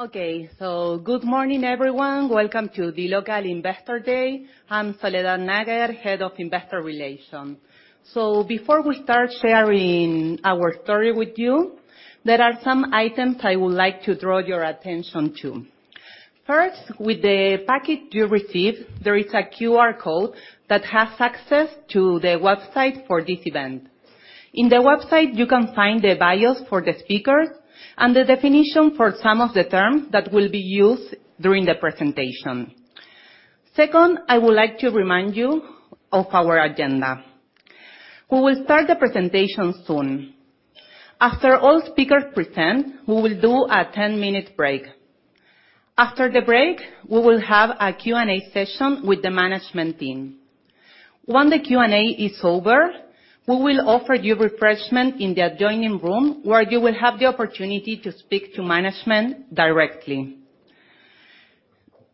Good morning, everyone. Welcome to the dLocal Investor Day. I'm Soledad Nager, Head of Investor Relations. Before we start sharing our story with you, there are some items I would like to draw your attention to. First, with the packet you received, there is a QR code that has access to the website for this event. In the website, you can find the bios for the speakers and the definition for some of the terms that will be used during the presentation. Second, I would like to remind you of our agenda. We will start the presentation soon. After all speakers present, we will do a 10-minute break. After the break, we will have a Q&A session with the management team. When the Q&A is over, we will offer you refreshment in the adjoining room, where you will have the opportunity to speak to management directly.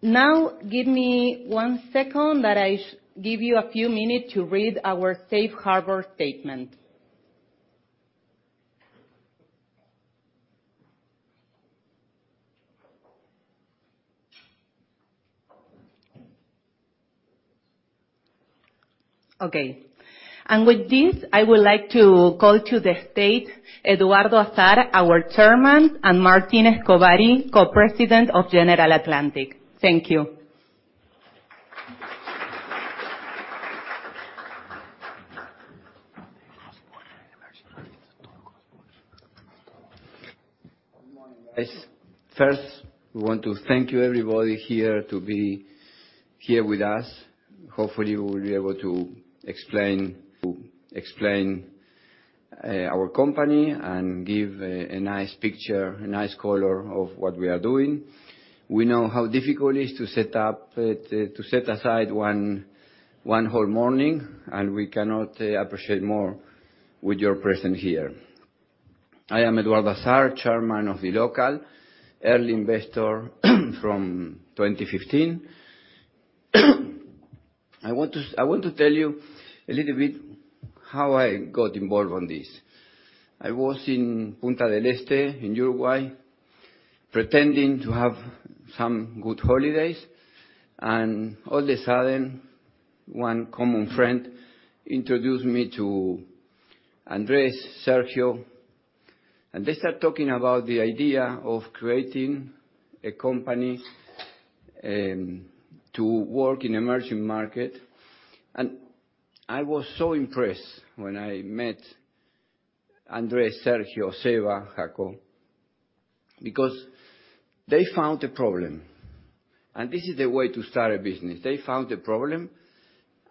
Now, give me 1 second that I give you a few minutes to read our safe harbor statement. Okay, with this, I would like to call to the stage Eduardo Azar, our Chairman, and Martín Escobari, Co-President of General Atlantic. Thank you. Good morning, guys. We want to thank you everybody here to be here with us. Hopefully, we will be able to explain our company and give a nice picture, a nice color of what we are doing. We know how difficult it is to set aside one whole morning, we cannot appreciate more with your presence here. I am Eduardo Azar, Chairman of dLocal, early investor from 2015. I want to tell you a little bit how I got involved on this. I was in Punta del Este, in Uruguay, pretending to have some good holidays, all the sudden, one common friend introduced me to Andrés, Sergio, they start talking about the idea of creating a company to work in emerging market. I was so impressed when I met Andrés, Sergio, Seba, Jaco, because they found a problem, and this is the way to start a business. They found a problem,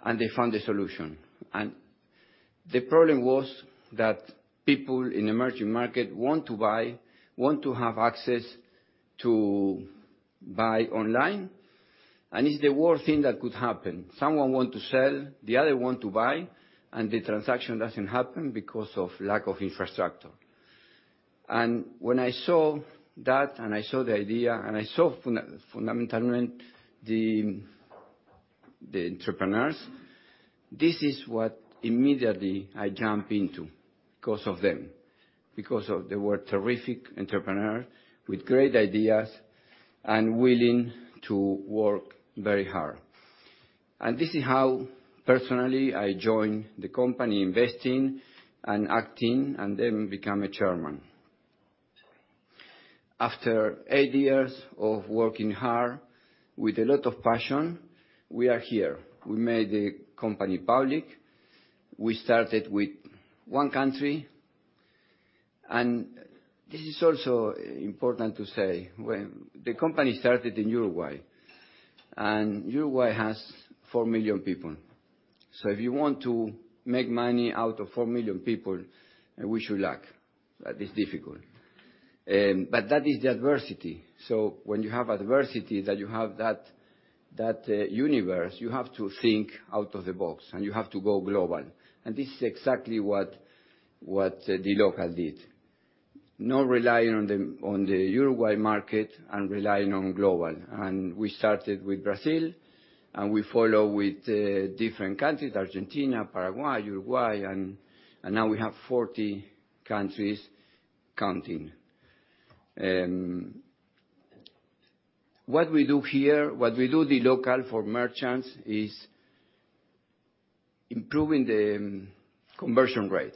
and they found a solution. The problem was that people in emerging market want to buy, want to have access to buy online, and it's the worst thing that could happen. Someone want to sell, the other want to buy, and the transaction doesn't happen because of lack of infrastructure. When I saw that, and I saw the idea, and I saw fundamentally, the entrepreneurs, this is what immediately I jump into, because of them, because of they were terrific entrepreneur with great ideas and willing to work very hard. This is how, personally, I joined the company, investing and acting, and then become a chairman. After eight years of working hard with a lot of passion, we are here. We made the company public. We started with one country, and this is also important to say. The company started in Uruguay, and Uruguay has 4 million people. If you want to make money out of 4 million people, I wish you luck. That is difficult. That is the adversity. When you have adversity, that you have that universe, you have to think out of the box, and you have to go global. This is exactly what dLocal did. Not relying on the Uruguay market and relying on global. We started with Brazil, and we follow with different countries: Argentina, Paraguay, Uruguay, and now we have 40 countries counting. What we do here, what we do dLocal for merchants, is improving the conversion rate.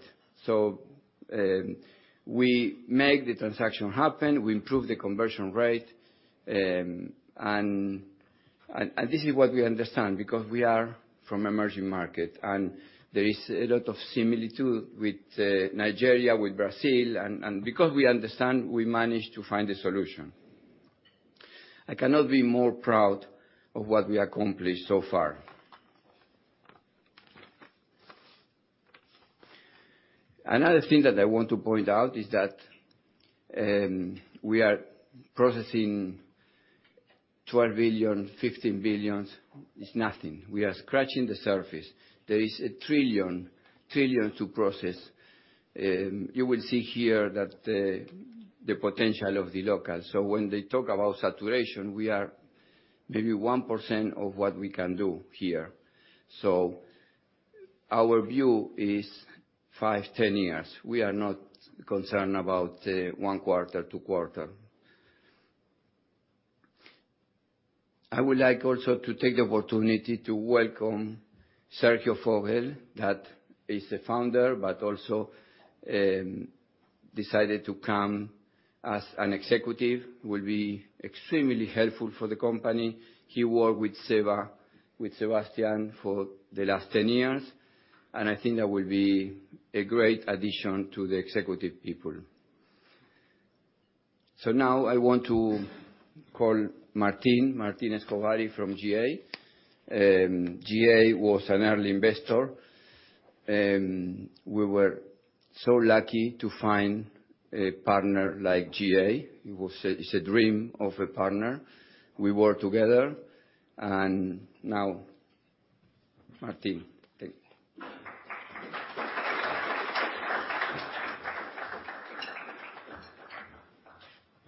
We make the transaction happen, we improve the conversion rate, and this is what we understand, because we are from emerging market, and there is a lot of similitude with Nigeria, with Brazil, and because we understand, we managed to find a solution. I cannot be more proud of what we accomplished so far. Another thing that I want to point out is that we are processing $12 billion, $15 billion, it's nothing. We are scratching the surface. There is $1 trillion to process. You will see here that the potential of dLocal. When they talk about saturation, we are maybe 1% of what we can do here. Our view is 5-10 years. We are not concerned about one quarter, two quarter. I would like also to take the opportunity to welcome Sergio Fogel, that is the founder, but also decided to come as an executive, will be extremely helpful for the company. He worked with Seba, with Sebastian for the last 10 years, and I think that will be a great addition to the executive people. Now I want to call Martín Escobari from GA. GA was an early investor, and we were so lucky to find a partner like GA. It's a dream of a partner. We work together. Now, Martín, take.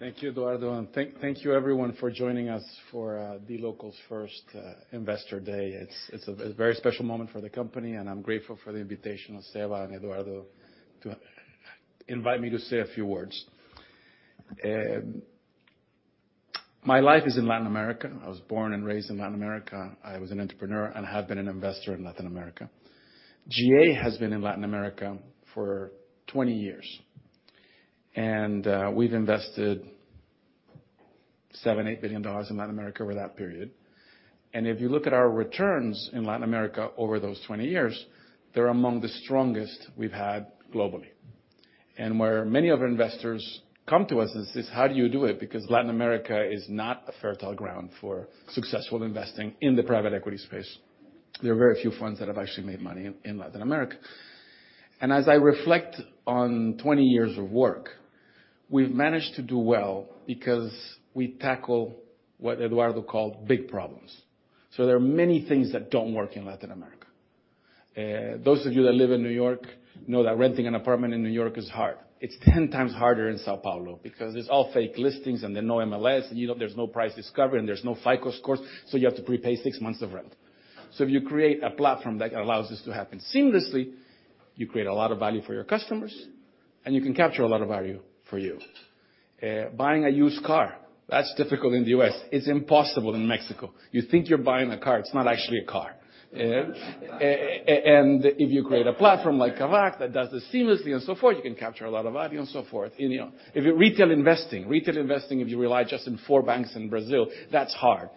Thank you, Eduardo, and thank you everyone for joining us for dLocal's first Investor Day. It's a very special moment for the company, and I'm grateful for the invitation of Seba and Eduardo to invite me to say a few words. My life is in Latin America. I was born and raised in Latin America. I was an entrepreneur and have been an investor in Latin America. GA has been in Latin America for 20 years, and we've invested $7 billion-$8 billion in Latin America over that period. If you look at our returns in Latin America over those 20 years, they're among the strongest we've had globally. Where many other investors come to us is how do you do it? Because Latin America is not a fertile ground for successful investing in the private equity space. There are very few funds that have actually made money in Latin America. As I reflect on 20 years of work, we've managed to do well because we tackle what Eduardo called big problems. Those of you that live in New York know that renting an apartment in New York is hard. It's 10 times harder in São Paulo because it's all fake listings, there's no MLS, and, you know, there's no price discovery, and there's no FICO scores, so you have to prepay 6 months of rent. If you create a platform that allows this to happen seamlessly, you create a lot of value for your customers, and you can capture a lot of value for you. Buying a used car, that's difficult in the U.S., it's impossible in Mexico. You think you're buying a car, it's not actually a car. If you create a platform like Kavak that does this seamlessly and so forth, you can capture a lot of value and so forth. You know, if you're retail investing, if you rely just in four banks in Brazil, that's hard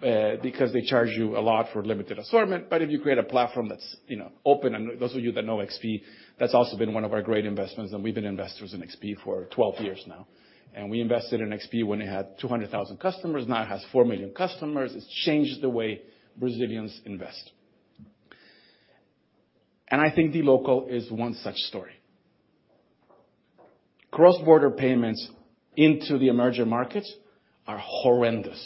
because they charge you a lot for limited assortment. If you create a platform that's, you know, open, and those of you that know XP, that's also been one of our great investments, and we've been investors in XP for 12 years now. We invested in XP when it had 200,000 customers. Now it has 4 million customers. It's changed the way Brazilians invest. I think dLocal is one such story. Cross-border payments into the emerging markets are horrendous.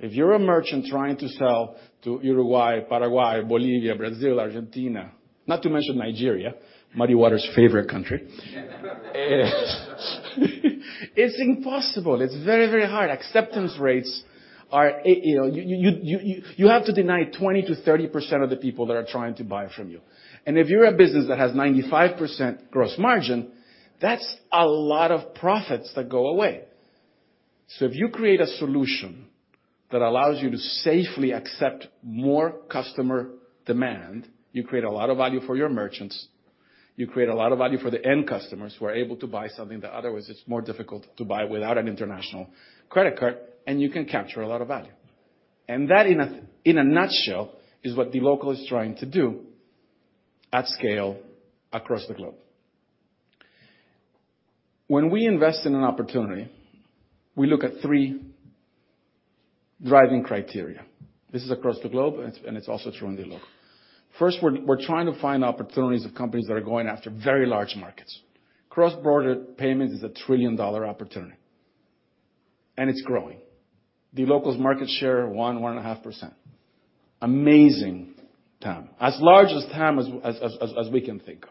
If you're a merchant trying to sell to Uruguay, Paraguay, Bolivia, Brazil, Argentina, not to mention Nigeria, Muddy Waters' favorite country, it's impossible. It's very, very hard. Acceptance rates are you know, you have to deny 20%-30% of the people that are trying to buy from you. If you're a business that has 95% gross margin, that's a lot of profits that go away. If you create a solution that allows you to safely accept more customer demand, you create a lot of value for your merchants, you create a lot of value for the end customers who are able to buy something that otherwise is more difficult to buy without an international credit card, and you can capture a lot of value. That, in a nutshell, is what dLocal is trying to do at scale across the globe. When we invest in an opportunity, we look at 3 driving criteria. This is across the globe, and it's also true in dLocal. First, we're trying to find opportunities of companies that are going after very large markets. Cross-border payments is a trillion-dollar opportunity, and it's growing. dLocal's market share, 1.5%. Amazing time. As large as time as we can think of.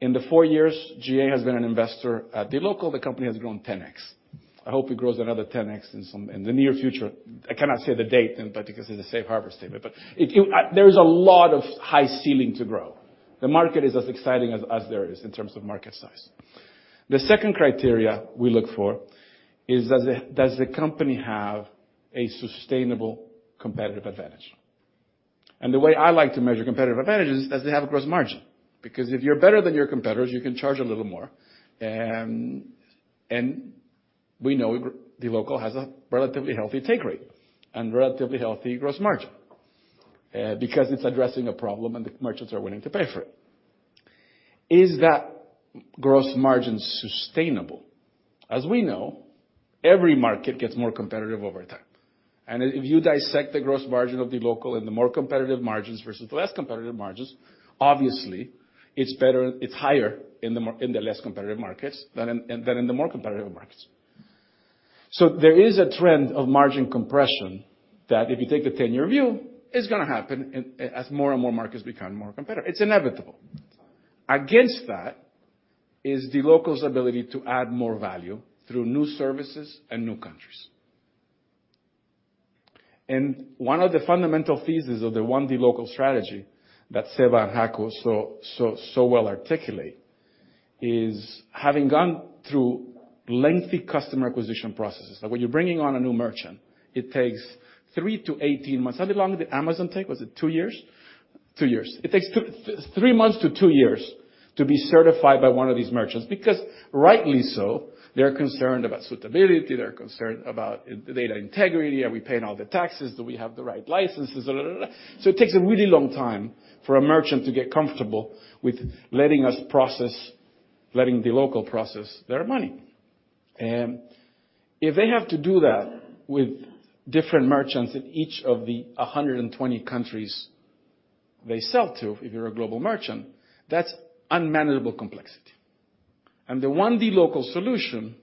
In the 4 years GA has been an investor at dLocal, the company has grown 10x. I hope it grows another 10x in the near future. I cannot say the date, but because it's a safe harbor statement, there is a lot of high ceiling to grow. The market is as exciting as there is in terms of market size. The second criteria we look for is, does the company have a sustainable competitive advantage? The way I like to measure competitive advantage is, does it have a gross margin? Because if you're better than your competitors, you can charge a little more. We know dLocal has a relatively healthy take rate and relatively healthy gross margin, because it's addressing a problem, and the merchants are willing to pay for it. Is that gross margin sustainable? We know, every market gets more competitive over time, and if you dissect the gross margin of dLocal and the more competitive margins versus less competitive margins, obviously, it's higher in the less competitive markets than in the more competitive markets. There is a trend of margin compression that if you take the 10-year view, is gonna happen in as more and more markets become more competitive. It's inevitable. Against that is dLocal's ability to add more value through new services and new countries. One of the fundamental thesis of the dLocal strategy that Seba and Jaco so well articulate, is having gone through lengthy customer acquisition processes. Now, when you're bringing on a new merchant, it takes 3-18 months. How long did Amazon take? Was it 2 years? 2 years. It takes 3 months to 2 years to be certified by one of these merchants, because rightly so, they're concerned about suitability, they're concerned about the data integrity, are we paying all the taxes? Do we have the right licenses? It takes a really long time for a merchant to get comfortable with letting dLocal process their money. If they have to do that with different merchants in each of the 120 countries they sell to, if you're a global merchant, that's unmanageable complexity. The one dLocal solution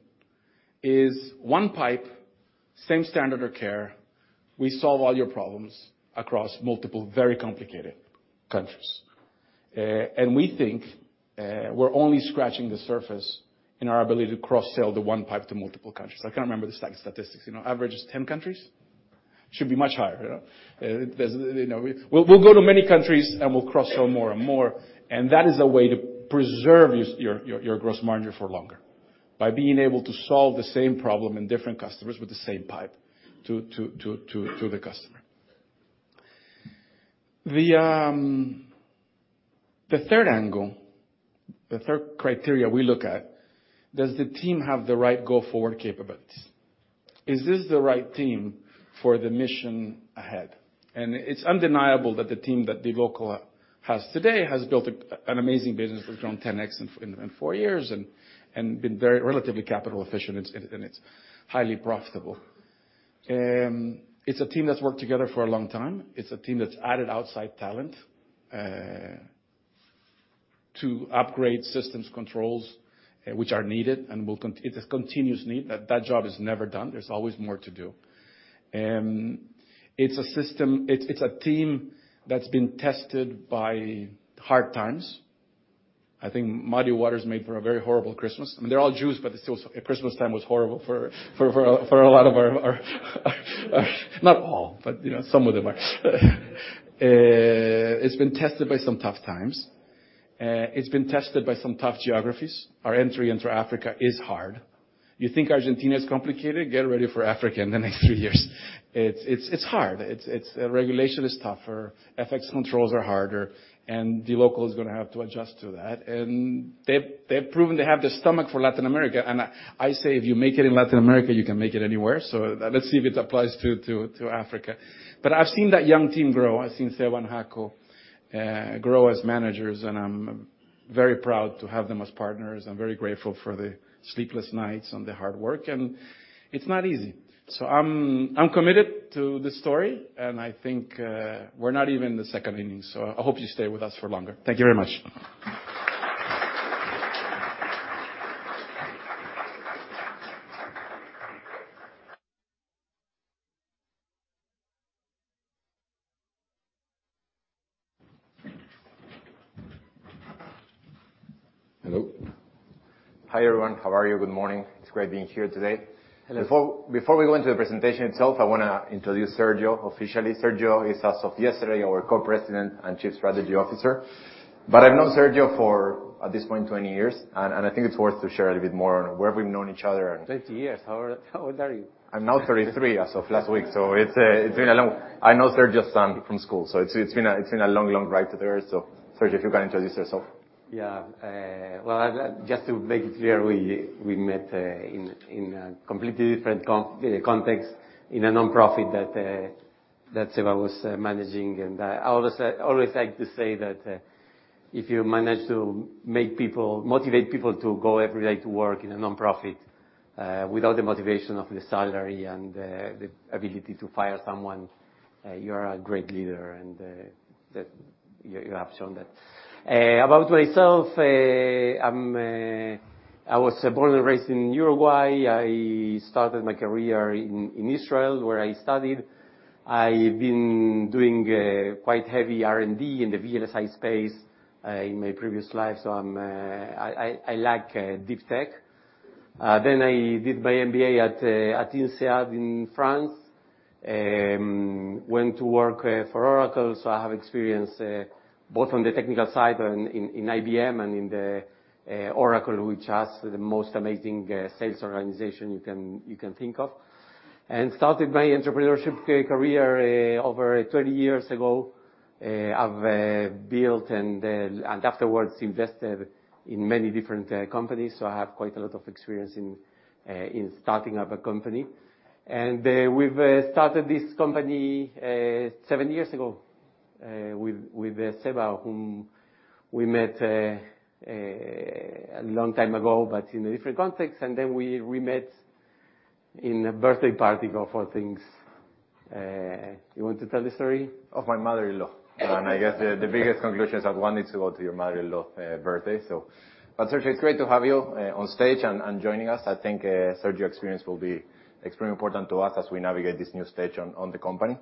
is one pipe, same standard of care. We solve all your problems across multiple very complicated countries. We think we're only scratching the surface in our ability to cross-sell the one pipe to multiple countries. I can't remember the statistics. You know, average is 10 countries? Should be much higher, you know. There's, you know... We'll go to many countries, we'll cross-sell more and more, that is a way to preserve your gross margin for longer, by being able to solve the same problem in different customers with the same pipe to the customer. The third angle, the third criteria we look at: Does the team have the right go-forward capabilities? Is this the right team for the mission ahead? It's undeniable that the team that dLocal has today has built an amazing business. We've grown 10x in four years and been very relatively capital efficient, and it's highly profitable. It's a team that's worked together for a long time. It's a team that's added outside talent to upgrade systems controls, which are needed and will it's a continuous need. That job is never done. There's always more to do. It's a team that's been tested by hard times. I think Muddy Waters made for a very horrible Christmas. I mean, they're all Jews, but still, Christmas time was horrible for a lot of our, not all, but, you know, some of them are. It's been tested by some tough times, it's been tested by some tough geographies. Our entry into Africa is hard. You think Argentina is complicated? Get ready for Africa in the next three years. It's hard. It's regulation is tougher, FX controls are harder, the local is gonna have to adjust to that. They've proven they have the stomach for Latin America, and I say, if you make it in Latin America, you can make it anywhere. Let's see if it applies to Africa. I've seen that young team grow. I've seen Seba and Jaco grow as managers, and I'm very proud to have them as partners. I'm very grateful for the sleepless nights and the hard work, and it's not easy. I'm committed to this story, and I think we're not even in the second inning, so I hope you stay with us for longer. Thank you very much. Hello. Hi, everyone. How are you? Good morning. It's great being here today. Hello. Before we go into the presentation itself, I wanna introduce Sergio officially. Sergio is, as of yesterday, our Co-President and Chief Strategy Officer. I've known Sergio for, at this point, 20 years, and I think it's worth to share a little bit more on where we've known each other. 20 years. How old are you? I'm now 33 as of last week, so I know Sergio from school, so it's been a long, long ride there. Sergio, if you can introduce yourself. Yeah, well, just to make it clear, we met in a completely different context, in a nonprofit that Seba was managing. I always like to say that if you manage to motivate people to go every day to work in a nonprofit, without the motivation of the salary and the ability to fire someone, you are a great leader, and that you have shown that. About myself, I was born and raised in Uruguay. I started my career in Israel, where I studied. I've been doing quite heavy R&D in the VLSI space in my previous life, so I'm, I, I like deep tech. Then I did my MBA at INSEAD in France. Went to work for Oracle, so I have experience both on the technical side and in IBM and in the Oracle, which has the most amazing sales organization you can think of. Started my entrepreneurship career over 20 years ago. I've built and then afterwards invested in many different companies, so I have quite a lot of experience in starting up a company. We've started this company seven years ago with Seba, whom we met a long time ago, but in a different context, and then we met in a birthday party, of all things. You want to tell the story? Of my mother-in-law. I guess the biggest conclusion is that one needs to go to your mother-in-law birthday. Sergio, it's great to have you on stage and joining us. I think Sergio's experience will be extremely important to us as we navigate this new stage on the company.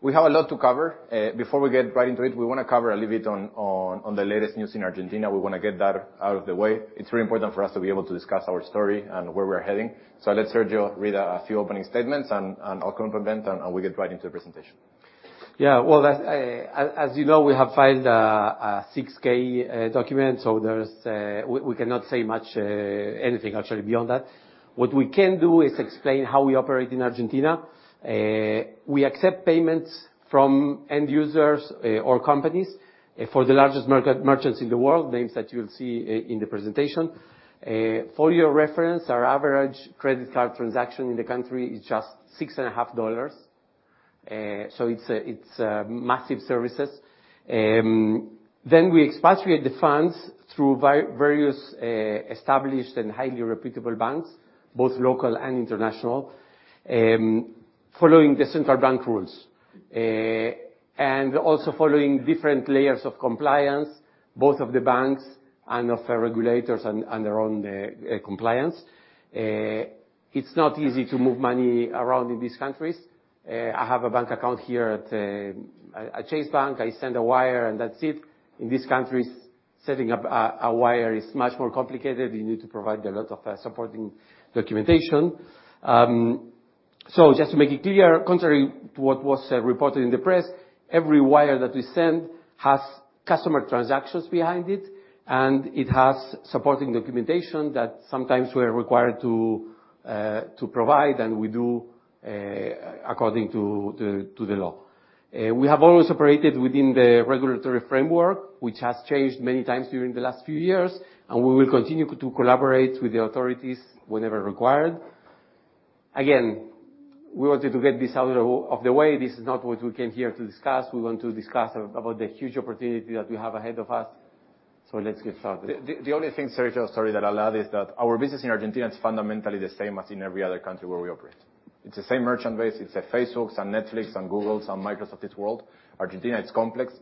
We have a lot to cover. Before we get right into it, we wanna cover a little bit on the latest news in Argentina. We wanna get that out of the way. It's very important for us to be able to discuss our story and where we are heading. Let Sergio read a few opening statements, and I'll complement, and we'll get right into the presentation. Yeah, well, that, as you know, we have filed a 6-K document, so there's. We cannot say much, anything actually beyond that. What we can do is explain how we operate in Argentina. We accept payments from end users or companies for the largest merchants in the world, names that you'll see in the presentation. For your reference, our average credit card transaction in the country is just six and a half dollars, so it's massive services. We expatriate the funds through various established and highly reputable banks, both local and international, following the central bank rules and also following different layers of compliance, both of the banks and of the regulators and their own compliance. It's not easy to move money around in these countries. I have a bank account here at Chase Bank. I send a wire, and that's it. In these countries, setting up a wire is much more complicated. You need to provide a lot of supporting documentation. So just to make it clear, contrary to what was reported in the press, every wire that we send has customer transactions behind it, and it has supporting documentation that sometimes we are required to provide, and we do according to the law. We have always operated within the regulatory framework, which has changed many times during the last few years, and we will continue to collaborate with the authorities whenever required. Again, we wanted to get this out of the way. This is not what we came here to discuss. We want to discuss about the huge opportunity that we have ahead of us. Let's get started. The only thing, Sergio, sorry, that I'll add, is that our business in Argentina is fundamentally the same as in every other country where we operate. It's the same merchant base. It's the Facebooks and Netflix and Googles and Microsofts world. Argentina is complex.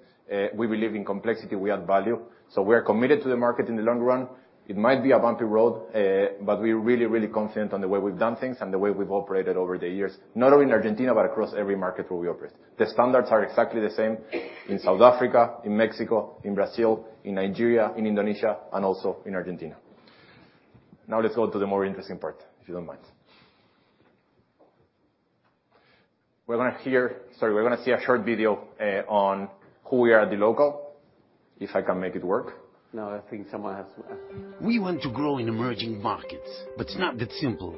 We believe in complexity, we add value. We're committed to the market in the long run. It might be a bumpy road, but we're really, really confident on the way we've done things and the way we've operated over the years, not only in Argentina, but across every market where we operate. The standards are exactly the same in South Africa, in Mexico, in Brazil, in Nigeria, in Indonesia, and also in Argentina. Let's go to the more interesting part, if you don't mind. We're gonna hear... Sorry, we're gonna see a short video, on who we are at dLocal. If I can make it work. No, I think someone has, We want to grow in emerging markets, but it's not that simple.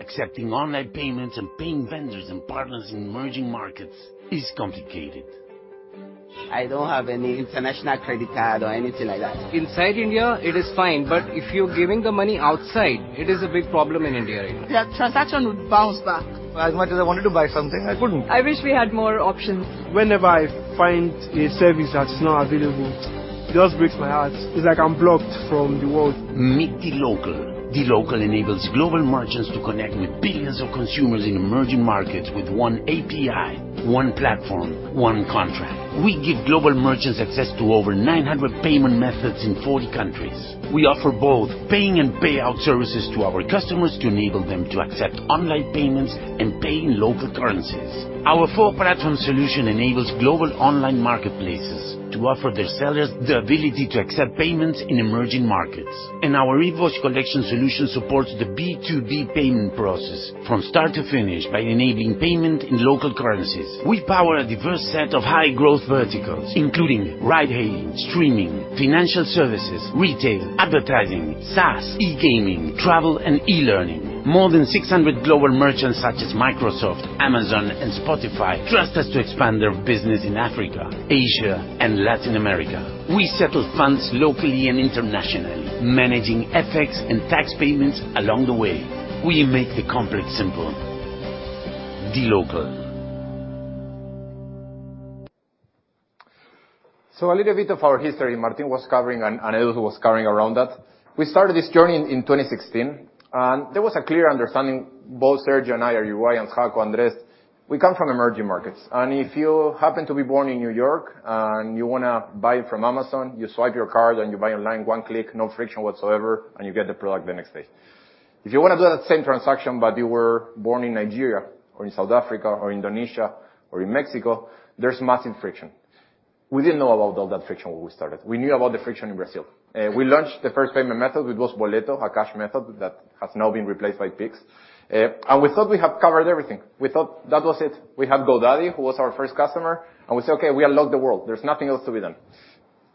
Accepting online payments and paying vendors and partners in emerging markets is complicated. I don't have any international credit card or anything like that. Inside India, it is fine, but if you're giving the money outside, it is a big problem in India, right? The transaction would bounce back. As much as I wanted to buy something, I couldn't. I wish we had more options. Whenever I find a service that's not available, it just breaks my heart. It's like I'm blocked from the world. Meet dLocal. dLocal enables global merchants to connect with billions of consumers in emerging markets with one API, one platform, one contract. We give global merchants access to over 900 payment methods in 40 countries. We offer both paying and payout services to our customers to enable them to accept online payments and pay in local currencies. Our full platform solution enables global online marketplaces to offer their sellers the ability to accept payments in emerging markets, and our Invoice Collection solution supports the B2B payment process from start to finish by enabling payment in local currencies. We power a diverse set of high-growth verticals, including ride-hailing, streaming, financial services, retail, advertising, SaaS, e-gaming, travel, and e-learning. More than 600 global merchants, such as Microsoft, Amazon, and Spotify, trust us to expand their business in Africa, Asia, and Latin America. We settle funds locally and internationally, managing FX and tax payments along the way. We make the complex simple. dLocal. A little bit of our history, Martín was covering and others was covering around that. We started this journey in 2016. There was a clear understanding, both Sergio and I, and Rui, and Jaco, Andrés, we come from emerging markets. If you happen to be born in New York and you wanna buy from Amazon, you swipe your card, you buy online, one click, no friction whatsoever, and you get the product the next day. If you wanna do that same transaction, but you were born in Nigeria or in South Africa or Indonesia or in Mexico, there's massive friction. We didn't know about all that friction when we started. We knew about the friction in Brazil. We launched the first payment method, which was Boleto, a cash method that has now been replaced by Pix. We thought we have covered everything. We thought that was it. We had GoDaddy, who was our first customer, and we said, "Okay, we unlocked the world. There's nothing else to be done."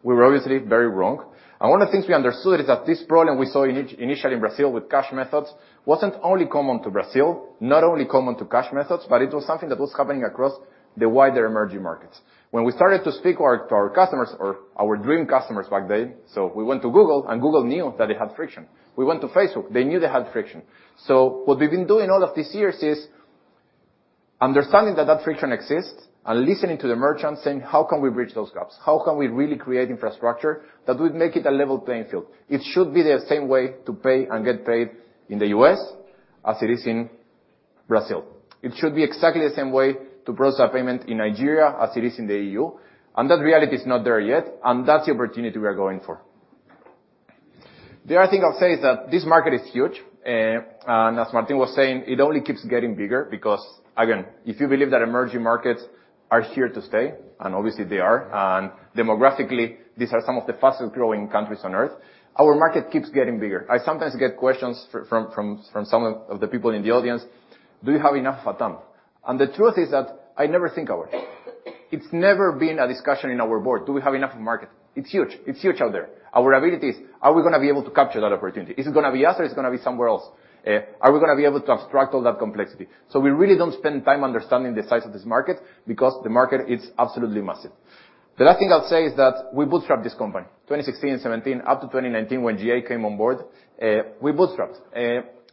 We were obviously very wrong. One of the things we understood is that this problem we saw initially in Brazil with cash methods wasn't only common to Brazil, not only common to cash methods, but it was something that was happening across the wider emerging markets. When we started to speak to our customers or our dream customers back then, so we went to Google, and Google knew that they had friction. We went to Facebook. They knew they had friction. What we've been doing all of these years is understanding that that friction exists and listening to the merchants saying, "How can we bridge those gaps? How can we really create infrastructure that would make it a level playing field?" It should be the same way to pay and get paid in the U.S. as it is in Brazil. It should be exactly the same way to process a payment in Nigeria as it is in the EU. That reality is not there yet, and that's the opportunity we are going for. The other thing I'll say is that this market is huge. As Martín was saying, it only keeps getting bigger because, again, if you believe that emerging markets are here to stay, and obviously they are. Demographically, these are some of the fastest-growing countries on Earth, our market keeps getting bigger. I sometimes get questions from some of the people in the audience: "Do you have enough fatum?" The truth is that I never think of it. It's never been a discussion in our board. Do we have enough market? It's huge. It's huge out there. Our ability is, are we gonna be able to capture that opportunity? Is it gonna be us, or is it gonna be somewhere else? Are we gonna be able to abstract all that complexity? We really don't spend time understanding the size of this market, because the market is absolutely massive. The last thing I'll say is that we bootstrapped this company, 2016 and 2017, up to 2019, when GA came on board. We bootstrapped.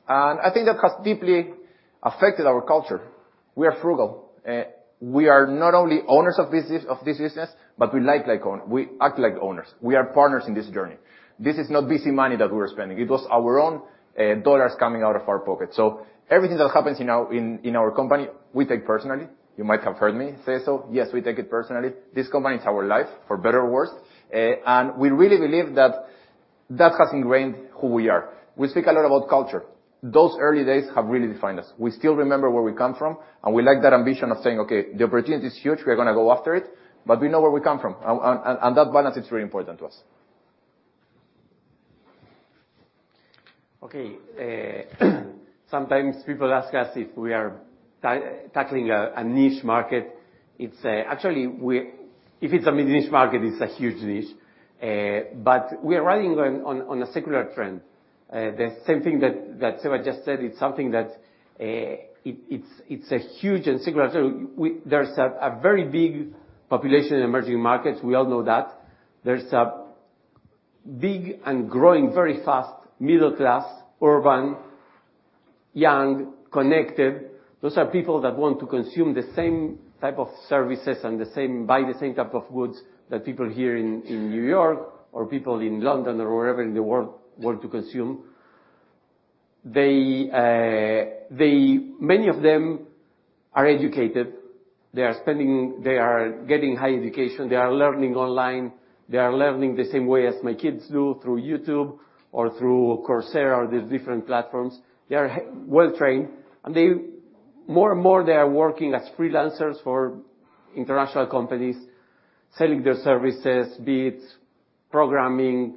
I think that has deeply affected our culture. We are frugal. We are not only owners of this business, but we act like owners. We are partners in this journey. This is not busy money that we were spending. It was our own dollars coming out of our pocket. Everything that happens in our company, we take personally. You might have heard me say so. Yes, we take it personally. This company is our life, for better or worse. We really believe that that has ingrained who we are. We speak a lot about culture. Those early days have really defined us. We still remember where we come from, and we like that ambition of saying, "Okay, the opportunity is huge. We are gonna go after it," but we know where we come from, and that balance is very important to us. Okay. Sometimes people ask us if we are tackling a niche market. It's actually, if it's a mid-niche market, it's a huge niche. We are riding on a secular trend. The same thing that Seba just said, it's something that it's a huge and secular trend. There's a very big population in emerging markets. We all know that. There's a big and growing, very fast, middle class, urban, young, connected. Those are people that want to consume the same type of services and buy the same type of goods that people here in New York or people in London or wherever in the world want to consume. They. Many of them are educated. They are getting high education, they are learning online. They are learning the same way as my kids do, through YouTube or through Coursera or these different platforms. They are well-trained, and they, more and more, they are working as freelancers for international companies, selling their services, be it programming,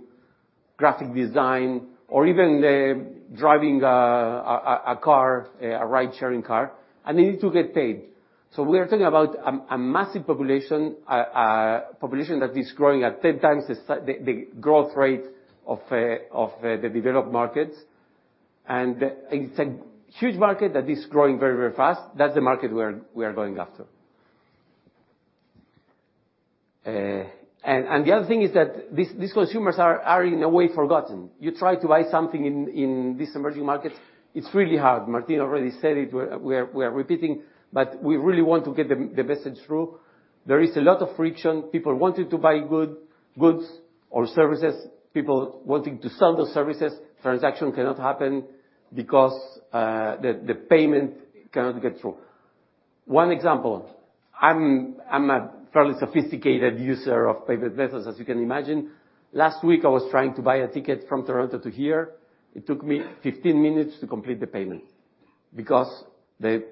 graphic design, or even driving a car, a ride-sharing car, and they need to get paid. We are talking about a massive population that is growing at 10 times the growth rate of the developed markets. It's a huge market that is growing very, very fast. That's the market we are going after. And the other thing is that these consumers are in a way, forgotten. You try to buy something in these emerging markets, it's really hard. Martín already said it, we are repeating, but we really want to get the message through. There is a lot of friction. People wanting to buy goods or services, people wanting to sell those services, transaction cannot happen because the payment cannot get through. One example, I'm a fairly sophisticated user of payment methods, as you can imagine. Last week, I was trying to buy a ticket from Toronto to here. It took me 15 minutes to complete the payment because the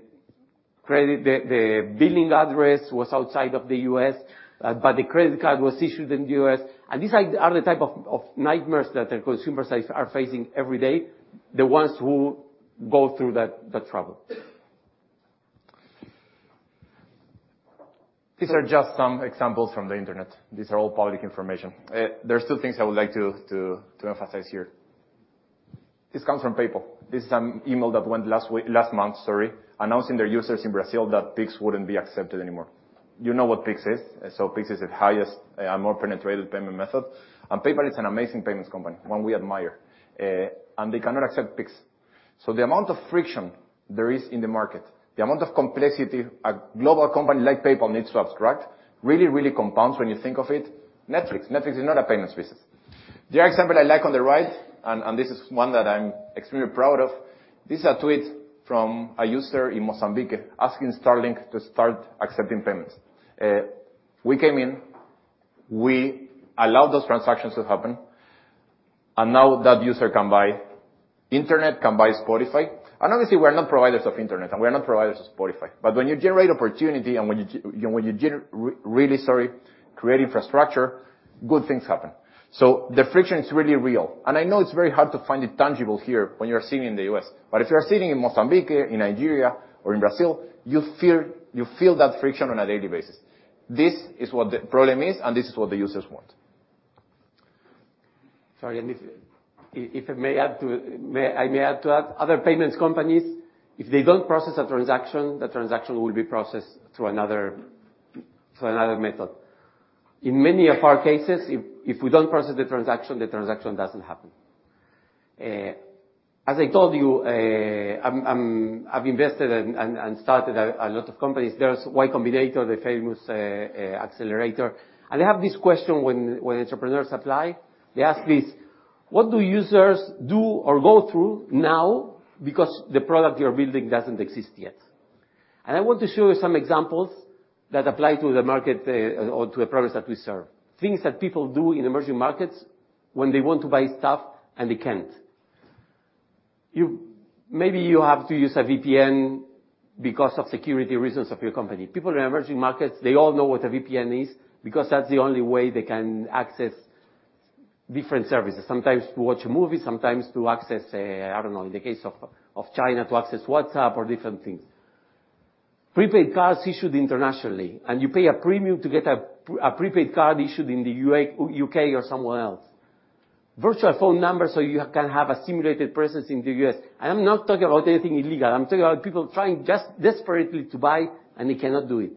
billing address was outside of the U.S., but the credit card was issued in the U.S. These are the type of nightmares that the consumer sides are facing every day, the ones who go through that trouble. These are just some examples from the internet. These are all public information. There are two things I would like to emphasize here. This comes from PayPal. This is an email that went last week, last month, sorry, announcing their users in Brazil that Pix wouldn't be accepted anymore. You know what Pix is? Pix is the highest and more penetrated payment method, and PayPal is an amazing payments company, one we admire, and they cannot accept Pix. The amount of friction there is in the market, the amount of complexity a global company like PayPal needs to abstract, really compounds when you think of it. Netflix. Netflix is not a payment service. The example I like on the right, and this is one that I'm extremely proud of, this is a tweet from a user in Mozambique asking Starlink to start accepting payments. We came in, we allowed those transactions to happen, now that user can buy internet, can buy Spotify. Obviously, we're not providers of internet, and we're not providers of Spotify. When you generate opportunity and when you create infrastructure, good things happen. The friction is really real, and I know it's very hard to find it tangible here when you're sitting in the U.S. If you are sitting in Mozambique, in Nigeria, or in Brazil, you feel that friction on a daily basis. This is what the problem is, and this is what the users want. Sorry, if I may add to that, other payments companies, if they don't process a transaction, the transaction will be processed through another method. In many of our cases, if we don't process the transaction, the transaction doesn't happen. As I told you, I'm, I've invested and started a lot of companies. There's Y Combinator, the famous accelerator. They have this question when entrepreneurs apply, they ask this: "What do users do or go through now because the product you're building doesn't exist yet?" I want to show you some examples that apply to the market, or to the products that we serve. Things that people do in emerging markets when they want to buy stuff, and they can't. Maybe you have to use a VPN because of security reasons of your company. People in emerging markets, they all know what a VPN is, because that's the only way they can access different services. Sometimes to watch a movie, sometimes to access, I don't know, in the case of China, to access WhatsApp or different things. Prepaid cards issued internationally, and you pay a prepaid card issued in the U.K., or somewhere else. Virtual phone number, so you can have a simulated presence in the U.S.. I am not talking about anything illegal. I'm talking about people trying just desperately to buy, and they cannot do it.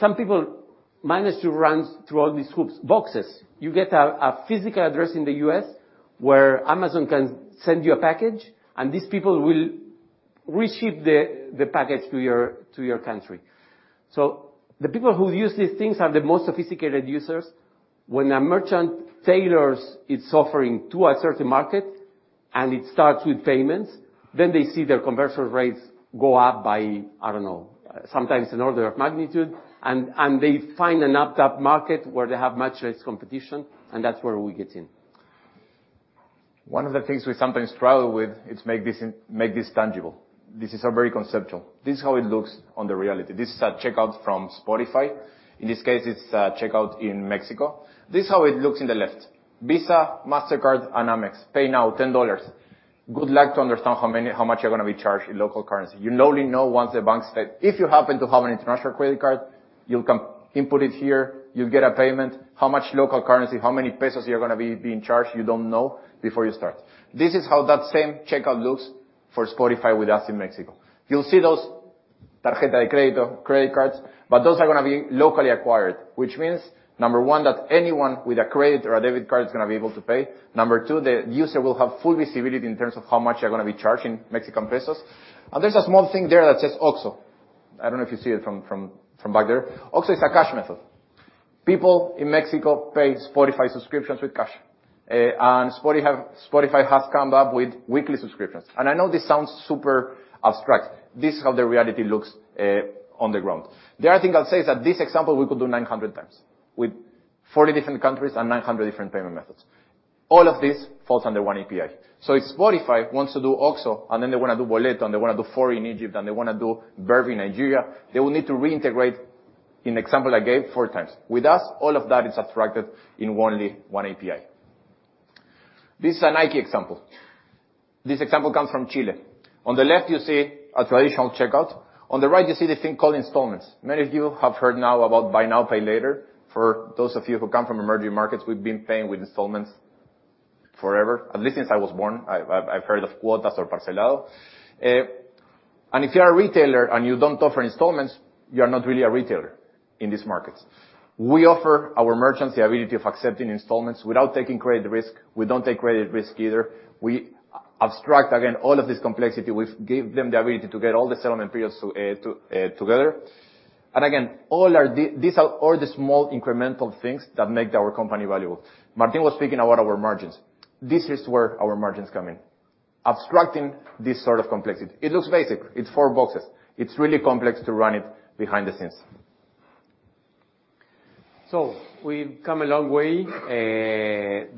Some people manage to run through all these hoops. Boxes. You get a physical address in the U.S., where Amazon can send you a package, and these people will reship the package to your country. The people who use these things are the most sophisticated users. When a merchant tailors its offering to a certain market, and it starts with payments, then they see their conversion rates go up by, I don't know, sometimes an order of magnitude. They find an untapped market where they have much less competition, and that's where we get in. One of the things we sometimes struggle with is make this tangible. This is a very conceptual. This is how it looks on the reality. This is a checkout from Spotify. In this case, it's a checkout in Mexico. This is how it looks in the left. Visa, Mastercard, and Amex. Pay now $10. Good luck to understand how much you're gonna be charged in local currency. You only know once the bank state. If you happen to have an international credit card, you'll come input it here, you'll get a payment. How much local currency, how many pesos you're gonna be charged, you don't know before you start. This is how that same checkout looks for Spotify with us in Mexico. You'll see those target credit cards, but those are gonna be locally acquired, which means, number one, that anyone with a credit or a debit card is gonna be able to pay. Number two, the user will have full visibility in terms of how much they're gonna be charged in Mexican pesos. There's a small thing there that says, Oxxo. I don't know if you see it from back there. Oxxo is a cash method. People in Mexico pay Spotify subscriptions with cash, and Spotify has come up with weekly subscriptions. I know this sounds super abstract. This is how the reality looks on the ground. The other thing I'll say is that this example, we could do 900 times with 40 different countries and 900 different payment methods. All of this falls under one API. If Spotify wants to do Oxxo, and then they wanna do Boleto, and they wanna do Fawry in Egypt, and they wanna do Verve in Nigeria, they will need to reintegrate, in example I gave, 4 times. With us, all of that is abstracted in only 1 API. This is a Nike example. This example comes from Chile. On the left, you see a traditional checkout. On the right, you see this thing called installments. Many of you have heard now about buy now, pay later. For those of you who come from emerging markets, we've been paying with installments forever. At least since I was born, I've heard of cuotas or parcelado. If you are a retailer and you don't offer installments, you are not really a retailer in these markets. We offer our merchants the ability of accepting installments without taking credit risk. We don't take credit risk either. We abstract, again, all of this complexity. We give them the ability to get all the settlement periods to together. Again, all our... these are all the small incremental things that make our company valuable. Martín was speaking about our margins. This is where our margins come in, abstracting this sort of complexity. It looks basic. It's four boxes. It's really complex to run it behind the scenes. We've come a long way,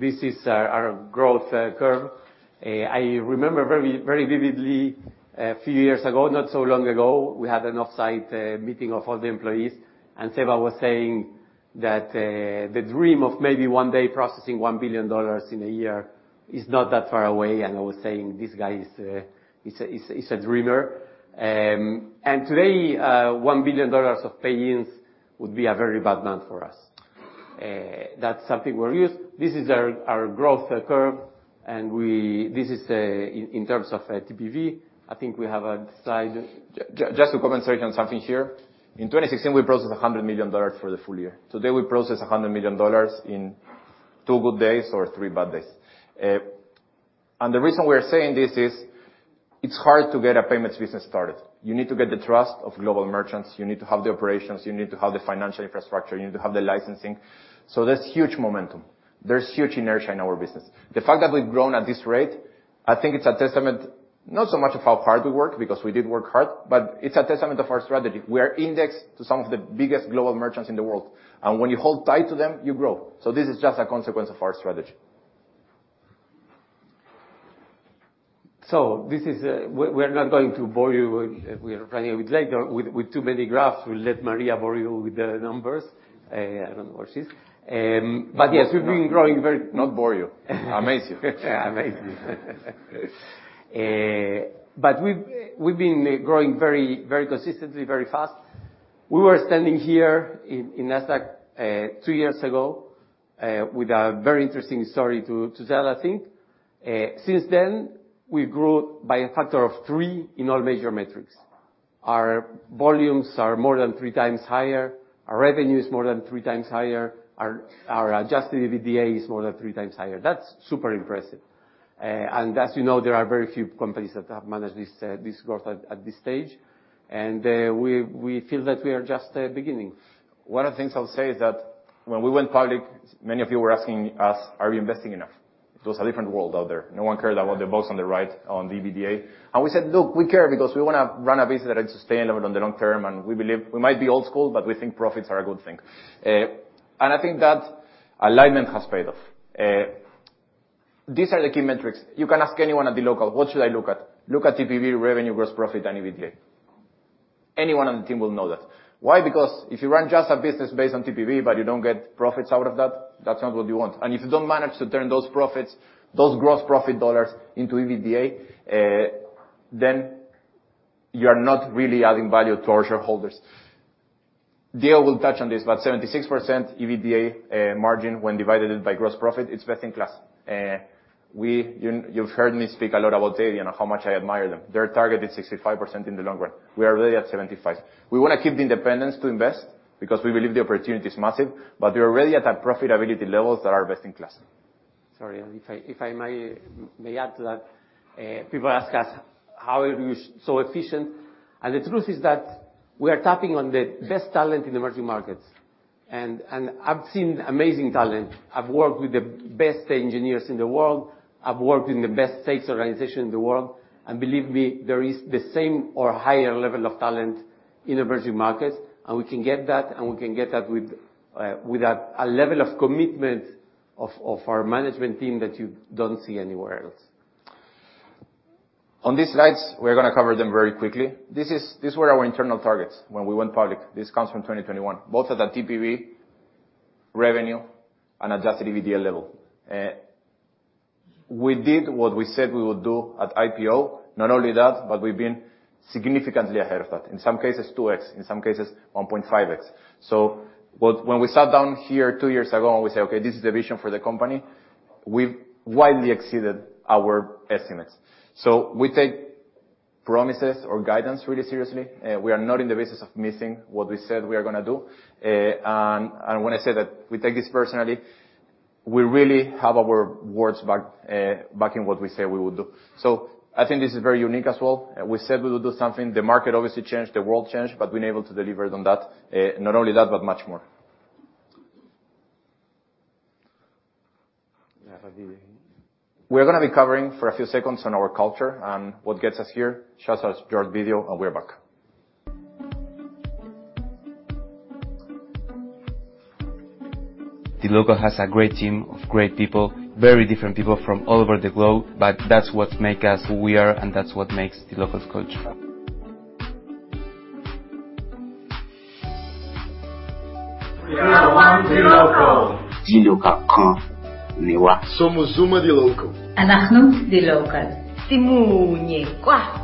this is our growth curve. I remember very, very vividly, a few years ago, not so long ago, we had an off-site meeting of all the employees. Seba was saying that the dream of maybe one day processing $1 billion in a year is not that far away, and I was saying, "This guy is a dreamer." Today, $1 billion of pay-ins would be a very bad month for us. That's something we're used. This is our growth curve, and this is the... In terms of TPV, I think we have a slide. Just to comment something on something here. In 2016, we processed $100 million for the full year. Today, we process $100 million in two good days or three bad days. The reason we are saying this is it's hard to get a payments business started. You need to get the trust of global merchants, you need to have the operations, you need to have the financial infrastructure, you need to have the licensing. There's huge momentum. There's huge inertia in our business. The fact that we've grown at this rate, I think it's a testament, not so much of how hard we work, because we did work hard, but it's a testament of our strategy. We are indexed to some of the biggest global merchants in the world, and when you hold tight to them, you grow. This is just a consequence of our strategy. This is. We're not going to bore you. We are running a bit late with too many graphs. We'll let Maria bore you with the numbers. I don't know where she is. Yes, we've been growing. Not bore you, amaze you. Amaze you. We've been growing very consistently, very fast. We were standing here in Nasdaq 2 years ago with a very interesting story to tell, I think. Since then, we grew by a factor of 3 in all major metrics. Our volumes are more than 3 times higher, our revenue is more than 3 times higher, our adjusted EBITDA is more than 3 times higher. That's super impressive. As you know, there are very few companies that have managed this growth at this stage. We feel that we are just beginning. One of the things I'll say is that when we went public, many of you were asking us, "Are we investing enough?" It was a different world out there. No one cared about the box on the right, on EBITDA. We said, "Look, we care because we wanna run a business that is sustainable in the long term, and we believe we might be old school, but we think profits are a good thing." I think that alignment has paid off. These are the key metrics. You can ask anyone at dLocal: What should I look at? Look at TPV, revenue, gross profit, and EBITDA. Anyone on the team will know that. If you run just a business based on TPV, but you don't get profits out of that's not what you want. If you don't manage to turn those profits, those gross profit dollars into EBITDA, then you are not really adding value to our shareholders. Diego will touch on this. 76% EBITDA margin when divided by gross profit, it's best in class. You've heard me speak a lot about daily and how much I admire them. Their target is 65% in the long run. We are already at 75%. We wanna keep the independence to invest because we believe the opportunity is massive. We are already at a profitability levels that are best in class. Sorry, if I may add to that. People ask us, "How are you so efficient?" The truth is that we are tapping on the best talent in emerging markets, and I've seen amazing talent. I've worked with the best engineers in the world, I've worked in the best sales organization in the world, Believe me, there is the same or higher level of talent in emerging markets, and we can get that, and we can get that with a level of commitment of our management team that you don't see anywhere else. On these slides, we're gonna cover them very quickly. These were our internal targets when we went public. This comes from 2021, both at the TPV, revenue and adjusted EBITDA level. We did what we said we would do at IPO. Not only that, we've been significantly ahead of that. In some cases, 2x, in some cases, 1.5x. When we sat down here 2 years ago, we said, "Okay, this is the vision for the company," we've widely exceeded our estimates. We take promises or guidance really seriously. We are not in the business of missing what we said we are gonna do. When I say that we take this personally, we really have our words back, backing what we say we will do. I think this is very unique as well. We said we will do something, the market obviously changed, the world changed, but we've been able to deliver on that. Not only that, but much more. Yeah, I think. We're gonna be covering for a few seconds on our culture and what gets us here. Just a short video. We're back. dLocal has a great team of great people, very different people from all over the globe, but that's what make us who we are, and that's what makes dLocal's culture. We are one, dLocal! dLocal, Ghana. Somos uno, dLocal. אנחנו dLocal. Simu ye kwa,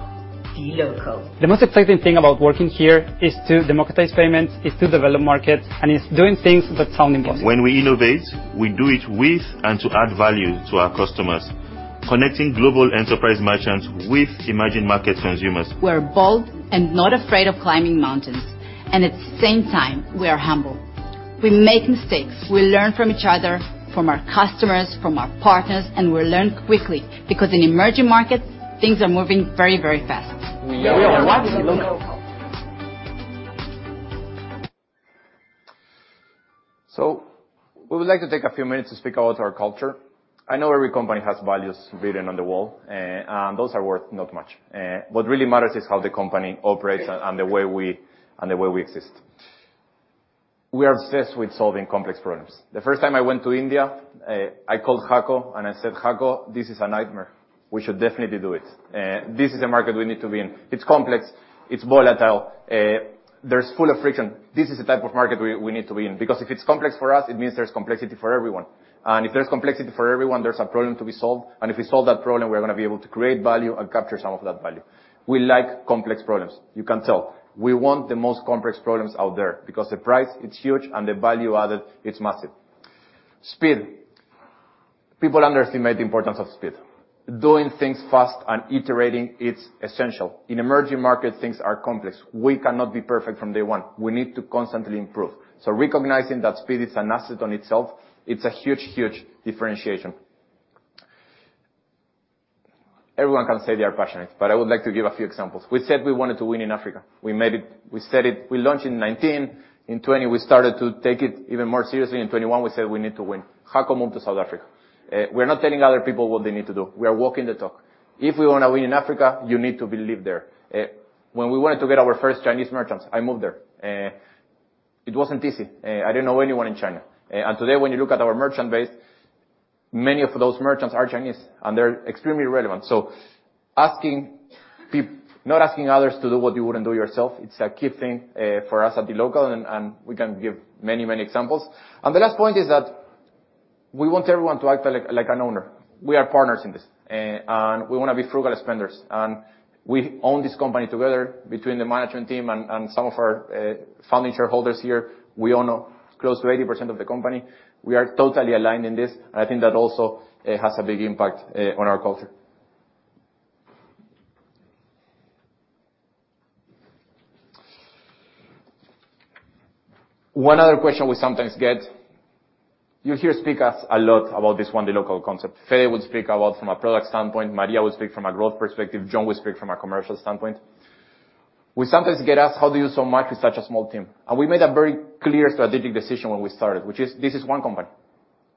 dLocal. The most exciting thing about working here is to democratize payments, is to develop markets, and it's doing things that sound impossible. When we innovate, we do it with and to add value to our customers, connecting global enterprise merchants with emerging market consumers. We're bold and not afraid of climbing mountains, and at the same time, we are humble. We make mistakes, we learn from each other, from our customers, from our partners, and we learn quickly, because in emerging markets, things are moving very, very fast. We are one, dLocal! We would like to take a few minutes to speak about our culture. I know every company has values written on the wall, and those are worth not much. What really matters is how the company operates and the way we exist. We are obsessed with solving complex problems. The first time I went to India, I called Jaco, and I said, "Jaco, this is a nightmare. We should definitely do it. This is a market we need to be in." It's complex, it's volatile, there's full of friction. This is the type of market we need to be in. If it's complex for us, it means there's complexity for everyone. If there's complexity for everyone, there's a problem to be solved. If we solve that problem, we're gonna be able to create value and capture some of that value. We like complex problems, you can tell. We want the most complex problems out there because the price, it's huge, and the value added is massive. Speed. People underestimate the importance of speed. Doing things fast and iterating, it's essential. In emerging markets, things are complex. We cannot be perfect from day one. We need to constantly improve. Recognizing that speed is an asset on itself, it's a huge differentiation. Everyone can say they are passionate, I would like to give a few examples. We said we wanted to win in Africa. We said it. We launched in 19, in 20, we started to take it even more seriously, in 21, we said, "We need to win." Jaco moved to South Africa. We're not telling other people what they need to do. We are walking the talk. If we wanna win in Africa, you need to believe there. When we wanted to get our first Chinese merchants, I moved there. It wasn't easy. I didn't know anyone in China. Today, when you look at our merchant base, many of those merchants are Chinese, and they're extremely relevant. Asking not asking others to do what you wouldn't do yourself, it's a key thing for us at dLocal, and we can give many, many examples. The last point is that we want everyone to act like an owner. We are partners in this, we wanna be frugal spenders, we own this company together. Between the management team and some of our founding shareholders here, we own close to 80% of the company. We are totally aligned in this, and I think that also has a big impact on our culture. One other question we sometimes get, you hear us speak a lot about this one dLocal concept. Fede would speak about from a product standpoint, Maria would speak from a growth perspective, John would speak from a commercial standpoint. We sometimes get asked, how do you do so much with such a small team? We made a very clear strategic decision when we started, which is, this is one company.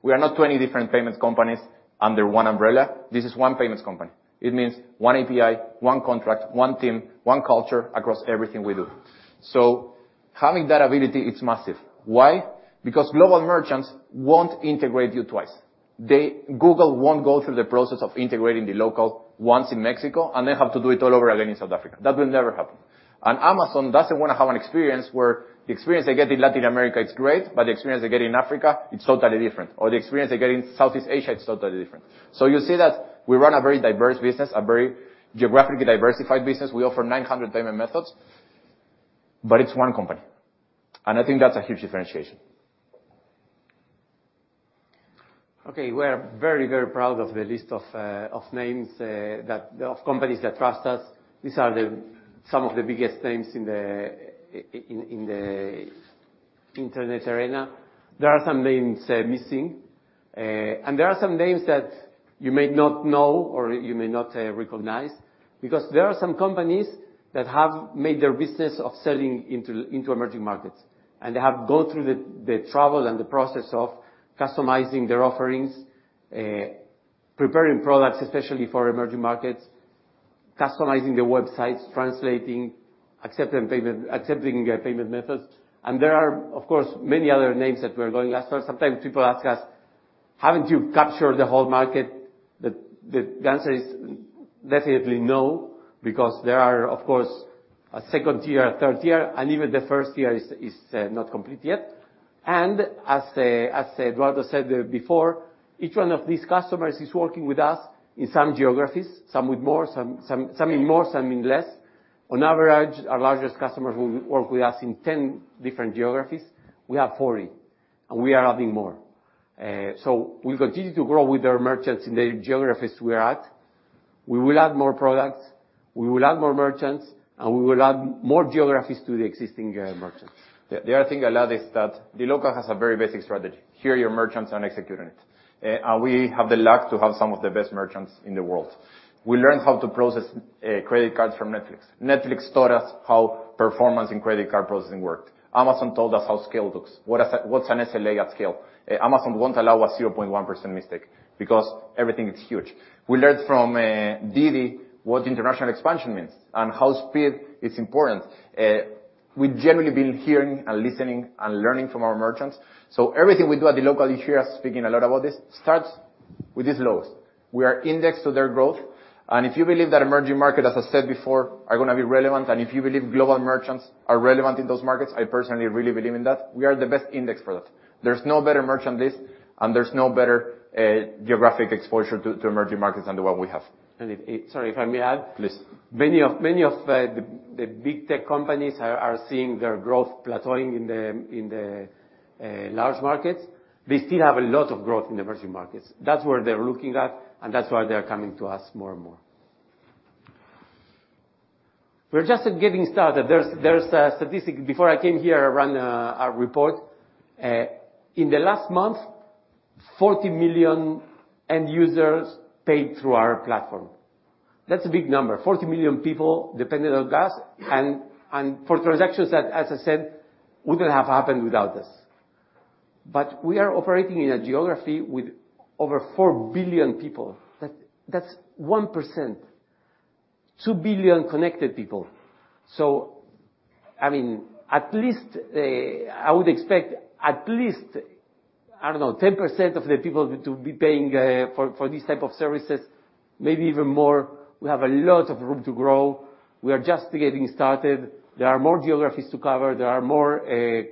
We are not 20 different payments companies under one umbrella. This is one payments company. It means one API, one contract, one team, one culture across everything we do. Having that ability, it's massive. Why? Because global merchants won't integrate you twice. Google won't go through the process of integrating the local ones in Mexico, and they have to do it all over again in South Africa. That will never happen. Amazon doesn't want to have an experience where the experience they get in Latin America is great, but the experience they get in Africa, it's totally different, or the experience they get in Southeast Asia is totally different. You see that we run a very diverse business, a very geographically diversified business. We offer 900 payment methods, but it's one company, and I think that's a huge differentiation. Okay, we are very, very proud of the list of names that, of companies that trust us. These are some of the biggest names in the internet arena. There are some names missing, and there are some names that you may not know or you may not recognize, because there are some companies that have made their business of selling into emerging markets. They have gone through the trouble and the process of customizing their offerings, preparing products, especially for emerging markets, customizing their websites, translating, accepting payment, accepting payment methods. There are, of course, many other names that we are going after. Sometimes people ask us: Haven't you captured the whole market? The answer is definitely no, because there are, of course, a second tier, a third tier, and even the first tier is not complete yet. As Eduardo said before, each one of these customers is working with us in some geographies, some with more, some in more, some in less. On average, our largest customers will work with us in 10 different geographies. We have 40, and we are adding more. We'll continue to grow with our merchants in the geographies we are at. We will add more products, we will add more merchants, and we will add more geographies to the existing merchants. The other thing I love is that dLocal has a very basic strategy. Hear your merchants and execute on it. We have the luck to have some of the best merchants in the world. We learned how to process credit cards from Netflix. Netflix taught us how performance and credit card processing worked. Amazon told us how scale looks. What's an SLA at scale? Amazon won't allow a 0.1% mistake because everything is huge. We learned from DiDi what international expansion means and how speed is important. We've generally been hearing and listening and learning from our merchants. Everything we do at dLocal, you hear us speaking a lot about this, starts with this lowest. We are indexed to their growth, and if you believe that emerging market, as I said before, are gonna be relevant, and if you believe global merchants are relevant in those markets, I personally really believe in that, we are the best index for that. There's no better merchant list, and there's no better geographic exposure to emerging markets than the one we have. Sorry, if I may add? Please. Many of the big tech companies are seeing their growth plateauing in the large markets. They still have a lot of growth in the emerging markets. That's where they're looking at, and that's why they are coming to us more and more. We're just getting started. There's a statistic. Before I came here, I ran a report. In the last month, 40 million end users paid through our platform. That's a big number. 40 million people depended on us, and for transactions that, as I said, wouldn't have happened without us. We are operating in a geography with over 4 billion people. That's 1%, 2 billion connected people. I mean, at least, I would expect at least, I don't know, 10% of the people to be paying for these type of services, maybe even more. We have a lot of room to grow. We are just getting started. There are more geographies to cover, there are more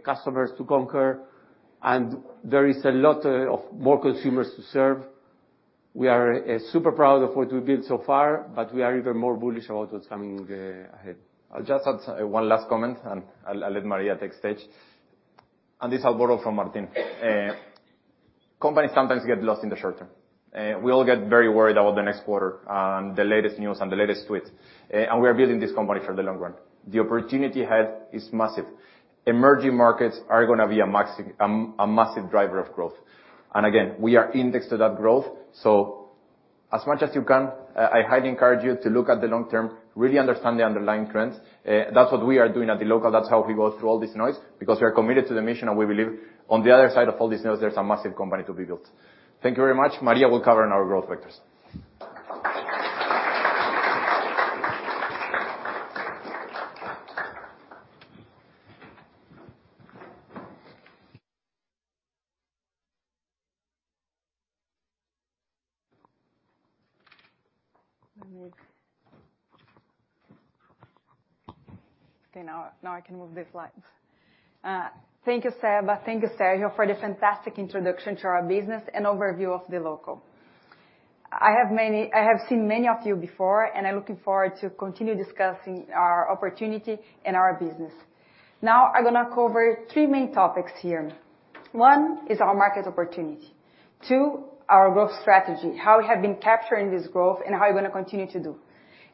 customers to conquer, and there is a lot of more consumers to serve. We are super proud of what we've built so far, but we are even more bullish about what's coming ahead. I'll just add one last comment, and I'll let Maria take stage. This I'll borrow from Martín. Companies sometimes get lost in the short term. We all get very worried about the next quarter and the latest news and the latest tweet, and we are building this company for the long run. The opportunity ahead is massive. Emerging markets are gonna be a massive driver of growth. Again, we are indexed to that growth. As much as you can, I highly encourage you to look at the long term, really understand the underlying trends. That's what we are doing at dLocal. That's how we go through all this noise, because we are committed to the mission and we believe on the other side of all this noise, there's a massive company to be built. Thank you very much. Maria will cover on our growth vectors. Okay, now I can move the slides. Thank you, Seba. Thank you, Sergio, for the fantastic introduction to our business and overview of dLocal. I have seen many of you before, I'm looking forward to continue discussing our opportunity and our business. I'm gonna cover 3 main topics here. 1 is our market opportunity. 2, our growth strategy, how we have been capturing this growth, and how we're gonna continue to do.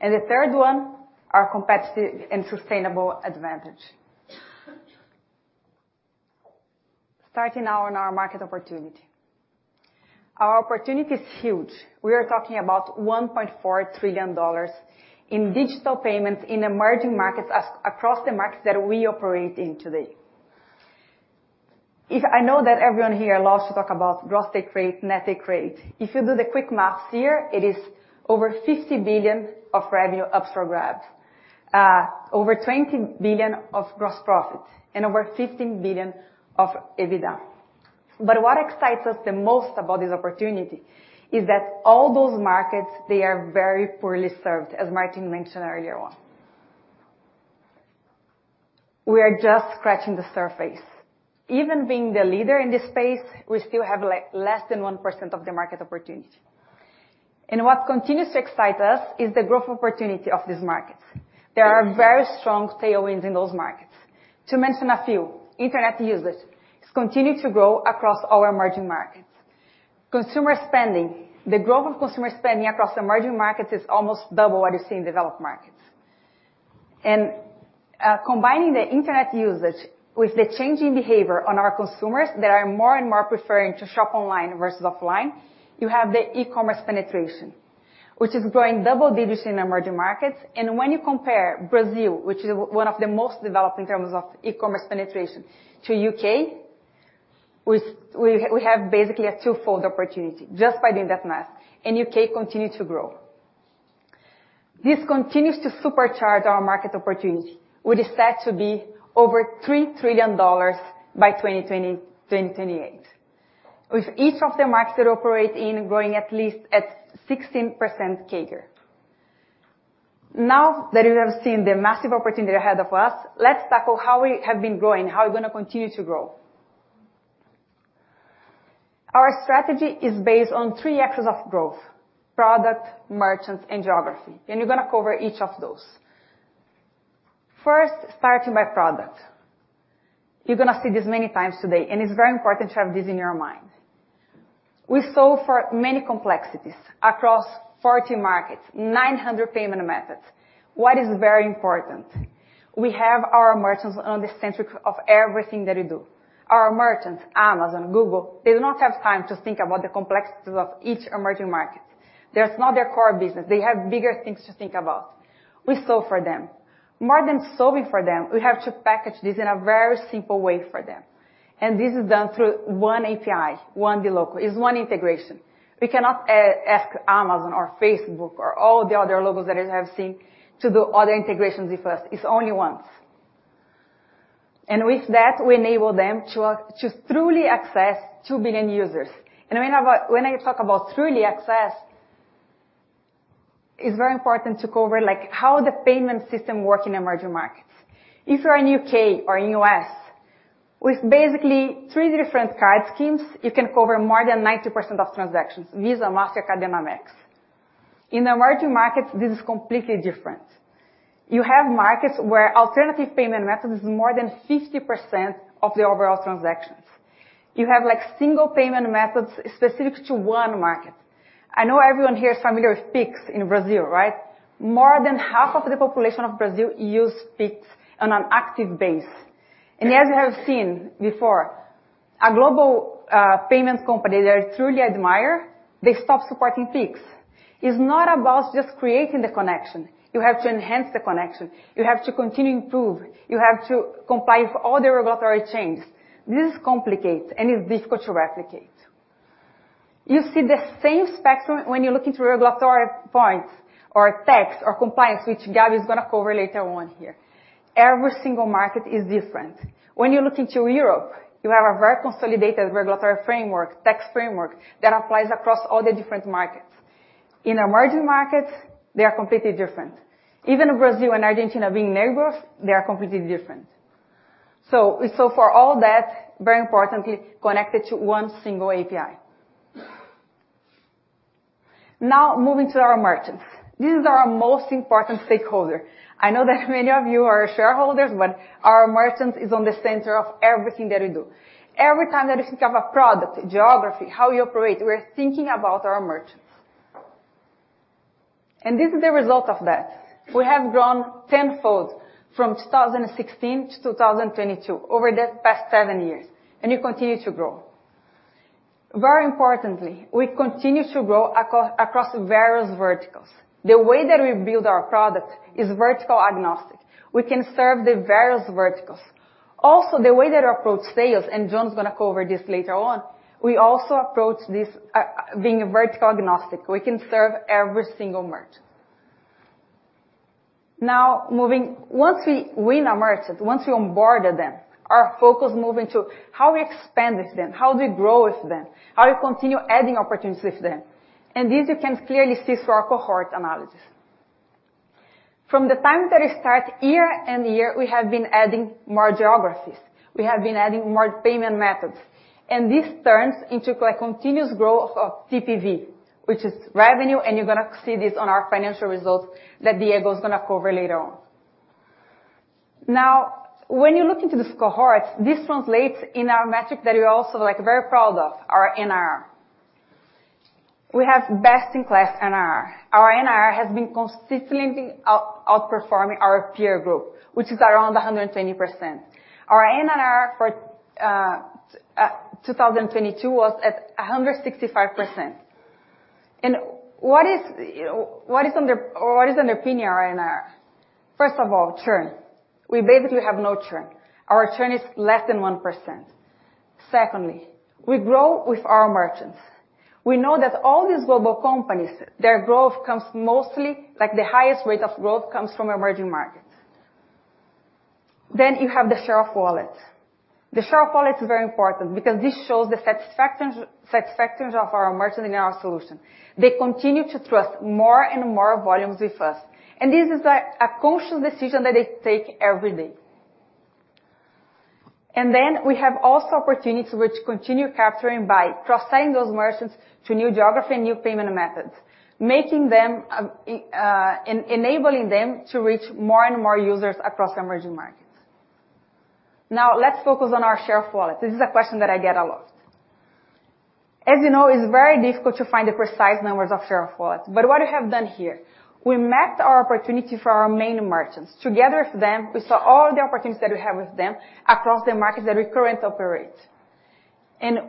The third one, our competitive and sustainable advantage. Starting now on our market opportunity. Our opportunity is huge. We are talking about $1.4 trillion in digital payments in emerging markets across the markets that we operate in today. I know that everyone here loves to talk about gross take rate, net take rate. If you do the quick maths here, it is over $50 billion of revenue ups for grabs, over $20 billion of gross profit, and over $15 billion of EBITDA. What excites us the most about this opportunity is that all those markets, they are very poorly served, as Martín mentioned earlier on. We are just scratching the surface. Even being the leader in this space, we still have, like, less than 1% of the market opportunity. What continues to excite us is the growth opportunity of these markets. There are very strong tailwinds in those markets. To mention a few, internet usage is continuing to grow across our emerging markets. Consumer spending. The growth of consumer spending across emerging markets is almost double what you see in developed markets. Combining the internet usage with the changing behavior on our consumers, they are more and more preferring to shop online versus offline. You have the e-commerce penetration, which is growing double digits in emerging markets, and when you compare Brazil, which is one of the most developed in terms of e-commerce penetration, to U.K., we have basically a twofold opportunity just by doing that math, and U.K. continue to grow. This continues to supercharge our market opportunity, which is set to be over $3 trillion by 2028, with each of the markets that operate in growing at least at 16% CAGR. That you have seen the massive opportunity ahead of us, let's tackle how we have been growing, how we're gonna continue to grow. Our strategy is based on three axes of growth: product, merchants, and geography, and we're gonna cover each of those. First, starting by product. You're gonna see this many times today, and it's very important to have this in your mind. We solve for many complexities across 40 markets, 900 payment methods. What is very important? We have our merchants on the center of everything that we do. Our merchants, Amazon, Google, they do not have time to think about the complexities of each emerging market. That's not their core business. They have bigger things to think about. We solve for them. More than solving for them, we have to package this in a very simple way for them. This is done through one API, one dLocal. It's one integration. We cannot ask Amazon or Facebook or all the other logos that you have seen to do other integrations with us. It's only once. With that, we enable them to truly access 2 billion users. When I talk about truly access, it's very important to cover, like, how the payment system work in emerging markets. If you are in U.K. or in U.S., with basically three different card schemes, you can cover more than 90% of transactions: Visa, Mastercard, and AMEX. In emerging markets, this is completely different. You have markets where alternative payment methods is more than 50% of the overall transactions. You have, like, single payment methods specific to one market. I know everyone here is familiar with Pix in Brazil, right? More than half of the population of Brazil use Pix on an active base. As you have seen before, a global payment company that I truly admire, they stop supporting Pix. It's not about just creating the connection. You have to enhance the connection. You have to continue to improve. You have to comply with all the regulatory changes. This is complicated, and it's difficult to replicate. You see the same spectrum when you look into regulatory points or tax or compliance, which Gabby is gonna cover later on here. Every single market is different. When you look into Europe, you have a very consolidated regulatory framework, tax framework, that applies across all the different markets. In emerging markets, they are completely different. Even Brazil and Argentina being neighbors, they are completely different. We solve for all that, very importantly, connected to one single API. Moving to our merchants. This is our most important stakeholder. I know that many of you are shareholders, our merchants is on the center of everything that we do. Every time that we think of a product, geography, how we operate, we're thinking about our merchants. This is the result of that. We have grown tenfold from 2016 to 2022, over that past 7 years, and we continue to grow. Very importantly, we continue to grow across various verticals. The way that we build our product is vertical agnostic. We can serve the various verticals. Also, the way that we approach sales, and John's gonna cover this later on, we also approach this being vertical agnostic. We can serve every single merchant. Now, moving... Once we win a merchant, once we onboarded them, our focus move into how we expand with them, how do we grow with them, how we continue adding opportunities with them. This you can clearly see through our cohort analysis. From the time that we start, year-over-year, we have been adding more geographies. We have been adding more payment methods, and this turns into a continuous growth of TPV, which is revenue, and you're gonna see this on our financial results that Diego is gonna cover later on. When you look into this cohort, this translates in our metric that we're also, like, very proud of, our NRR. We have best in class NRR. Our NRR has been consistently outperforming our peer group, which is around 120%. Our NRR for 2022 was at 165%. What is under PIN NRR? First of all, churn. We basically have no churn. Our churn is less than 1%. Secondly, we grow with our merchants. We know that all these global companies, their growth comes mostly, like, the highest rate of growth comes from emerging markets. You have the share of wallet. The share of wallet is very important because this shows the satisfaction of our merchants in our solution. They continue to trust more and more volumes with us, and this is a conscious decision that they take every day. We have also opportunities which continue capturing by cross-selling those merchants to new geography and new payment methods, making them enabling them to reach more and more users across emerging markets. Let's focus on our share of wallet. This is a question that I get a lot. As you know, it's very difficult to find the precise numbers of share of wallet, but what we have done here, we mapped our opportunity for our main merchants. Together with them, we saw all the opportunities that we have with them across the markets that we currently operate.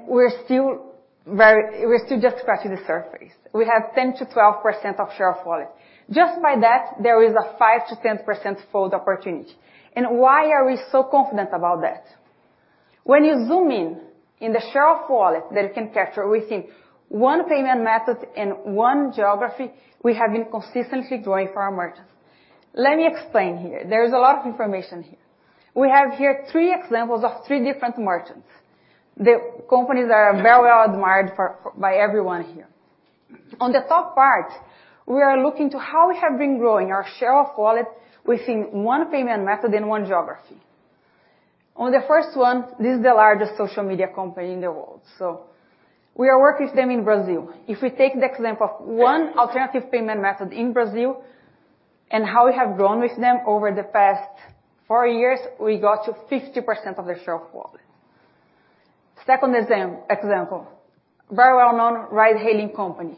We're still just scratching the surface. We have 10%-12% of share of wallet. Just by that, there is a 5%-10% fold opportunity. Why are we so confident about that? When you zoom in the share of wallet that you can capture within one payment method and one geography, we have been consistently growing for our merchants. Let me explain here. There's a lot of information here. We have here three examples of three different merchants. The companies are very well admired for by everyone here. On the top part, we are looking to how we have been growing our share of wallet within one payment method and one geography. On the first one, this is the largest social media company in the world. We are working with them in Brazil. If we take the example of one alternative payment method in Brazil and how we have grown with them over the past four years, we got to 50% of their share of wallet. Second example, very well-known ride-hailing company.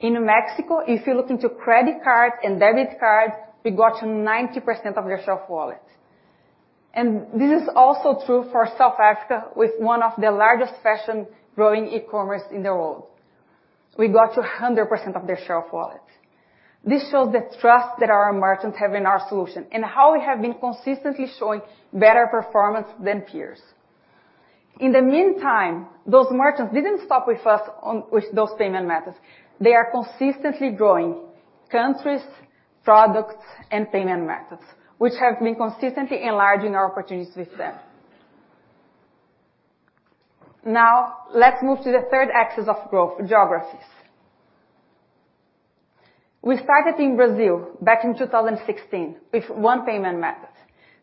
In Mexico, if you look into credit card and debit card, we got 90% of their share of wallet. And this is also true for South Africa, with one of the largest fashion growing e-commerce in the world. We got 100% of their share of wallet. This shows the trust that our merchants have in our solution, and how we have been consistently showing better performance than peers. In the meantime, those merchants didn't stop with us on, with those payment methods. They are consistently growing countries, products, and payment methods, which have been consistently enlarging our opportunities with them. Now, let's move to the third axis of growth, geographies. We started in Brazil back in 2016 with one payment method.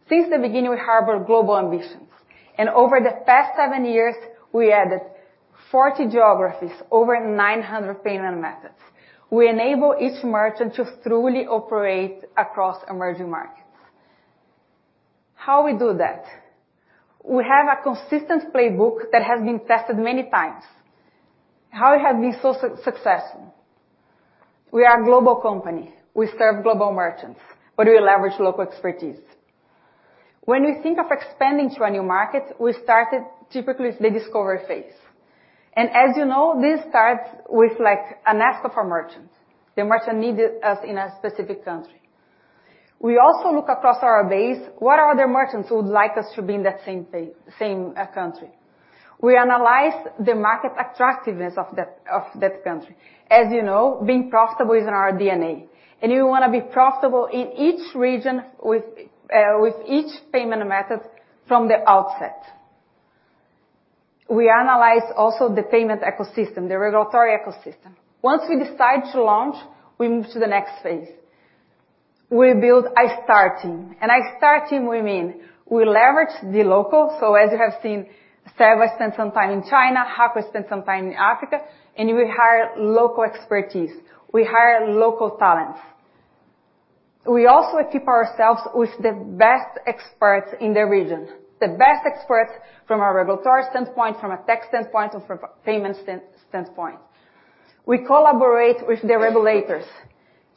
Since the beginning, we harbor global ambitions, and over the past seven years, we added 40 geographies, over 900 payment methods. We enable each merchant to truly operate across emerging markets. How we do that? We have a consistent playbook that has been tested many times. How it has been so successful? We are a global company. We serve global merchants, we leverage local expertise. When we think of expanding to a new market, we started typically with the discover phase. As you know, this starts with, like, an ask of our merchants. The merchant need us in a specific country. We also look across our base, what other merchants would like us to be in that same country? We analyze the market attractiveness of that country. As you know, being profitable is in our DNA, we wanna be profitable in each region with each payment method from the outset. We analyze also the payment ecosystem, the regulatory ecosystem. Once we decide to launch, we move to the next phase. We build a starter team. A start team, we mean we leverage the local. As you have seen, Seba spent some time in China, Jaco spent some time in Africa, and we hire local expertise. We hire local talents. We also equip ourselves with the best experts in the region, the best experts from a regulatory standpoint, from a tech standpoint, or from a payment standpoint. We collaborate with the regulators.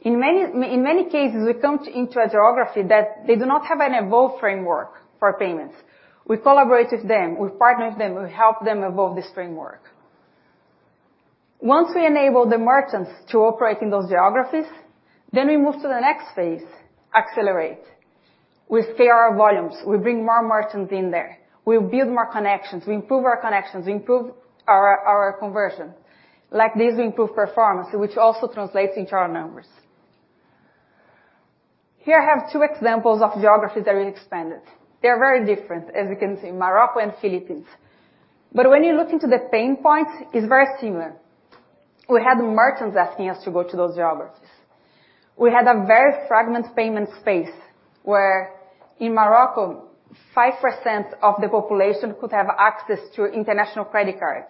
In many cases, we come into a geography that they do not have an evolved framework for payments. We collaborate with them, we partner with them, we help them evolve this framework. Once we enable the merchants to operate in those geographies, then we move to the next phase: accelerate. We scale our volumes. We bring more merchants in there. We build more connections. We improve our connections. We improve our conversion. Like this, we improve performance, which also translates into our numbers. Here I have two examples of geographies that we expanded. They are very different, as you can see, Morocco and Philippines. When you look into the pain points, it's very similar. We had merchants asking us to go to those geographies. We had a very fragmented payment space, where in Morocco, 5% of the population could have access to international credit cards.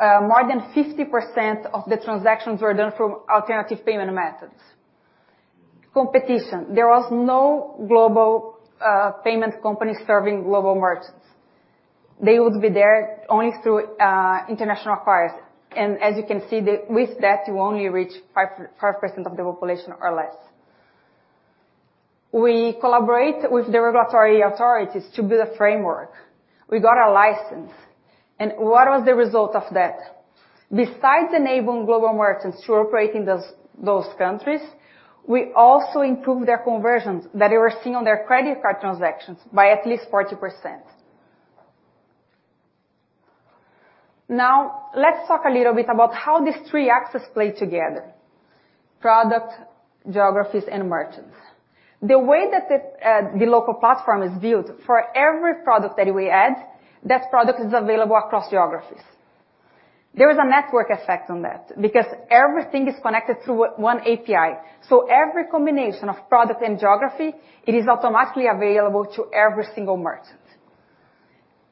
More than 50% of the transactions were done through alternative payment methods. competition. There was no global payment company serving global merchants. They would be there only through international acquirers. As you can see, with that, you only reach 5% of the population or less. We collaborate with the regulatory authorities to build a framework. We got a license. What was the result of that? Besides enabling global merchants to operate in those countries, we also improved their conversions that they were seeing on their credit card transactions by at least 40%. Let's talk a little bit about how these three axes play together: product, geographies, and merchants. The way that the local platform is built, for every product that we add, that product is available across geographies. There is a network effect on that because everything is connected through one API. Every combination of product and geography, it is automatically available to every single merchant.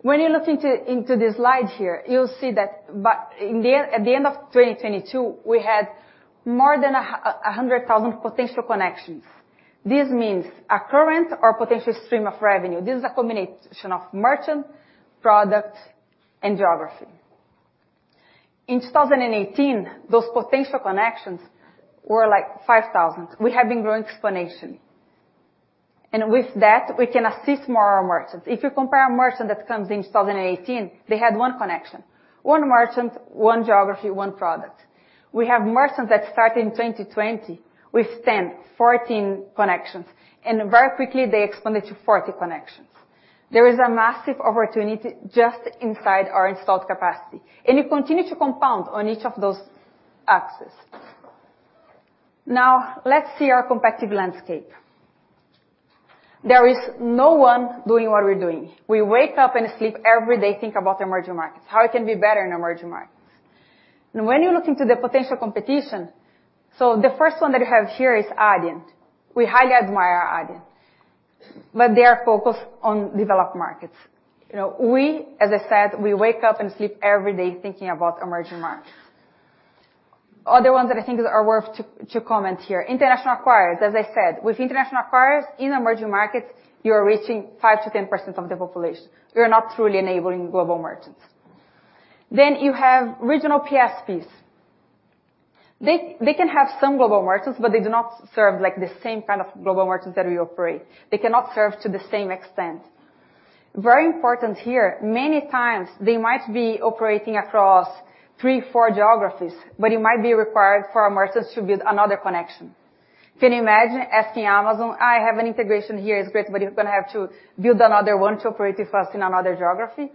When you look into this slide here, you'll see that in the end, at the end of 2022, we had more than 100,000 potential connections. This means a current or potential stream of revenue. This is a combination of merchant, product, and geography. In 2018, those potential connections were, like, 5,000. We have been growing exponentially. With that, we can assist more merchants. If you compare a merchant that comes in 2018, they had one connection, one merchant, one geography, one product. We have merchants that start in 2020 with 10, 14 connections, and very quickly they expanded to 40 connections. There is a massive opportunity just inside our installed capacity, and it continue to compound on each of those axes. Let's see our competitive landscape. There is no one doing what we're doing. We wake up and sleep every day, think about the emerging markets, how it can be better in emerging markets. When you look into the potential competition, the first one that you have here is Adyen. We highly admire Adyen, but they are focused on developed markets. You know, we, as I said, we wake up and sleep every day thinking about emerging markets. Other ones that I think are worth to comment here, international acquirers. As I said, with international acquirers in emerging markets, you are reaching 5%-10% of the population. You're not truly enabling global merchants. You have regional PSPs. They can have some global merchants, but they do not serve, like, the same kind of global merchants that we operate. They cannot serve to the same extent. Very important here, many times they might be operating across 3, 4 geographies, but it might be required for our merchants to build another connection. Can you imagine asking Amazon, "I have an integration here, it's great, but you're gonna have to build another one to operate with us in another geography?"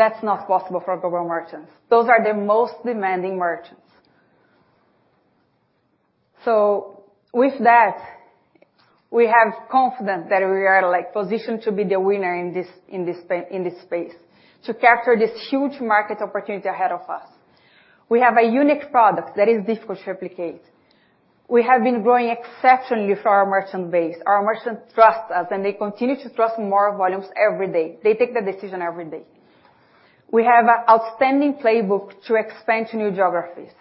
That's not possible for global merchants. Those are the most demanding merchants. With that, we have confidence that we are, like, positioned to be the winner in this space, to capture this huge market opportunity ahead of us. We have a unique product that is difficult to replicate. We have been growing exceptionally for our merchant base. Our merchants trust us, and they continue to trust more volumes every day. They take the decision every day. We have an outstanding playbook to expand to new geographies.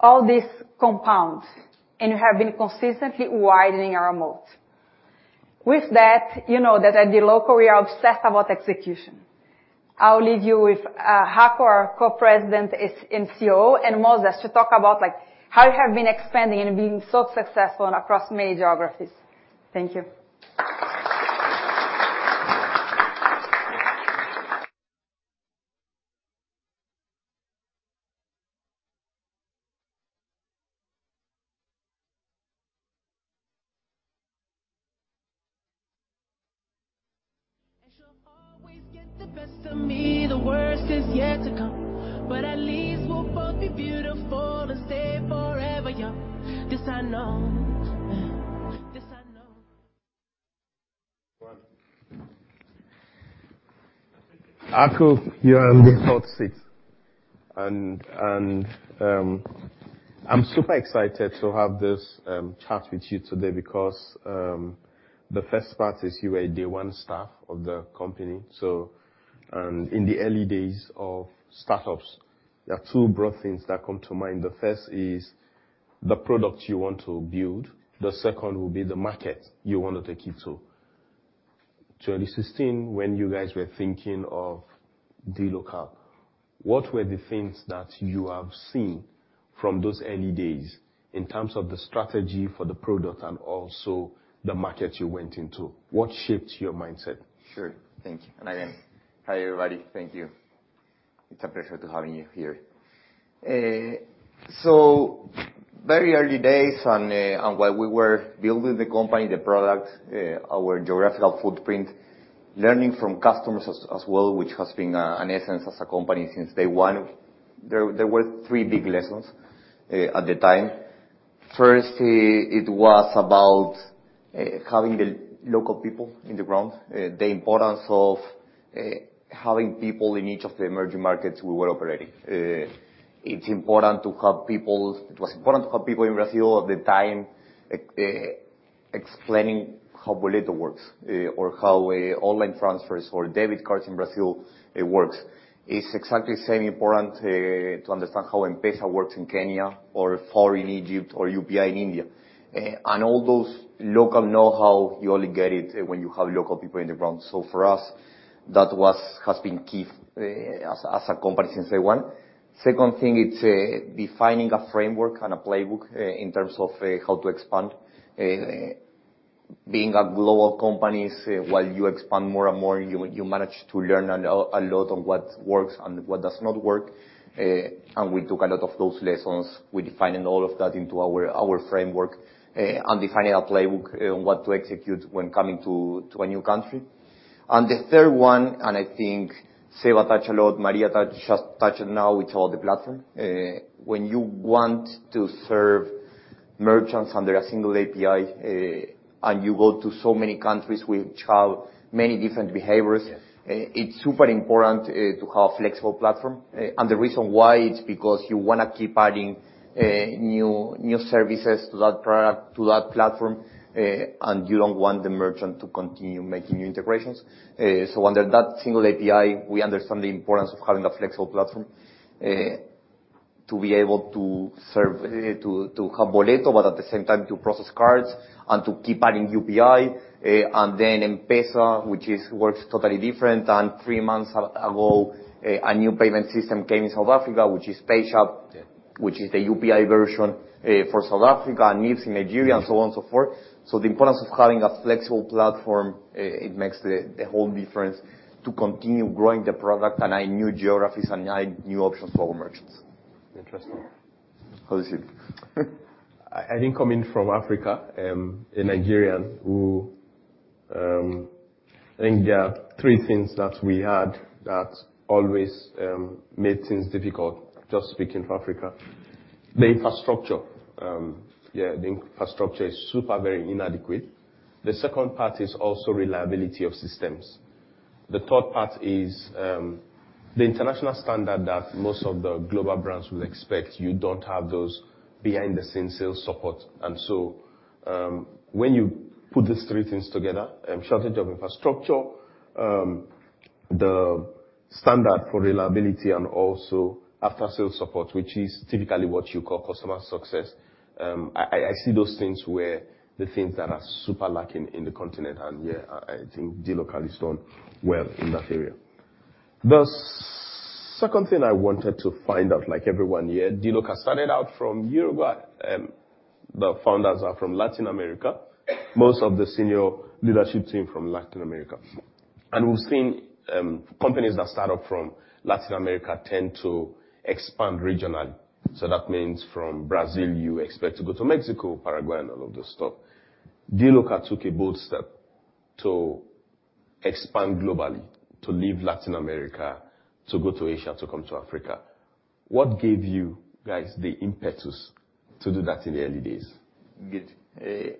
All this compounds, and we have been consistently widening our moat. With that, you know that at dLocal, we are obsessed about execution. I'll leave you with Jaco, our Co-President and COO, and Moses to talk about, like, how we have been expanding and being so successful across many geographies. Thank you. One. Jaco, you are in the fourth seat. I'm super excited to have this chat with you today because the first part is you were a day 1 staff of the company. In the early days of startups, there are two broad things that come to mind. The first is the product you want to build, the second will be the market you want to take it to. 2016, when you guys were thinking of dLocal, what were the things that you have seen from those early days in terms of the strategy for the product and also the market you went into? What shaped your mindset? Sure. Thank you. again, hi, everybody. Thank you. It's a pleasure to having you here. Very early days on where we were building the company, the product, our geographical footprint, learning from customers as well, which has been an essence as a company since day one, there were three big lessons at the time. First, it was about having the local people in the ground, the importance of having people in each of the emerging markets we were operating. It was important to have people in Brazil at the time. explaining how Boleto works, or how online transfers or debit cards in Brazil, it works. It's exactly same important to understand how M-Pesa works in Kenya or Fawry in Egypt or UPI in India. All those local know-how, you only get it when you have local people on the ground. For us, has been key as a company since day one. Second thing, it's defining a framework and a playbook in terms of how to expand. Being a global company, while you expand more and more, you manage to learn a lot on what works and what does not work, and we took a lot of those lessons. We defined all of that into our framework and defining a playbook on what to execute when coming to a new country. The third one, and I think Seba touched a lot, Maria just touched now, which is all the platform. When you want to serve merchants under a single API, and you go to so many countries which have many different behaviors, it's super important to have flexible platform. The reason why, it's because you wanna keep adding new services to that product, to that platform, and you don't want the merchant to continue making new integrations. Under that single API, we understand the importance of having a flexible platform to be able to serve, to have Boleto, but at the same time, to process cards and to keep adding UPI, and then M-Pesa, which is, works totally different. 3 months ago, a new payment system came in South Africa, which is PayShap. Yeah. -which is the UPI version, for South Africa, NIBSS in Nigeria, and so on and so forth. The importance of having a flexible platform, it makes the whole difference to continue growing the product, and add new geographies and add new options for our merchants. Interesting. How is it? I think coming from Africa, a Nigerian who I think there are three things that we had that always made things difficult, just speaking for Africa. The infrastructure. The infrastructure is super, very inadequate. The second part is also reliability of systems. The third part is the international standard that most of the global brands would expect, you don't have those behind-the-scenes sales support. When you put these three things together, shortage of infrastructure, the standard for reliability, and also after-sales support, which is typically what you call customer success, I see those things where the things that are super lacking in the continent, I think dLocal has done well in that area. The second thing I wanted to find out, like everyone here, dLocal started out from Uruguay. The founders are from Latin America, most of the senior leadership team from Latin America. We've seen companies that start up from Latin America tend to expand regionally. That means from Brazil, you expect to go to Mexico, Paraguay, and all of those stuff. dLocal took a bold step to expand globally, to leave Latin America, to go to Asia, to come to Africa. What gave you guys the impetus to do that in the early days? Good.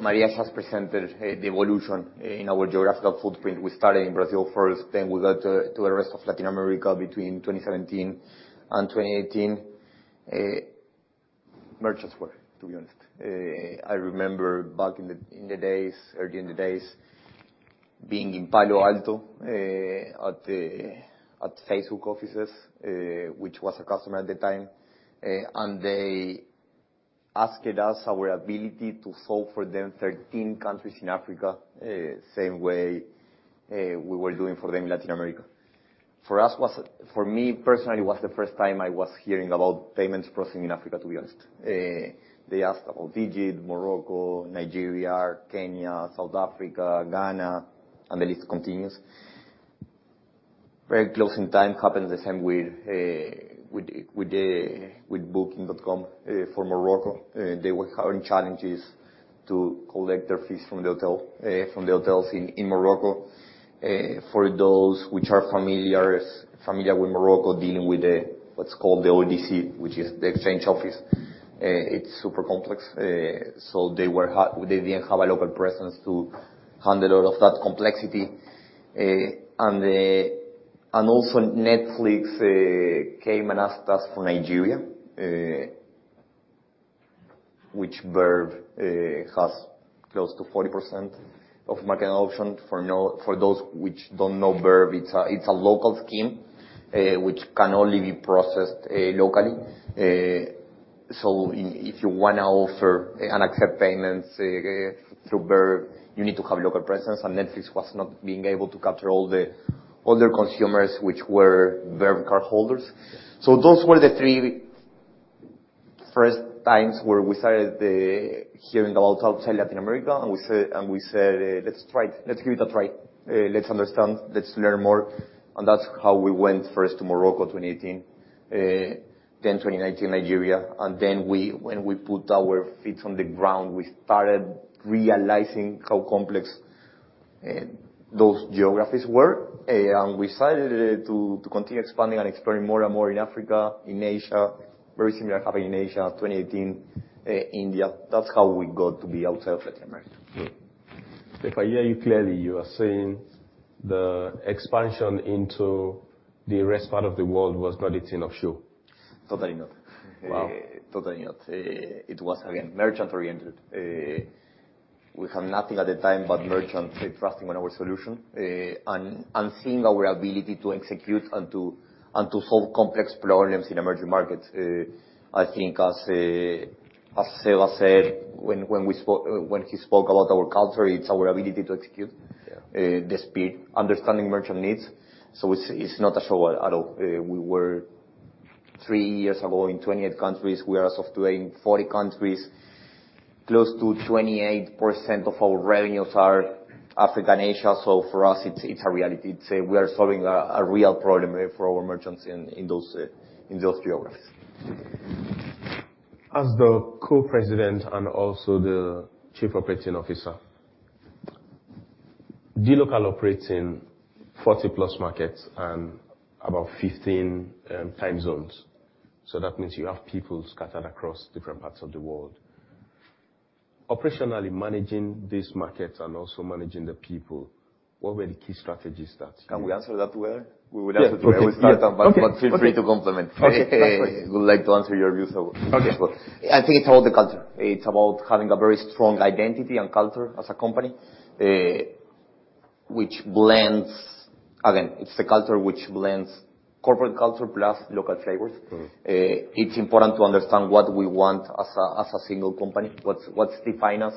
Maria has presented the evolution in our geographical footprint. We started in Brazil first, we got to the rest of Latin America between 2017 and 2018. Merchants were, to be honest, I remember back in the days, early in the days, being in Palo Alto, at Facebook offices, which was a customer at the time, they asked us our ability to solve for them 13 countries in Africa, same way we were doing for them in Latin America. For us, for me, personally, it was the first time I was hearing about payments processing in Africa, to be honest. They asked about Egypt, Morocco, Nigeria, Kenya, South Africa, Ghana, and the list continues. Very close in time, happened the same with Booking.com for Morocco. They were having challenges to collect their fees from the hotel from the hotels in Morocco. For those which are familiar with Morocco, dealing with the, what's called the ODC, which is the exchange office. It's super complex. They didn't have a local presence to handle all of that complexity. Also, Netflix came and asked us for Nigeria, which Verve has close to 40% of market adoption. For those which don't know Verve, it's a local scheme which can only be processed locally. If you wanna offer and accept payments through Verve, you need to have local presence, and Netflix was not being able to capture all their consumers, which were Verve cardholders. Those were the 3 first times where we started hearing about outside Latin America, and we said, "Let's try it. Let's give it a try. Let's understand. Let's learn more." That's how we went first to Morocco, 2018, then 2019, Nigeria. When we put our feet on the ground, we started realizing how complex those geographies were. We decided to continue expanding and exploring more and more in Africa, in Asia. Very similar happened in Asia, 2018, India. That's how we got to be outside of Latin America. If I hear you clearly, you are saying the expansion into the rest part of the world was not a thing of show? Totally not. Wow! Totally not. It was, again, merchant-oriented. We have nothing at the time but merchant trusting on our solution, and seeing our ability to execute and to, and to solve complex problems in emerging markets. I think as Seba said, when he spoke about our culture, it's our ability to execute- Yeah. the speed, understanding merchant needs. it's not a show at all. We were three years ago in 28 countries. We are as of today, in 40 countries. Close to 28% of our revenues are Africa and Asia, for us, it's a reality. It's, we are solving a real problem for our merchants in those geographies. As the co-president and also the chief operating officer, dLocal operates in 40-plus markets and about 15 time zones. That means you have people scattered across different parts of the world. Operationally, managing these markets and also managing the people, what were the key strategies that you- Can we answer that together? Yeah. We would like to together start. Okay. Feel free to complement. Okay. We would like to answer your view. Okay. I think it's all the culture. It's about having a very strong identity and culture as a company, which blends... Again, it's the culture which blends corporate culture plus local flavors. Mm-hmm. It's important to understand what we want as a single company. What's define us,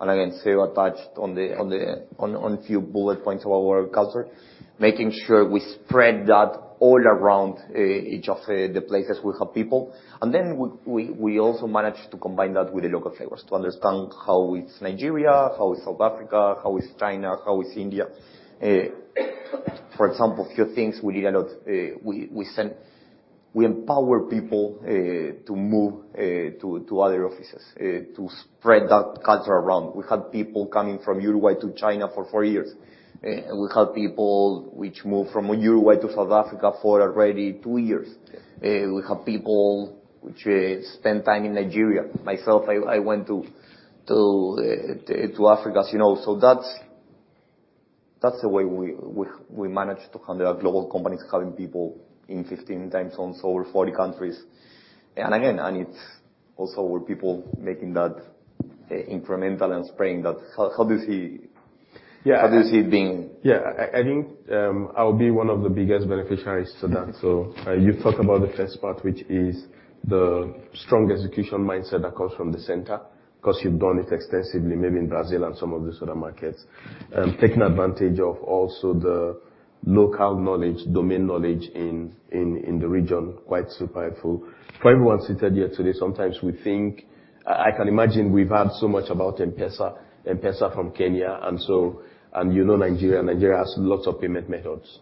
and again, Seba touched on a few bullet points of our culture, making sure we spread that all around each of the places we have people. Then we also manage to combine that with the local flavors to understand how is Nigeria, how is South Africa, how is China, how is India? For example, few things we did a lot, we empower people to move to other offices to spread that culture around. We had people coming from Uruguay to China for 4 years. We have people which moved from Uruguay to South Africa for already 2 years. Yeah. We have people which spend time in Nigeria. Myself, I went to Africa, as you know. That's the way we manage to handle our global companies, having people in 15 time zones over 40 countries. Again, it's also with people making that incremental and spreading that. How do you see- Yeah. How do you see it being? I think I'll be one of the biggest beneficiaries to that. You talk about the first part, which is the strong execution mindset that comes from the center, 'cause you've done it extensively, maybe in Brazil and some of the other markets. Taking advantage of also the local knowledge, domain knowledge in the region, quite super helpful. For everyone seated here today, sometimes we think. I can imagine we've heard so much about M-Pesa, M-Pesa from Kenya, you know, Nigeria has lots of payment methods.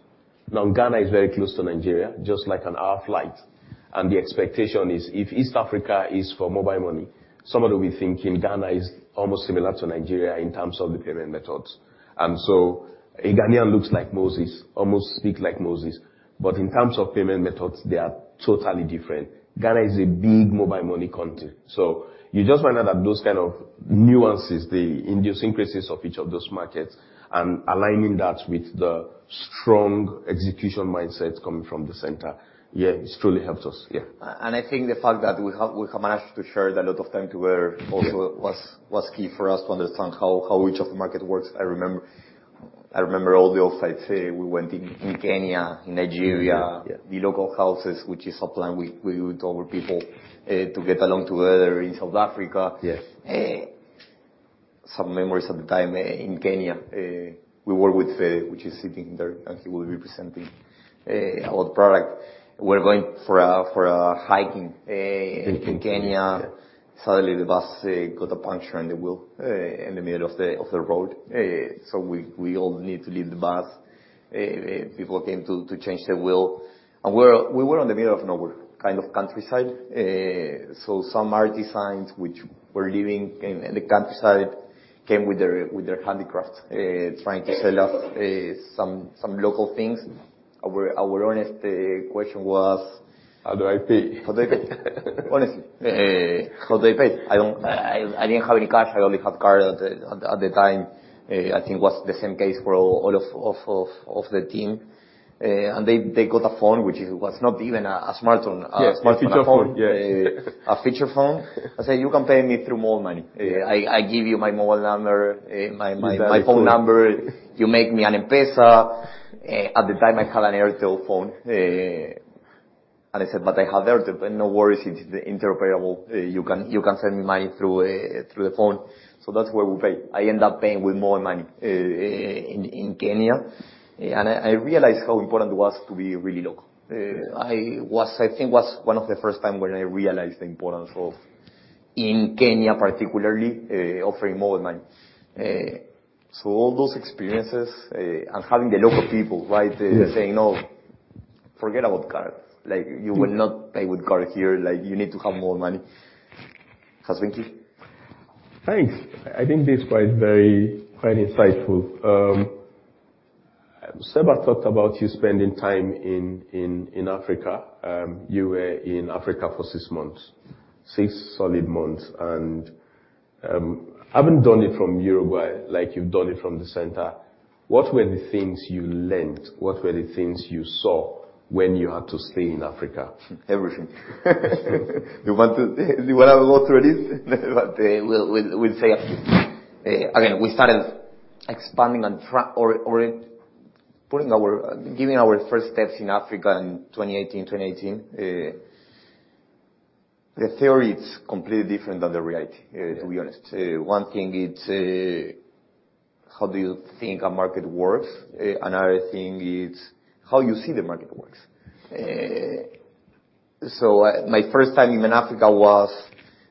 Ghana is very close to Nigeria, just like a 1 hour flight, and the expectation is if East Africa is for mobile money, some of you will be thinking Ghana is almost similar to Nigeria in terms of the payment methods. A Ghanaian looks like Moses, almost speak like Moses, but in terms of payment methods, they are totally different. Ghana is a big mobile money country. You just find out that those kind of nuances, the idiosyncrasies of each of those markets, and aligning that with the strong execution mindsets coming from the center, it truly helps us. I think the fact that we have managed to share a lot of time together. Yeah... also was key for us to understand how each of the market works. I remember all the offsite we went in Kenya, in Nigeria. Yeah. The dLocal Houses, which is a plan we would tell people to get along together in South Africa. Yes. Some memories at the time, in Kenya, we work with, which is sitting there, and he will be presenting our product. We're going for a hiking in Kenya. Yeah. Suddenly, the bus got a puncture in the wheel in the middle of the road. We, we all need to leave the bus. People came to change the wheel, and we were on the middle of nowhere, kind of countryside. Some artisans which were living in the countryside, came with their handicrafts, trying to sell us, some local things. Our honest question was. How do I pay? How do I pay? Honestly, how do I pay? I didn't have any cash. I only have card at the time. I think was the same case for all of the team. They got a phone, which is, was not even a smartphone. Yes, a feature phone. A phone. Yes. A feature phone. They say, "You can pay me through mobile money. I give you my mobile number. Exactly... my phone number. You make me an M-Pesa." At the time, I had an Airtel phone, and I said: "But I have Airtel." "But no worries, it's interoperable. You can send me money through the phone." That's where we pay. I end up paying with more money in Kenya, and I realized how important it was to be really local. I think was one of the first time when I realized the importance of, in Kenya, particularly, offering mobile money. All those experiences and having the local people, right- Yes saying, "No, forget about card. Like, you will not pay with card here. Like, you need to have mobile money." Has been key. Thanks. I think this is quite very, quite insightful. Seba talked about you spending time in Africa. You were in Africa for six months, six solid months. Having done it from Uruguay, like you've done it from the center, what were the things you learned? What were the things you saw when you had to stay in Africa? Everything. You wanna go through it? We'll say again, we started expanding and giving our first steps in Africa in 2018. The theory, it's completely different than the reality, to be honest. Yeah. One thing is, how do you think a market works. Another thing is how you see the market works. My first time in Africa was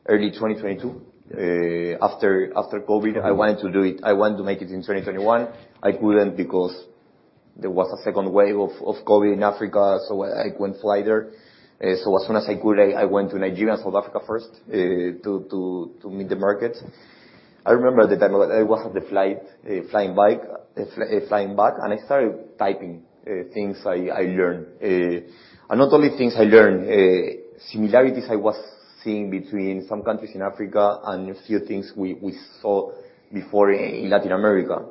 early 2022. Yeah. after COVID. Mm-hmm. I wanted to make it in 2021. I couldn't, because there was a second wave of COVID in Africa, so I couldn't fly there. As soon as I could, I went to Nigeria and South Africa first to meet the market. I remember at the time, I was on the flight, flying back, and I started typing things I learned. Not only things I learned, similarities I was seeing between some countries in Africa and a few things we saw before in Latin America.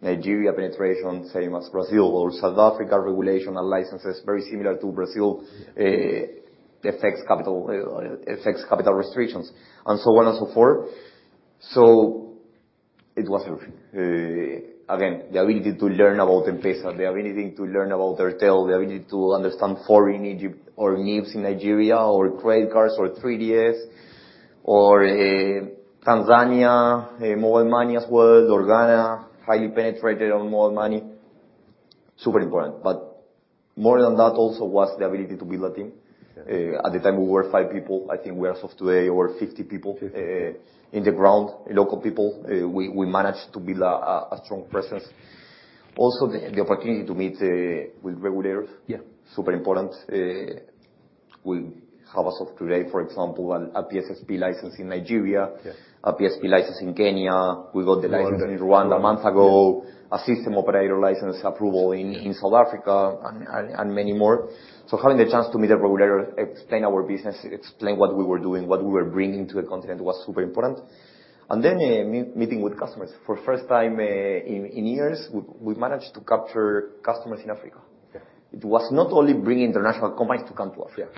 Nigeria penetration, same as Brazil, or South Africa regulation and licenses, very similar to Brazil. The effects capital restrictions, and so on and so forth. It was, again, the ability to learn about the M-Pesa, the ability to learn about Airtel, the ability to understand foreign Egypt or NIBSS in Nigeria, or credit cards, or 3DS, or Tanzania, Mobile Money as well, or Ghana, highly penetrated on Mobile Money. Super important. More than that, also, was the ability to build a team. Yeah. At the time, we were five people. I think we, as of today, we're 50 people. Fifty... in the ground, local people. We managed to build a strong presence. Also, the opportunity to meet with regulators. Yeah... super important. We have as of today, for example, a PSP license in Nigeria. Yeah. A PSP license in Kenya. Mm-hmm. We got the license in Rwanda a month ago. Yeah. A system operator license approval in South Africa. Yeah... and many more. Having the chance to meet a regulator, explain our business, explain what we were doing, what we were bringing to the continent, was super important. Meeting with customers. For first time, in years, we managed to capture customers in Africa. Yeah. It was not only bringing international companies to come to Africa,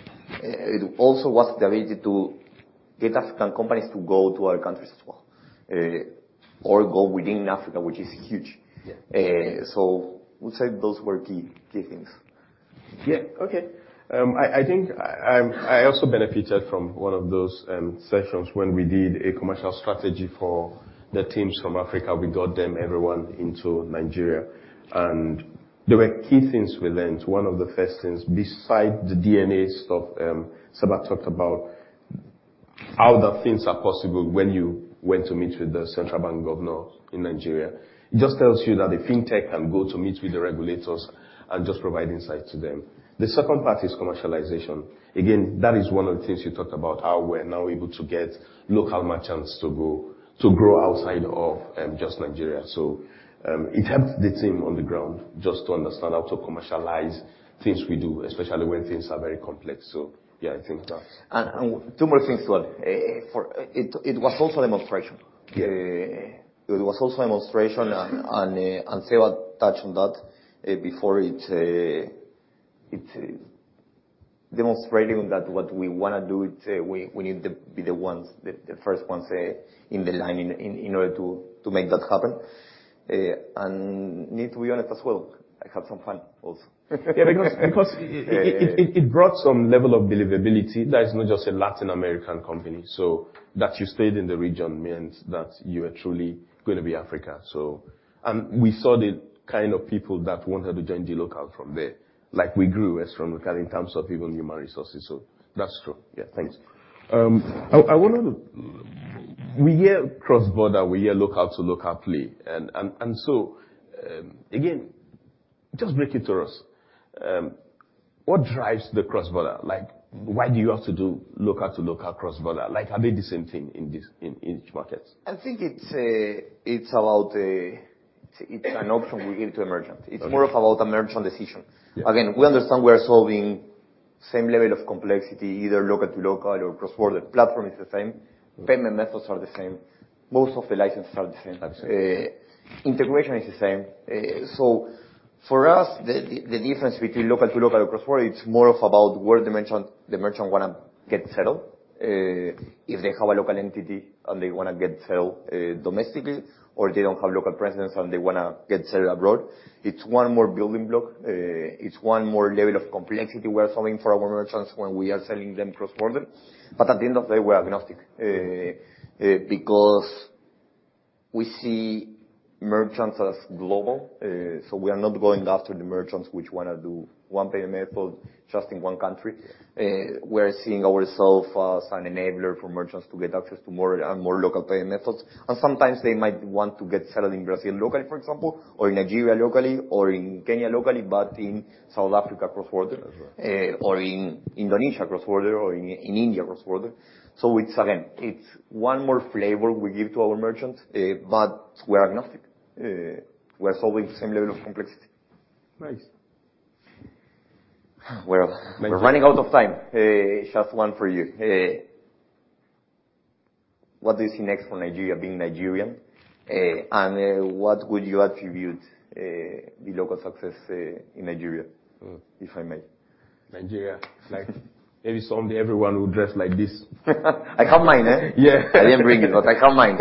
it also was the ability to get African companies to go to other countries as well, or go within Africa, which is huge. Yeah. We'll say those were key things. Yeah. Okay. I think I also benefited from one of those sessions when we did a commercial strategy for the teams from Africa. We got them, everyone, into Nigeria. There were key things we learned. One of the first things, besides the DNA stuff, Seba talked about how the things are possible when you went to meet with the Central Bank Governor in Nigeria. It just tells you that the fintech can go to meet with the regulators and just provide insight to them. The second part is commercialization. Again, that is one of the things you talked about, how we're now able to get local merchants to grow outside of just Nigeria. It helped the team on the ground just to understand how to commercialize things we do, especially when things are very complex. Yeah, I think. Two more things as well. For, it was also a demonstration. Yeah. it was also a. Yes... and Seba touched on that before. It's demonstrating that what we wanna do, we need to be the ones, the first ones, in the line in order to make that happen. Need to be honest as well, I had some fun, also. Yeah, because. Yeah, yeah... it brought some level of believability that it's not just a Latin American company, so that you stayed in the region means that you are truly gonna be Africa, so. We saw the kind of people that wanted to join dLocal from there. Like, we grew strongly in terms of even human resources, so that's true. Yeah. Thanks. I wonder, we hear cross-border, we hear local-to-local play, and so, again, just break it to us. What drives the cross-border? Like, why do you have to do local-to-local cross-border? Are they the same thing in each market? It's an option we give to merchant. Okay. It's more of about a merchant decision. Yeah. We understand we are solving same level of complexity, either local to local or cross-border. Platform is the same. Mm-hmm. Payment methods are the same. Most of the licenses are the same. Absolutely. Integration is the same. For us, the difference between local to local or cross-border, it's more of about where the merchant wanna get settled. If they have a local entity and they wanna get settled domestically, or they don't have local presence and they wanna get settled abroad, it's one more building block, it's one more level of complexity we are solving for our merchants when we are selling them cross-border. At the end of day, we're agnostic because we see merchants as global. We are not going after the merchants which wanna do one payment method just in one country. We're seeing ourself as an enabler for merchants to get access to more and more local payment methods, and sometimes they might want to get settled in Brazil locally, for example, or in Nigeria locally, or in Kenya locally, but in South Africa cross-border-. As well.... or in Indonesia cross-border, or in India cross-border. It's, again, it's one more flavor we give to our merchants, but we're agnostic. We're solving the same level of complexity. Nice. Well, we're running out of time. Just one for you. What do you see next for Nigeria, being Nigerian? What would you attribute, the local success, in Nigeria, if I may? Nigeria, like, maybe someday everyone will dress like this. I have mine, eh? Yeah. I didn't bring it, but I have mine.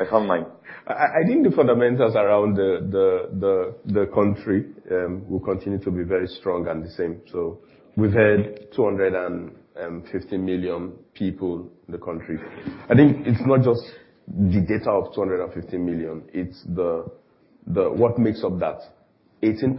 I have mine. I think the fundamentals around the country will continue to be very strong and the same. We've had 250 million people in the country. I think it's not just the data of 250 million, it's the what makes up that 18%,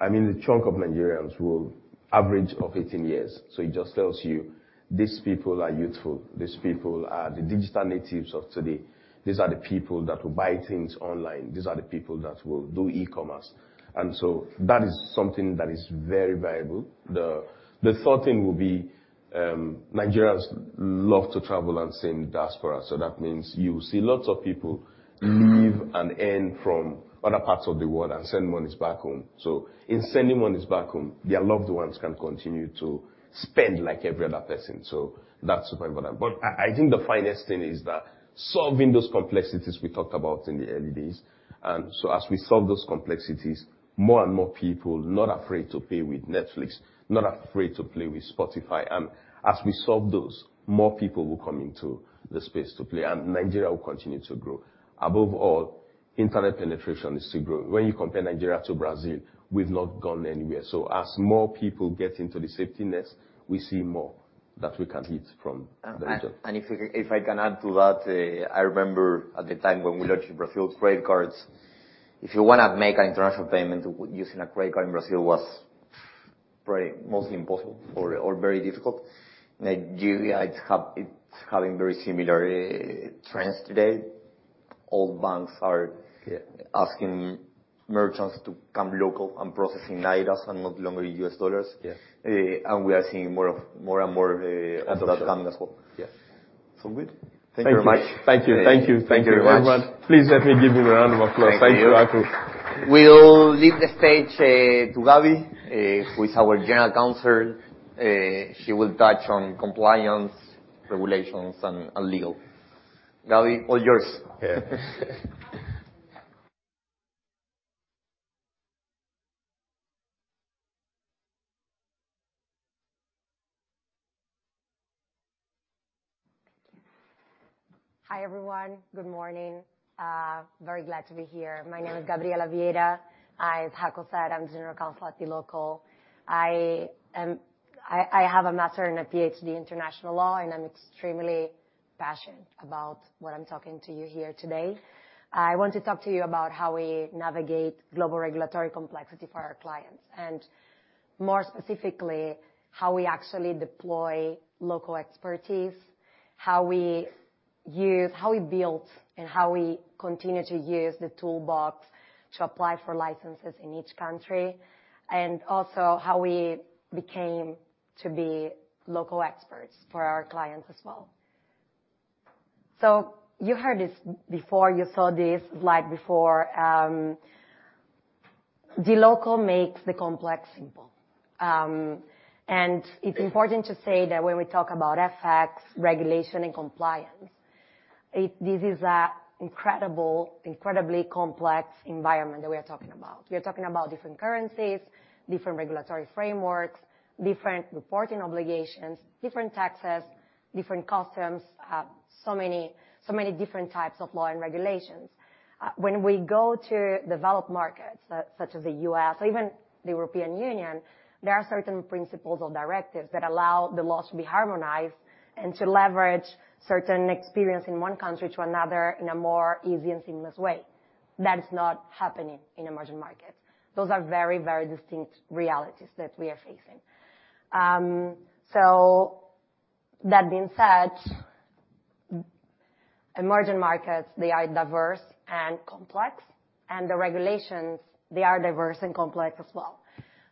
I mean, the chunk of Nigerians will average of 18 years. It just tells you these people are youthful, these people are the digital natives of today. These are the people that will buy things online. These are the people that will do e-commerce, that is something that is very valuable. The third thing will be, Nigerians love to travel and send diaspora. That means you see lots of people. Mm-hmm... leave and earn from other parts of the world and send monies back home. In sending monies back home, their loved ones can continue to spend like every other person. That's very important. But I think the finest thing is that solving those complexities we talked about in the early days. As we solve those complexities, more and more people not afraid to pay with Netflix, not afraid to play with Spotify. As we solve those, more people will come into the space to play, and Nigeria will continue to grow. Above all, internet penetration is to grow. When you compare Nigeria to Brazil, we've not gone anywhere. As more people get into the safety nets, we see more that we can hit from Nigeria. If I can add to that, I remember at the time when we launched Brazil's credit cards, if you want to make an international payment, using a credit card in Brazil was very mostly impossible or very difficult. Nigeria, it's having very similar trends today. All banks are. Yeah asking merchants to come local and process in nairas and not longer US dollars. Yeah. And we are seeing more of, more and more. Absolutely of that coming as well. Yeah. Good. Thank you very much. Thank you. Thank you. Thank you very much. Thank you very much. Please help me give him a round of applause. Thank you. Thank you, Jaco. We'll leave the stage to Gabby, who is our general counsel. She will touch on compliance, regulations, and legal. Gabby, all yours. Yeah. Thank you. Hi, everyone. Good morning. Very glad to be here. My name is Gabriela Vieira. As Jaco said, I'm the general counsel at dLocal. I have a master and a PhD in international law, and I'm extremely passionate about what I'm talking to you here today. I want to talk to you about how we navigate global regulatory complexity for our clients, more specifically, how we actually deploy local expertise, how we built and how we continue to use the toolbox to apply for licenses in each country, and also how we became to be local experts for our clients as well. You heard this before, you saw this slide before, dLocal makes the complex simple. It's important to say that when we talk about FX, regulation, and compliance, this is a incredible, incredibly complex environment that we are talking about. We are talking about different currencies, different regulatory frameworks, different reporting obligations, different taxes, different customs, so many different types of law and regulations. When we go to developed markets, such as the U.S. or even the European Union, there are certain principles or directives that allow the laws to be harmonized and to leverage certain experience in one country to another in a more easy and seamless way. That is not happening in emerging markets. Those are very distinct realities that we are facing. That being said, emerging markets, they are diverse and complex, and the regulations, they are diverse and complex as well.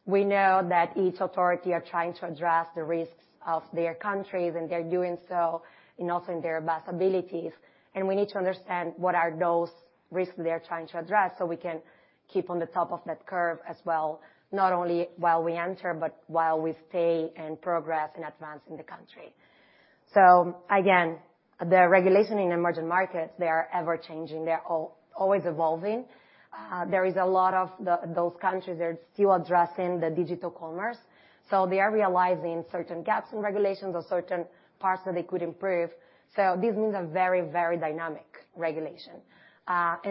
We know that each authority are trying to address the risks of their countries. They're doing so also in their best abilities. We need to understand what are those risks they are trying to address. We can keep on the top of that curve as well, not only while we enter, but while we stay and progress and advance in the country. Again, the regulation in emerging markets, they are ever changing. They're always evolving. There is a lot of those countries are still addressing the digital commerce. They are realizing certain gaps in regulations or certain parts that they could improve. This means a very, very dynamic regulation.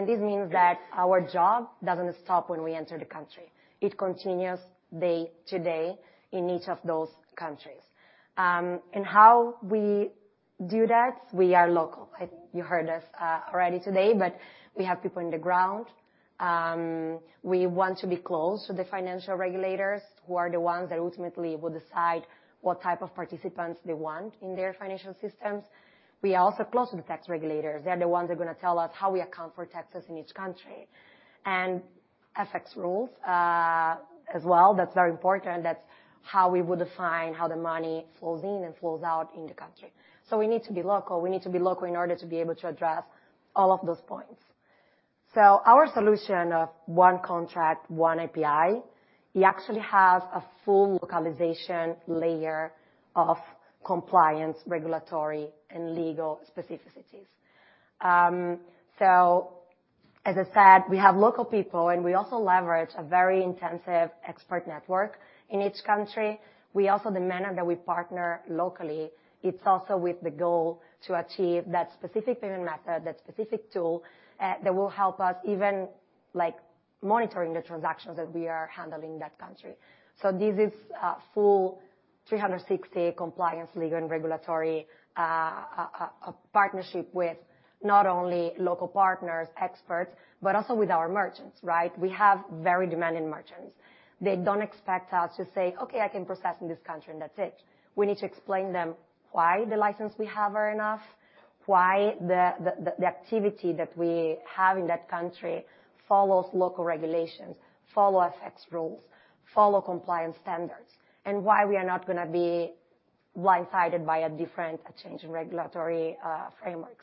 This means that our job doesn't stop when we enter the country. It continues day to day in each of those countries. How we do that, we are local. You heard us already today, but we have people on the ground. We want to be close to the financial regulators, who are the ones that ultimately will decide what type of participants they want in their financial systems. We are also close to the tax regulators. They are the ones who are going to tell us how we account for taxes in each country. FX rules as well, that's very important. That's how we would define how the money flows in and flows out in the country. We need to be local. We need to be local in order to be able to address all of those points. Our solution of one contract, one API, it actually has a full localization layer of compliance, regulatory, and legal specificities. As I said, we have local people, and we also leverage a very intensive expert network in each country. We also, the manner that we partner locally, it's also with the goal to achieve that specific payment method, that specific tool, that will help us even, like, monitoring the transactions that we are handling in that country. This is a full 360 compliance, legal, and regulatory partnership with not only local partners, experts, but also with our merchants, right? We have very demanding merchants. They don't expect us to say, "Okay, I can process in this country," and that's it. We need to explain them why the license we have are enough, why the activity that we have in that country follows local regulations, follow FX rules, follow compliance standards, and why we are not gonna be blindsided by a change in regulatory framework.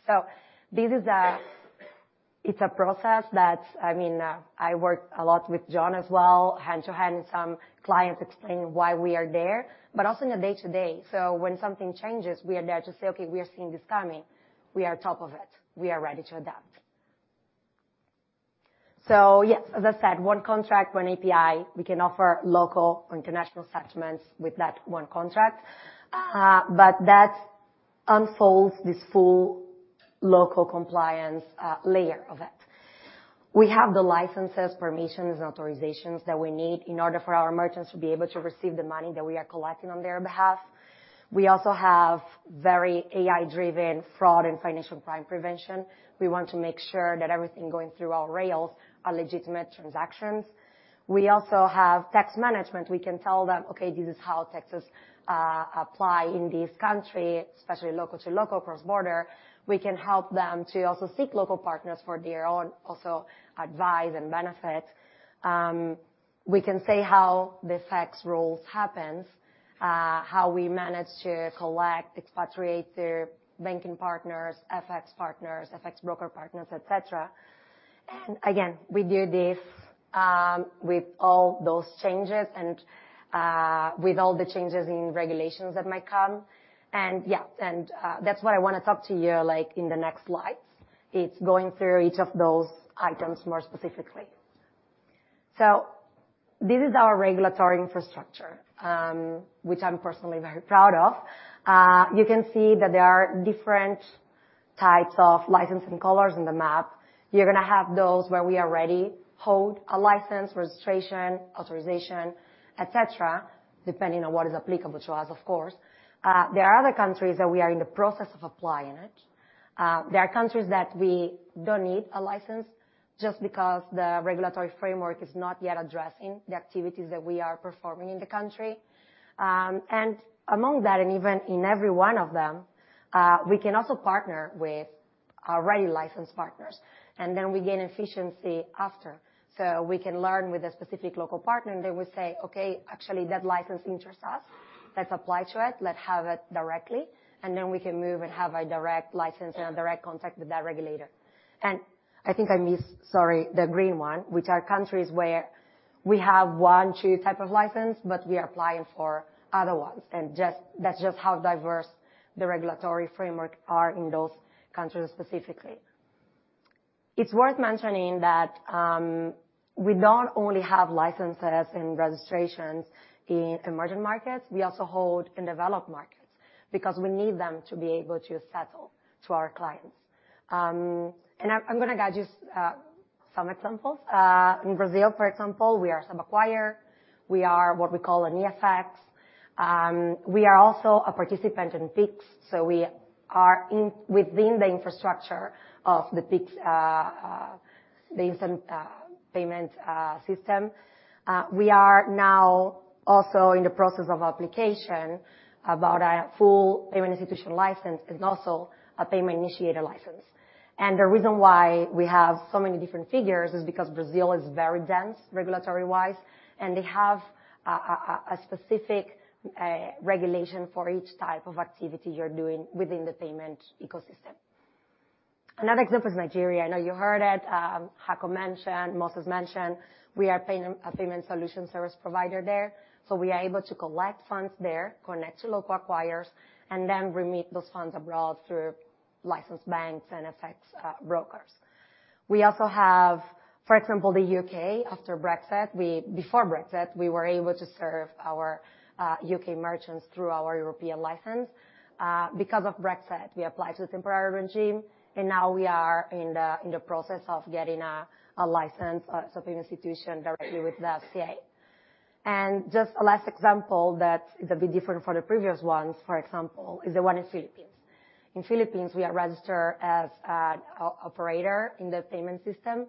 This is a process that I mean, I work a lot with John as well, hand-to-hand, and some clients explain why we are there, but also in the day-to-day. When something changes, we are there to say, "Okay, we are seeing this coming. We are top of it. We are ready to adapt." Yes, as I said, one contract, one API, we can offer local or international settlements with that one contract, but that unfolds this full local compliance layer of it. We have the licenses, permissions, and authorizations that we need in order for our merchants to be able to receive the money that we are collecting on their behalf. We also have very AI-driven fraud and financial crime prevention. We want to make sure that everything going through our rails are legitimate transactions. We also have tax management. We can tell them, "Okay, this is how taxes apply in this country, especially local to local, cross-border." We can help them to also seek local partners for their own, also advise and benefit. We can say how this tax rules happens, how we manage to collect, expatriate their banking partners, FX partners, FX broker partners, et cetera. Again, we do this with all those changes and with all the changes in regulations that might come. Yeah, that's what I want to talk to you, like, in the next slides. It's going through each of those items more specifically. This is our regulatory infrastructure, which I'm personally very proud of. You can see that there are different types of licensing colors in the map. You're gonna have those where we already hold a license, registration, authorization, et cetera, depending on what is applicable to us, of course. There are other countries that we are in the process of applying it. There are countries that we don't need a license just because the regulatory framework is not yet addressing the activities that we are performing in the country. Among that, and even in every one of them, we can also partner with already licensed partners, and then we gain efficiency after. We can learn with a specific local partner, and they will say, "Okay, actually, that license interests us. Let's apply to it. Let's have it directly, and then we can move and have a direct license and a direct contact with that regulator." I think I missed, sorry, the green one, which are countries where we have 1, 2 type of license, but we are applying for other ones, that's just how diverse the regulatory framework are in those countries specifically. It's worth mentioning that we not only have licenses and registrations in emerging markets, we also hold in developed markets because we need them to be able to settle to our clients. I'm gonna guide you some examples. In Brazil, for example, we are sub-acquirer. We are what we call an eFX. We are also a participant in Pix, we are within the infrastructure of the Pix, the instant payment system. We are now also in the process of application about a full payment institution license and also a payment initiator license. The reason why we have so many different figures is because Brazil is very dense, regulatory-wise, and they have a specific regulation for each type of activity you're doing within the payment ecosystem. Another example is Nigeria. I know you heard it, Jaco mentioned, Moses mentioned, we are paying a payment solution service provider there, we are able to collect funds there, connect to local acquirers, and then remit those funds abroad through licensed banks and FX brokers. We also have, for example, the U.K.. After Brexit, Before Brexit, we were able to serve our U.K. merchants through our European license. Because of Brexit, we applied to the temporary regime, now we are in the process of getting a license as a paying institution directly with the FCA. Just a last example that is a bit different from the previous ones, for example, is the one in Philippines. In Philippines, we are registered as an operator in the payment system.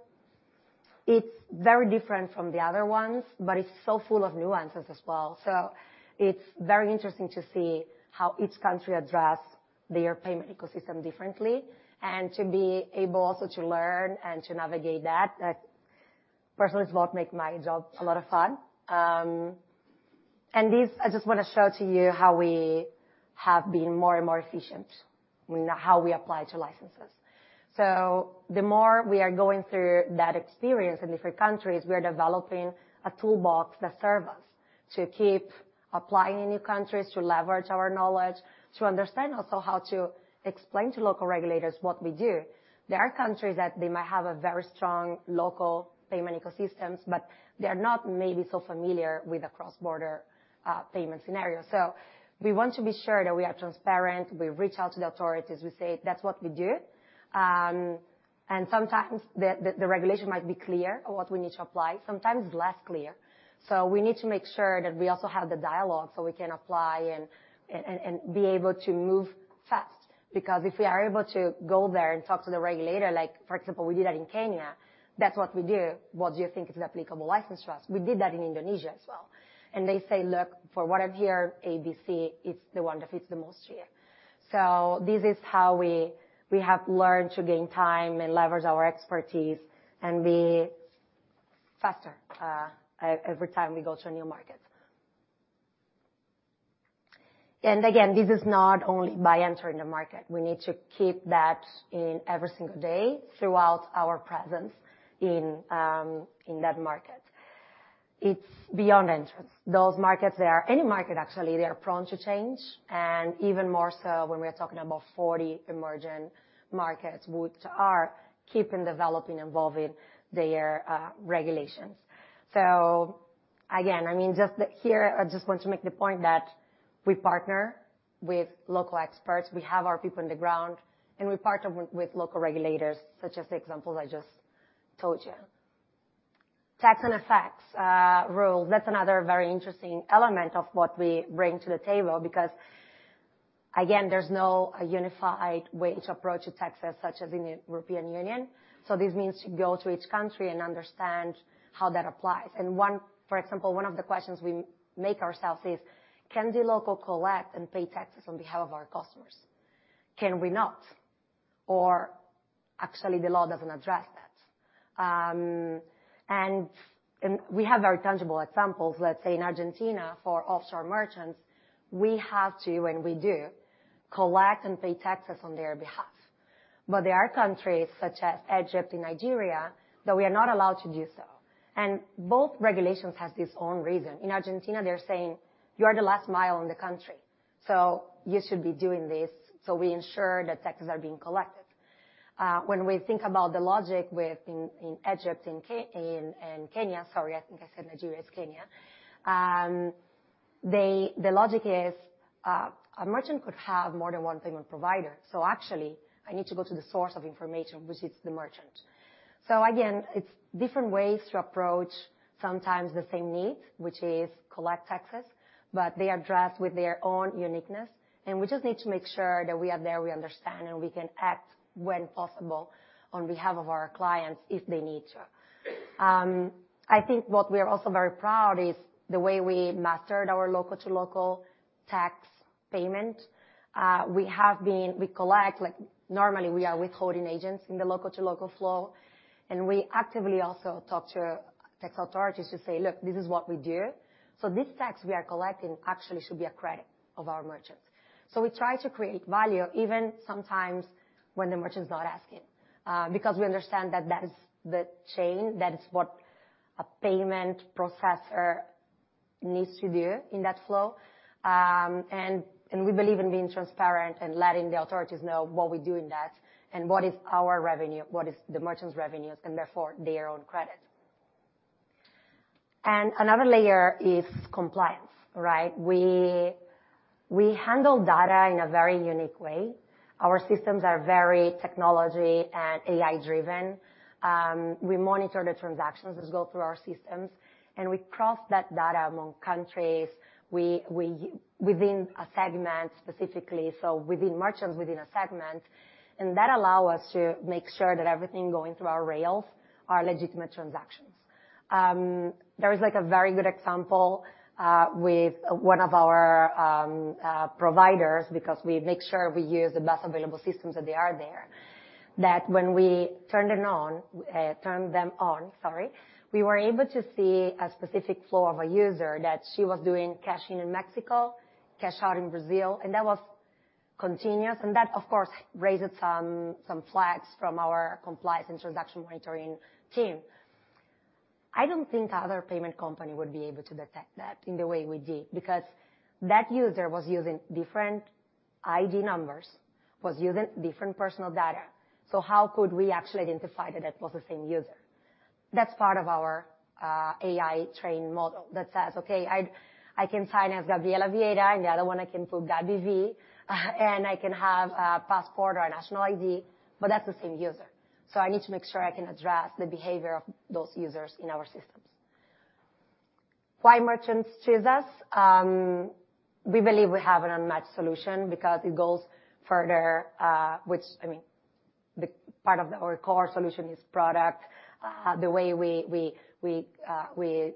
It's very different from the other ones, but it's so full of nuances as well. It's very interesting to see how each country addressed their payment ecosystem differently, and to be able also to learn and to navigate personally, it's what make my job a lot of fun. This, I just want to show to you how we have been more and more efficient in how we apply to licenses. The more we are going through that experience in different countries, we are developing a toolbox that serve us to keep applying in new countries, to leverage our knowledge, to understand also how to explain to local regulators what we do. There are countries that they might have a very strong local payment ecosystems, but they are not maybe so familiar with the cross-border payment scenario. We want to be sure that we are transparent. We reach out to the authorities, we say, "That's what we do." Sometimes the regulation might be clear on what we need to apply, sometimes less clear. We need to make sure that we also have the dialogue, so we can apply and be able to move fast. If we are able to go there and talk to the regulator, like, for example, we did that in Kenya: "That's what we do. What do you think is applicable license to us?" We did that in Indonesia as well, and they say, "Look, from what I've heard, ABC is the one that fits the most to you." This is how we have learned to gain time and leverage our expertise and be faster every time we go to a new market. Again, this is not only by entering the market. We need to keep that in every single day throughout our presence in that market. It's beyond entrance. Those markets, they are... Any market, actually, they are prone to change, even more so when we are talking about 40 emerging markets, which are keeping, developing, evolving their regulations. Again, I mean, just here, I just want to make the point that we partner with local experts. We have our people on the ground, we partner with local regulators, such as the examples I just told you. Tax and FX rule, that's another very interesting element of what we bring to the table because, again, there's no unified way to approach taxes, such as in the European Union. This means to go to each country and understand how that applies. For example, one of the questions we make ourselves is: Can the local collect and pay taxes on behalf of our customers? Can we not? Or actually, the law doesn't address that. We have very tangible examples. Let's say, in Argentina, for offshore merchants, we have to, and we do, collect and pay taxes on their behalf. There are countries, such as Egypt and Nigeria, that we are not allowed to do so, and both regulations has its own reason. In Argentina, they're saying: "You are the last mile in the country, so you should be doing this, so we ensure that taxes are being collected." When we think about the logic with in Egypt, in Kenya, sorry, I think I said Nigeria, it's Kenya. The logic is, a merchant could have more than one payment provider, so actually, I need to go to the source of information, which is the merchant. Again, it's different ways to approach sometimes the same need, which is collect taxes, but they are addressed with their own uniqueness, and we just need to make sure that we are there, we understand, and we can act when possible on behalf of our clients if they need to. I think what we are also very proud is the way we mastered our local-to-local tax payment. We collect, like, normally, we are withholding agents in the local-to-local flow, and we actively also talk to tax authorities to say: "Look, this is what we do, so this tax we are collecting actually should be a credit of our merchants." We try to create value even sometimes when the merchant is not asking, because we understand that that is the chain, that is what a payment processor needs to do in that flow. We believe in being transparent and letting the authorities know what we do in that and what is our revenue, what is the merchant's revenues, and therefore their own credit. Another layer is compliance, right? We handle data in a very unique way. Our systems are very technology and AI-driven. We monitor the transactions as go through our systems, and we cross that data among countries, within a segment, specifically, so within merchants, within a segment, and that allow us to make sure that everything going through our rails are legitimate transactions. There is, like, a very good example with one of our providers, because we make sure we use the best available systems that they are there. That when we turned it on, turned them on, sorry, we were able to see a specific flow of a user, that she was doing cash in in Mexico, cash out in Brazil, and that was continuous, and that, of course, raised some flags from our compliance and transaction monitoring team. I don't think other payment company would be able to detect that in the way we did, because that user was using different ID numbers, was using different personal data. How could we actually identify that that was the same user? That's part of our AI training model that says: "Okay, I can sign as Gabriela Vieira, and the other one I can put Gaby V, and I can have a passport or a national ID, but that's the same user. I need to make sure I can address the behavior of those users in our systems. Why merchants choose us? We believe we have an unmatched solution because it goes further, which, I mean, the part of our core solution is product, the way we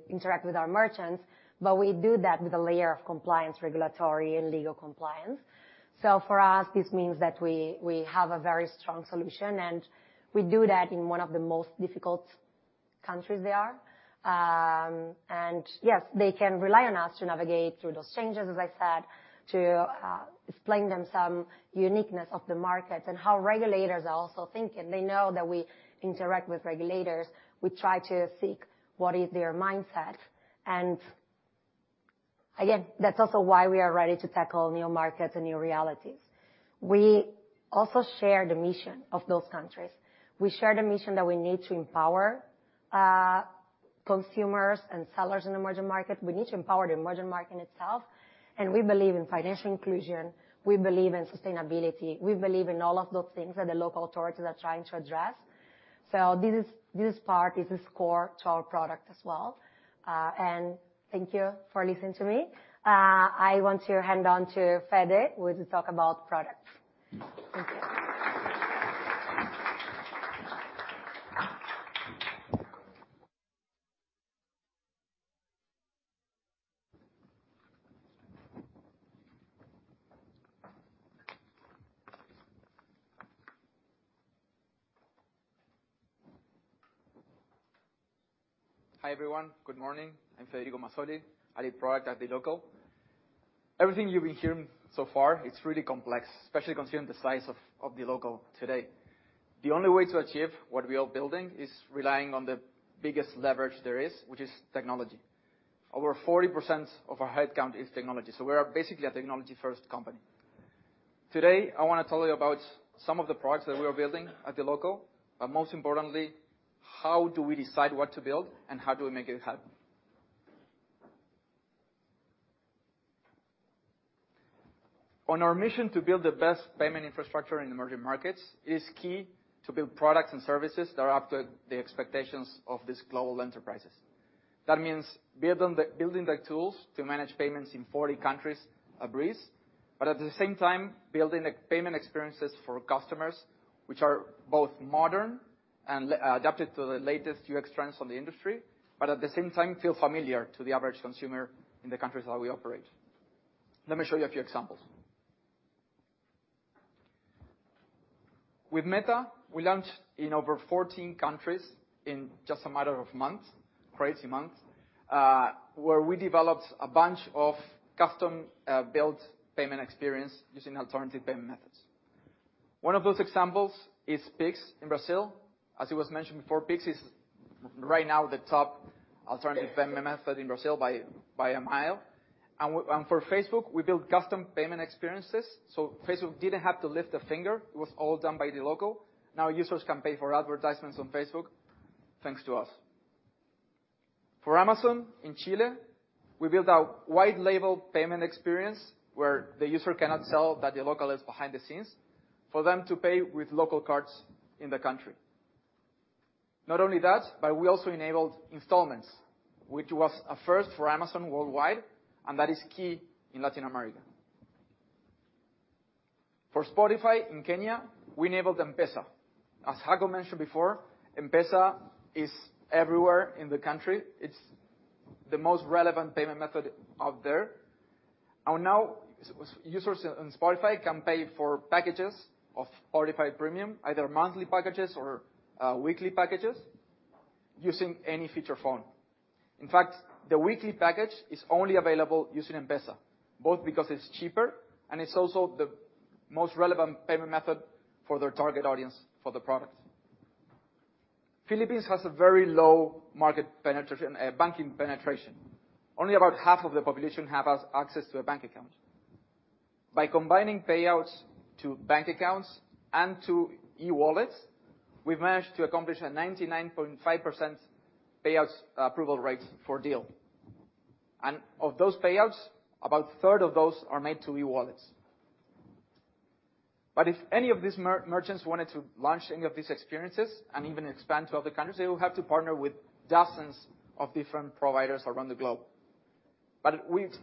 interact with our merchants, but we do that with a layer of compliance, regulatory, and legal compliance. For us, this means that we have a very strong solution, and we do that in one of the most difficult countries they are. And yes, they can rely on us to navigate through those changes, as I said, to explain them some uniqueness of the market and how regulators are also thinking. They know that we interact with regulators. We try to seek what is their mindset. Again, that's also why we are ready to tackle new markets and new realities. We also share the mission of those countries. We share the mission that we need to empower consumers and sellers in emerging markets. We need to empower the emerging market itself, and we believe in financial inclusion, we believe in sustainability, we believe in all of those things that the local authorities are trying to address. This part is a core to our product as well. Thank you for listening to me. I want to hand on to Fede, who will talk about products. Thank you. Hi, everyone. Good morning. I'm Federico Mazzoli, I lead product at dLocal. Everything you've been hearing so far, it's really complex, especially considering the size of dLocal today. The only way to achieve what we are building is relying on the biggest leverage there is, which is technology. Over 40% of our headcount is technology, so we are basically a technology-first company. Today, I wanna tell you about some of the products that we are building at dLocal, but most importantly, how do we decide what to build and how do we make it happen? On our mission to build the best payment infrastructure in emerging markets, it is key to build products and services that are up to the expectations of these global enterprises. That means building the tools to manage payments in 40 countries a breeze, but at the same time, building the payment experiences for customers, which are both modern and adapted to the latest UX trends on the industry, but at the same time, feel familiar to the average consumer in the countries that we operate. Let me show you a few examples. With Meta, we launched in over 14 countries in just a matter of months, crazy months, where we developed a bunch of custom built payment experience using alternative payment methods. One of those examples is Pix in Brazil. As it was mentioned before, Pix is right now the top alternative payment method in Brazil by a mile. For Facebook, we built custom payment experiences, so Facebook didn't have to lift a finger. It was all done by dLocal. Now, users can pay for advertisements on Facebook, thanks to us. For Amazon, in Chile, we built a white label payment experience where the user cannot tell that dLocal is behind the scenes, for them to pay with local cards in the country. Not only that, but we also enabled installments, which was a first for Amazon worldwide, and that is key in Latin America. For Spotify in Kenya, we enabled M-Pesa. As Hago mentioned before, M-Pesa is everywhere in the country. It's the most relevant payment method out there. Now, users on Spotify can pay for packages of Spotify Premium, either monthly packages or weekly packages, using any feature phone. In fact, the weekly package is only available using M-Pesa, both because it's cheaper and it's also the most relevant payment method for their target audience, for the product. Philippines has a very low market penetration, banking penetration. Only about half of the population have access to a bank account. By combining payouts to bank accounts and to e-wallets, we've managed to accomplish a 99.5% payouts approval rate for Deel. Of those payouts, about a third of those are made to e-wallets. If any of these merchants wanted to launch any of these experiences and even expand to other countries, they will have to partner with dozens of different providers around the globe. We've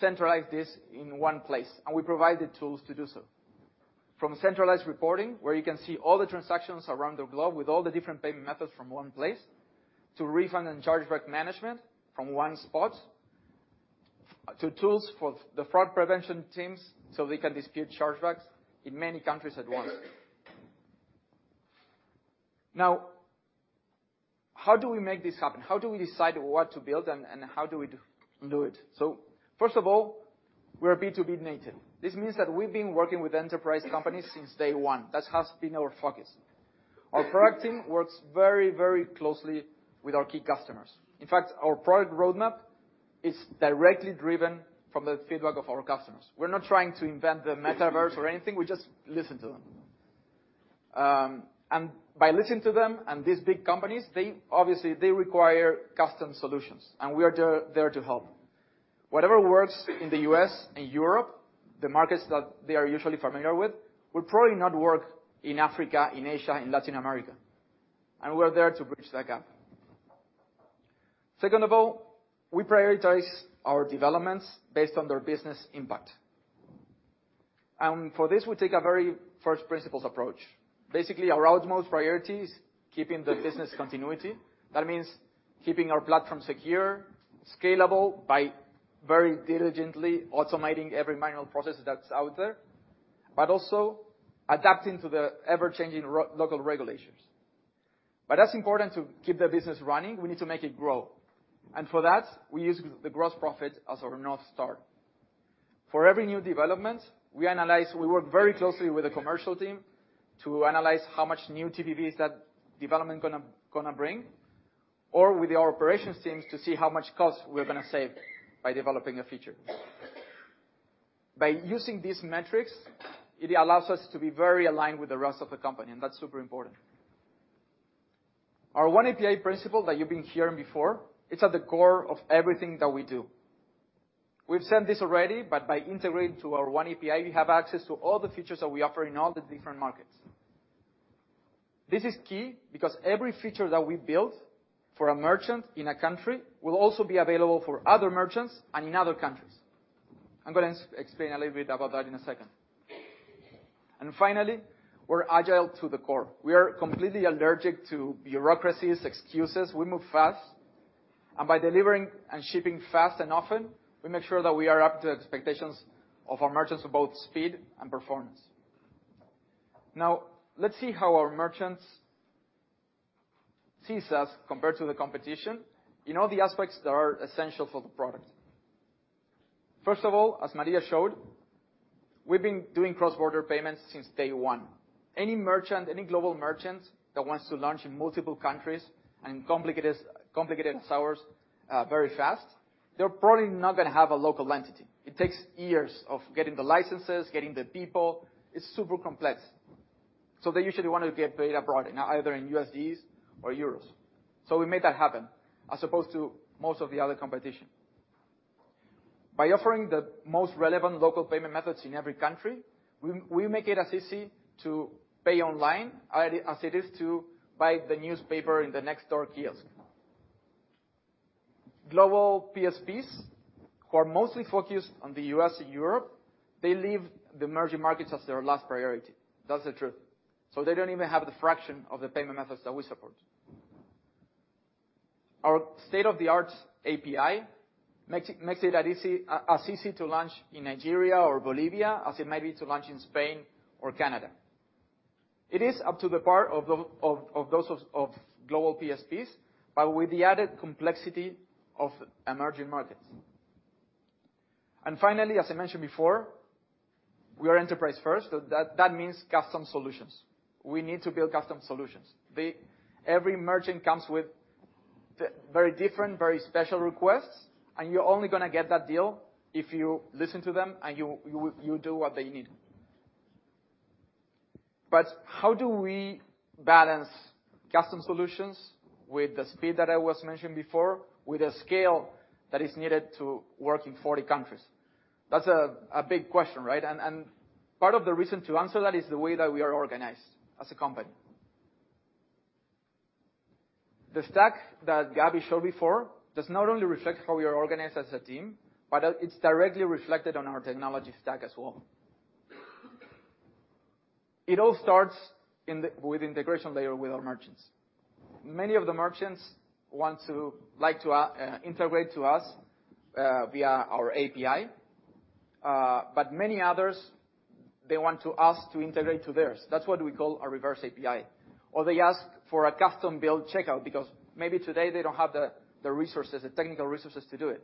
centralized this in one place, and we provide the tools to do so. From centralized reporting, where you can see all the transactions around the globe with all the different payment methods from one place, to refund and chargeback management from one spot, to tools for the fraud prevention teams, so they can dispute chargebacks in many countries at once. How do we make this happen? How do we decide what to build and how do we do it? First of all, we're B2B native. This means that we've been working with enterprise companies since day one. That has been our focus. Our product team works very closely with our key customers. In fact, our product roadmap is directly driven from the feedback of our customers. We're not trying to invent the metaverse or anything. We just listen to them. By listening to them, and these big companies, they obviously, they require custom solutions, and we are there to help. Whatever works in the U.S. and Europe, the markets that they are usually familiar with, will probably not work in Africa, in Asia, in Latin America, and we're there to bridge that gap. Second of all, we prioritize our developments based on their business impact. For this, we take a very first principles approach. Basically, our utmost priority is keeping the business continuity. That means keeping our platform secure, scalable by very diligently automating every manual process that's out there, but also adapting to the ever-changing local regulations. That's important to keep the business running, we need to make it grow. For that, we use the gross profit as our North Star. For every new development, We work very closely with the commercial team to analyze how much new TPVs that development gonna bring, or with the operations teams to see how much cost we're gonna save by developing a feature. By using these metrics, it allows us to be very aligned with the rest of the company. That's super important. Our one API principle that you've been hearing before, it's at the core of everything that we do. We've said this already. By integrating to our one API, you have access to all the features that we offer in all the different markets. This is key because every feature that we build for a merchant in a country, will also be available for other merchants and in other countries. I'm gonna explain a little bit about that in a second. Finally, we're agile to the core. We are completely allergic to bureaucracies, excuses. We move fast, and by delivering and shipping fast and often, we make sure that we are up to expectations of our merchants for both speed and performance. Now, let's see how our merchants sees us compared to the competition, in all the aspects that are essential for the product. First of all, as Maria showed, we've been doing cross-border payments since day one. Any merchant, any global merchant, that wants to launch in multiple countries and complicated as ours, very fast, they're probably not gonna have a local entity. It takes years of getting the licenses, getting the people. It's super complex. They usually want to get paid abroad, either in USDs or euros. We made that happen, as opposed to most of the other competition. By offering the most relevant local payment methods in every country, we make it as easy to pay online as it is to buy the newspaper in the next door kiosk. Global PSPs, who are mostly focused on the U.S. and Europe, they leave the emerging markets as their last priority. That's the truth. They don't even have the fraction of the payment methods that we support. Our state-of-the-art API makes it as easy as easy to launch in Nigeria or Bolivia, as it might be to launch in Spain or Canada. It is up to the par of those of global PSPs, but with the added complexity of emerging markets. Finally, as I mentioned before, we are enterprise first, so that means custom solutions. We need to build custom solutions. Every merchant comes with the very different, very special requests, you're only gonna get that deal if you listen to them, and you do what they need. How do we balance custom solutions with the speed that I was mentioning before, with the scale that is needed to work in 40 countries? That's a big question, right? Part of the reason to answer that is the way that we are organized as a company. The stack that Gabby showed before does not only reflect how we are organized as a team, but it's directly reflected on our technology stack as well. It all starts with integration layer with our merchants. Many of the merchants like to integrate to us via our API, but many others, they want to ask to integrate to theirs. That's what we call a reverse API. They ask for a custom-built checkout, because maybe today they don't have the resources, the technical resources to do it,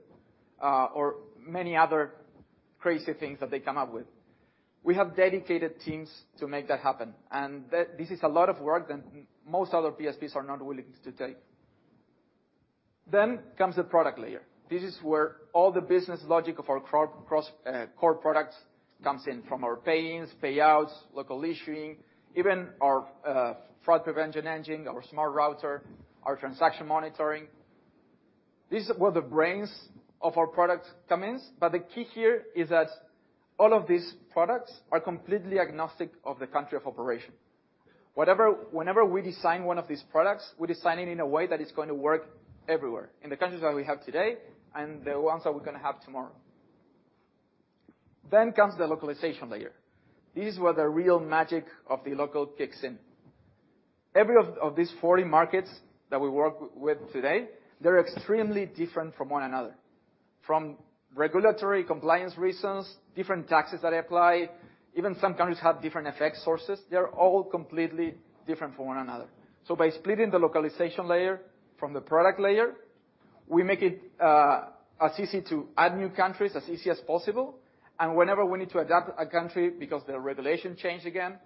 or many other crazy things that they come up with. We have dedicated teams to make that happen, and this is a lot of work that most other PSPs are not willing to take. Comes the product layer. This is where all the business logic of our cross core products comes in, from our pay-ins, payouts, Local Issuing, even our fraud prevention engine, our Smart Routing, our transaction monitoring. This is where the brains of our product comes, but the key here is that all of these products are completely agnostic of the country of operation. Whenever we design one of these products, we design it in a way that is going to work everywhere, in the countries that we have today, and the ones that we're gonna have tomorrow. Comes the localization layer. This is where the real magic of dLocal kicks in. Every of these 40 markets that we work with today, they're extremely different from one another. From regulatory compliance reasons, different taxes that apply, even some countries have different FX sources, they're all completely different from one another. So by splitting the localization layer from the product layer, we make it as easy to add new countries, as easy as possible, and whenever we need to adapt a country because the regulation changed again,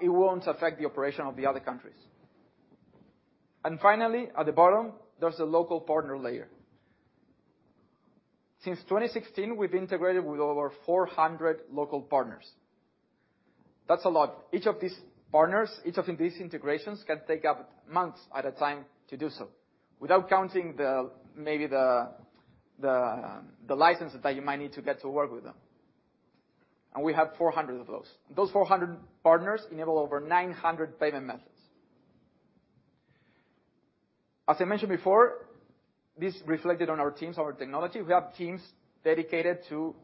it won't affect the operation of the other countries. Finally, at the bottom, there's a local partner layer. Since 2016, we've integrated with over 400 local partners. That's a lot. Each of these partners, each of these integrations can take up months at a time to do so, without counting the, maybe the licenses that you might need to get to work with them. We have 400 of those. Those 400 partners enable over 900 payment methods. As I mentioned before, this reflected on our teams, our technology. We have teams dedicated to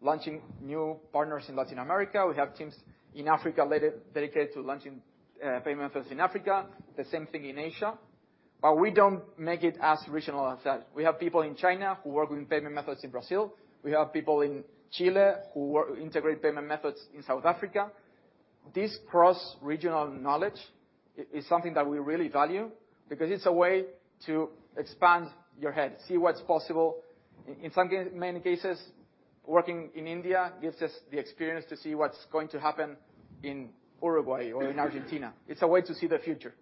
launching new partners in Latin America. We have teams in Africa dedicated to launching payment methods in Africa. The same thing in Asia.... We don't make it as regional as that. We have people in China who work with payment methods in Brazil. We have people in Chile who work, integrate payment methods in South Africa. This cross-regional knowledge is something that we really value because it's a way to expand your head, see what's possible. In many cases, working in India gives us the experience to see what's going to happen in Uruguay or in Argentina. It's a way to see the future.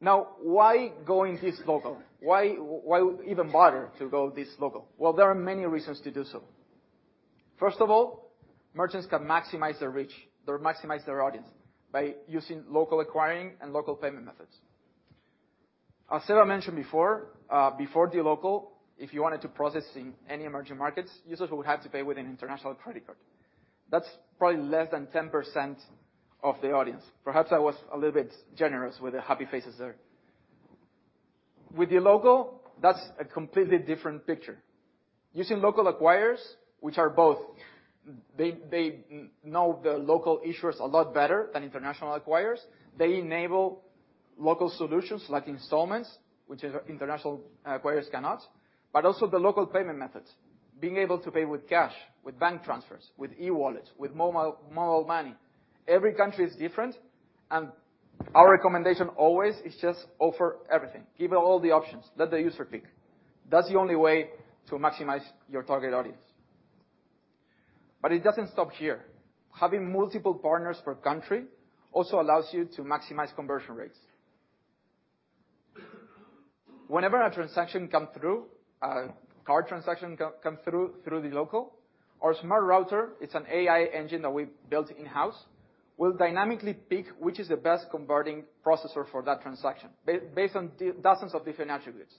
Why going this local? Why even bother to go this local? Well, there are many reasons to do so. First of all, merchants can maximize their reach or maximize their audience by using local acquiring and local payment methods. As Sarah mentioned before dLocal, if you wanted to process in any emerging markets, users would have to pay with an international credit card. That's probably less than 10% of the audience. Perhaps I was a little bit generous with the happy faces there. With dLocal, that's a completely different picture. Using local acquirers, which are both, they know the local issuers a lot better than international acquirers. They enable local solutions like installments, which international acquirers cannot, but also the local payment methods. Being able to pay with cash, with bank transfers, with e-wallets, with mobile money. Every country is different, our recommendation always is just offer everything. Give all the options, let the user pick. That's the only way to maximize your target audience. It doesn't stop here. Having multiple partners per country also allows you to maximize conversion rates. Whenever a transaction come through, a card transaction come through dLocal, our Smart Routing, it's an AI engine that we built in-house, will dynamically pick which is the best converting processor for that transaction, based on dozens of different attributes.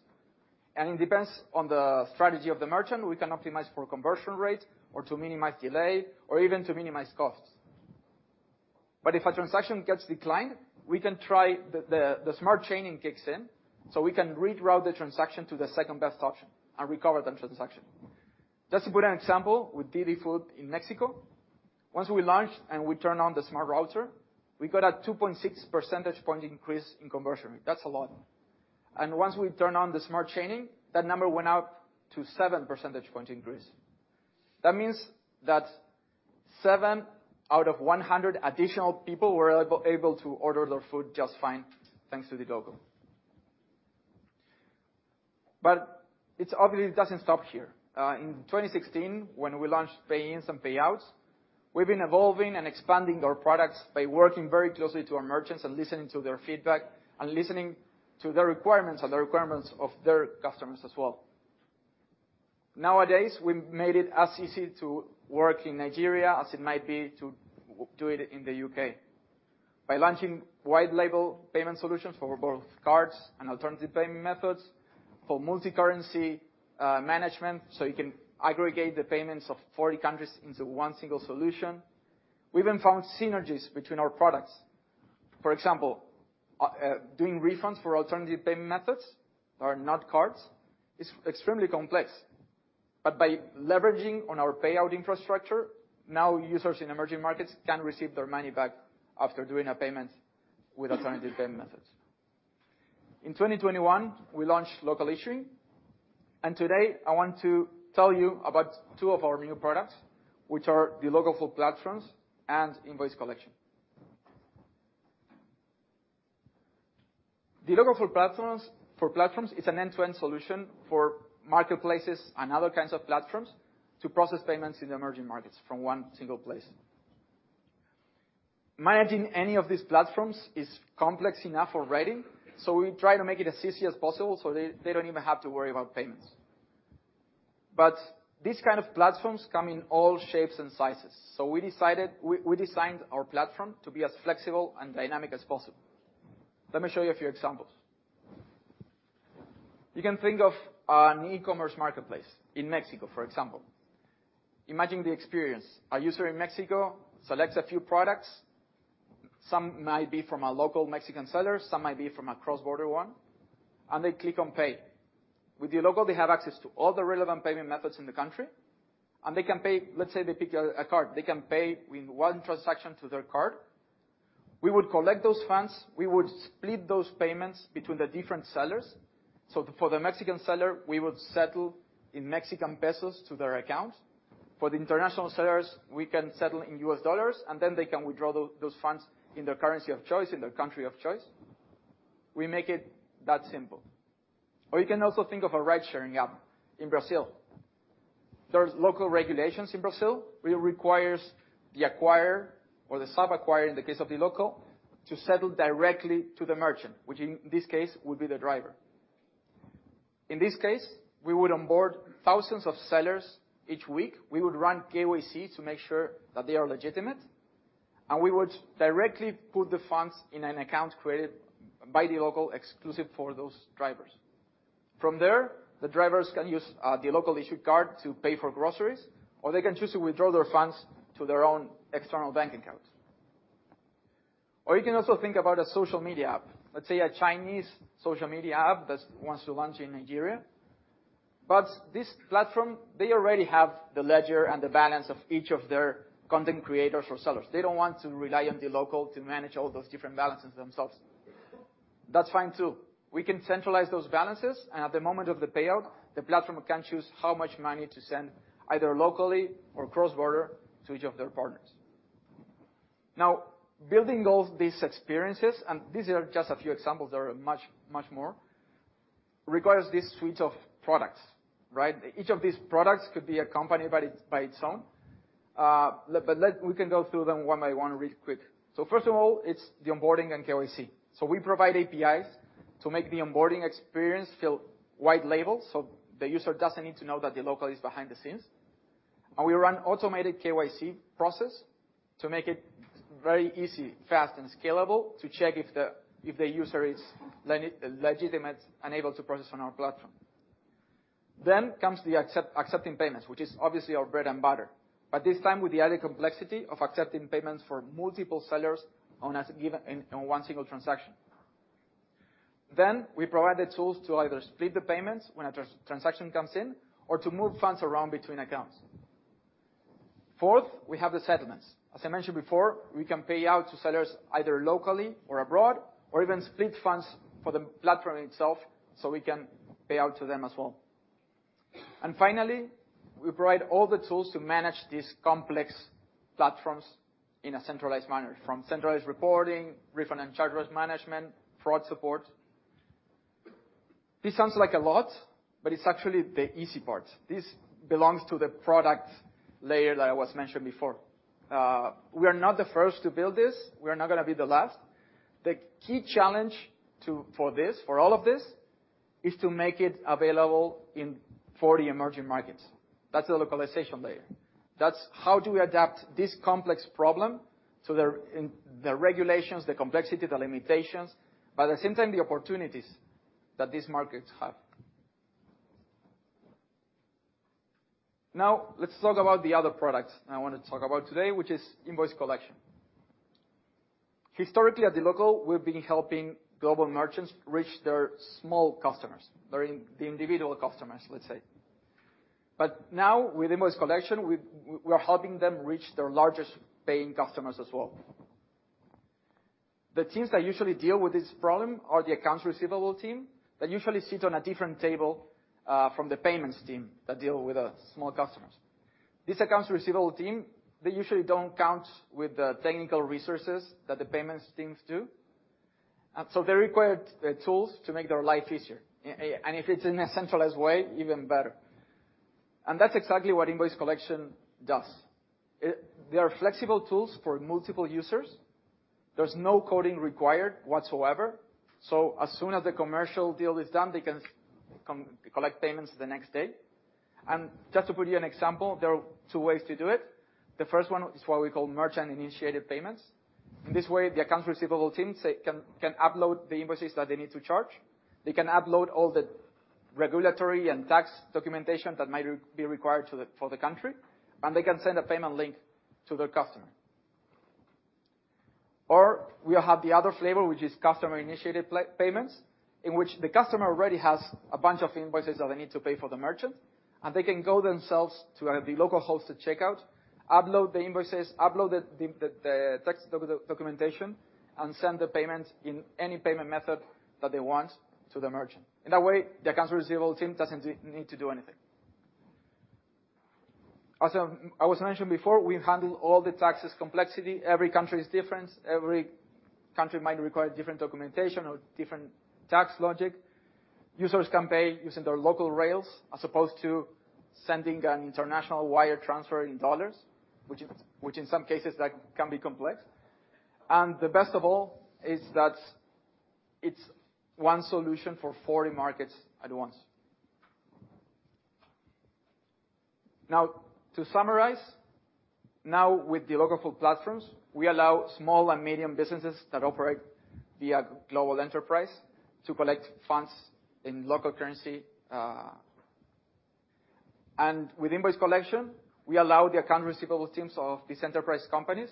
It depends on the strategy of the merchant. We can optimize for conversion rate or to minimize delay or even to minimize costs. If a transaction gets declined, we can try. The Smart Chaining kicks in, so we can reroute the transaction to the second-best option and recover the transaction. Just to put an example, with DiDi Food in Mexico, once we launched and we turned on the Smart Routing, we got a 2.6 percentage point increase in conversion rate. That's a lot. Once we turned on the Smart Chaining, that number went up to 7 percentage point increase. That means that 7 out of 100 additional people were able to order their food just fine, thanks to dLocal. It obviously doesn't stop here. In 2016, when we launched pay-ins and payouts, we've been evolving and expanding our products by working very closely to our merchants and listening to their feedback, and listening to their requirements and the requirements of their customers as well. Nowadays, we've made it as easy to work in Nigeria as it might be to do it in the U.K.. By launching white-label payment solutions for both cards and alternative payment methods, for multicurrency management, so you can aggregate the payments of 40 countries into 1 single solution. We even found synergies between our products. For example, doing refunds for alternative payment methods that are not cards, is extremely complex. By leveraging on our payout infrastructure, now users in emerging markets can receive their money back after doing a payment with alternative payment methods. In 2021, we launched Local Issuing. Today I want to tell you about two of our new products, which are dLocal for Platforms and Invoice Collection. dLocal for Platforms is an end-to-end solution for marketplaces and other kinds of platforms to process payments in the emerging markets from one single place. Managing any of these platforms is complex enough already, we try to make it as easy as possible so they don't even have to worry about payments. These kind of platforms come in all shapes and sizes, we designed our platform to be as flexible and dynamic as possible. Let me show you a few examples. You can think of an e-commerce marketplace in Mexico, for example. Imagine the experience: A user in Mexico selects a few products, some might be from a local Mexican seller, some might be from a cross-border one, and they click on pay. With dLocal, they have access to all the relevant payment methods in the country, and they can pay. Let's say they pick a card. They can pay in one transaction to their card. We would collect those funds, we would split those payments between the different sellers. For the Mexican seller, we would settle in Mexican pesos to their account. For the international sellers, we can settle in U.S. dollars, and then they can withdraw those funds in their currency of choice, in their country of choice. We make it that simple. You can also think of a ride-sharing app in Brazil. There's local regulations in Brazil, where it requires the acquirer, or the sub-acquirer, in the case of dLocal, to settle directly to the merchant, which in this case, would be the driver. In this case, we would onboard thousands of sellers each week. We would run KYC to make sure that they are legitimate, and we would directly put the funds in an account created by dLocal exclusive for those drivers. From there, the drivers can use a dLocal issued card to pay for groceries, or they can choose to withdraw their funds to their own external bank account. You can also think about a social media app, let's say a Chinese social media app that wants to launch in Nigeria. This platform, they already have the ledger and the balance of each of their content creators or sellers. They don't want to rely on dLocal to manage all those different balances themselves. That's fine, too. We can centralize those balances, and at the moment of the payout, the platform can choose how much money to send, either locally or cross-border, to each of their partners. Building all these experiences, and these are just a few examples, there are much, much more, requires this suite of products, right? Each of these products could be accompanied by its own. We can go through them one by one really quick. First of all, it's the onboarding and KYC. We provide APIs to make the onboarding experience feel white label, so the user doesn't need to know that dLocal is behind the scenes. We run automated KYC process to make it very easy, fast, and scalable to check if the user is legitimate and able to process on our platform. Comes the accepting payments, which is obviously our bread and butter, but this time with the added complexity of accepting payments for multiple sellers in one single transaction. We provide the tools to either split the payments when a transaction comes in or to move funds around between accounts. Fourth, we have the settlements. As I mentioned before, we can pay out to sellers either locally or abroad, or even split funds for the platform itself, so we can pay out to them as well. Finally, we provide all the tools to manage these complex platforms in a centralized manner, from centralized reporting, refund and chargeback management, fraud support. This sounds like a lot, but it's actually the easy part. This belongs to the product layer that I was mentioning before. We are not the first to build this. We are not gonna be the last. The key challenge for this, for all of this, is to make it available in 40 emerging markets. That's the localization layer. That's how do we adapt this complex problem, so the regulations, the complexity, the limitations, but at the same time, the opportunities that these markets have. Let's talk about the other product I wanna talk about today, which is Invoice Collection. Historically, at dLocal, we've been helping global merchants reach their small customers, or the individual customers, let's say. With Invoice Collection, we're helping them reach their largest paying customers as well. The teams that usually deal with this problem are the accounts receivable team, that usually sit on a different table, from the payments team that deal with the small customers. This accounts receivable team, they usually don't count with the technical resources that the payments teams do. They require the tools to make their life easier. If it's in a centralized way, even better. That's exactly what Invoice Collection does. They are flexible tools for multiple users. There's no coding required whatsoever, so as soon as the commercial deal is done, they can collect payments the next day. Just to put you an example, there are two ways to do it. The first one is what we call merchant-initiated payments. In this way, the accounts receivable teams, they can upload the invoices that they need to charge. They can upload all the regulatory and tax documentation that might be required for the country. They can send a payment link to their customer. We have the other flavor, which is customer-initiated payments, in which the customer already has a bunch of invoices that they need to pay for the merchant, and they can go themselves to the local hosted checkout, upload the invoices, upload the tax documentation, and send the payment in any payment method that they want to the merchant. In that way, the accounts receivable team doesn't need to do anything. As I was mentioning before, we handle all the taxes complexity. Every country is different. Every country might require different documentation or different tax logic. Users can pay using their local rails, as opposed to sending an international wire transfer in USD, which in some cases, that can be complex. The best of all, is that it's one solution for 40 markets at once. To summarize, with dLocal for Platforms, we allow small and medium businesses that operate via global enterprise to collect funds in local currency. With Invoice Collection, we allow the account receivable teams of these enterprise companies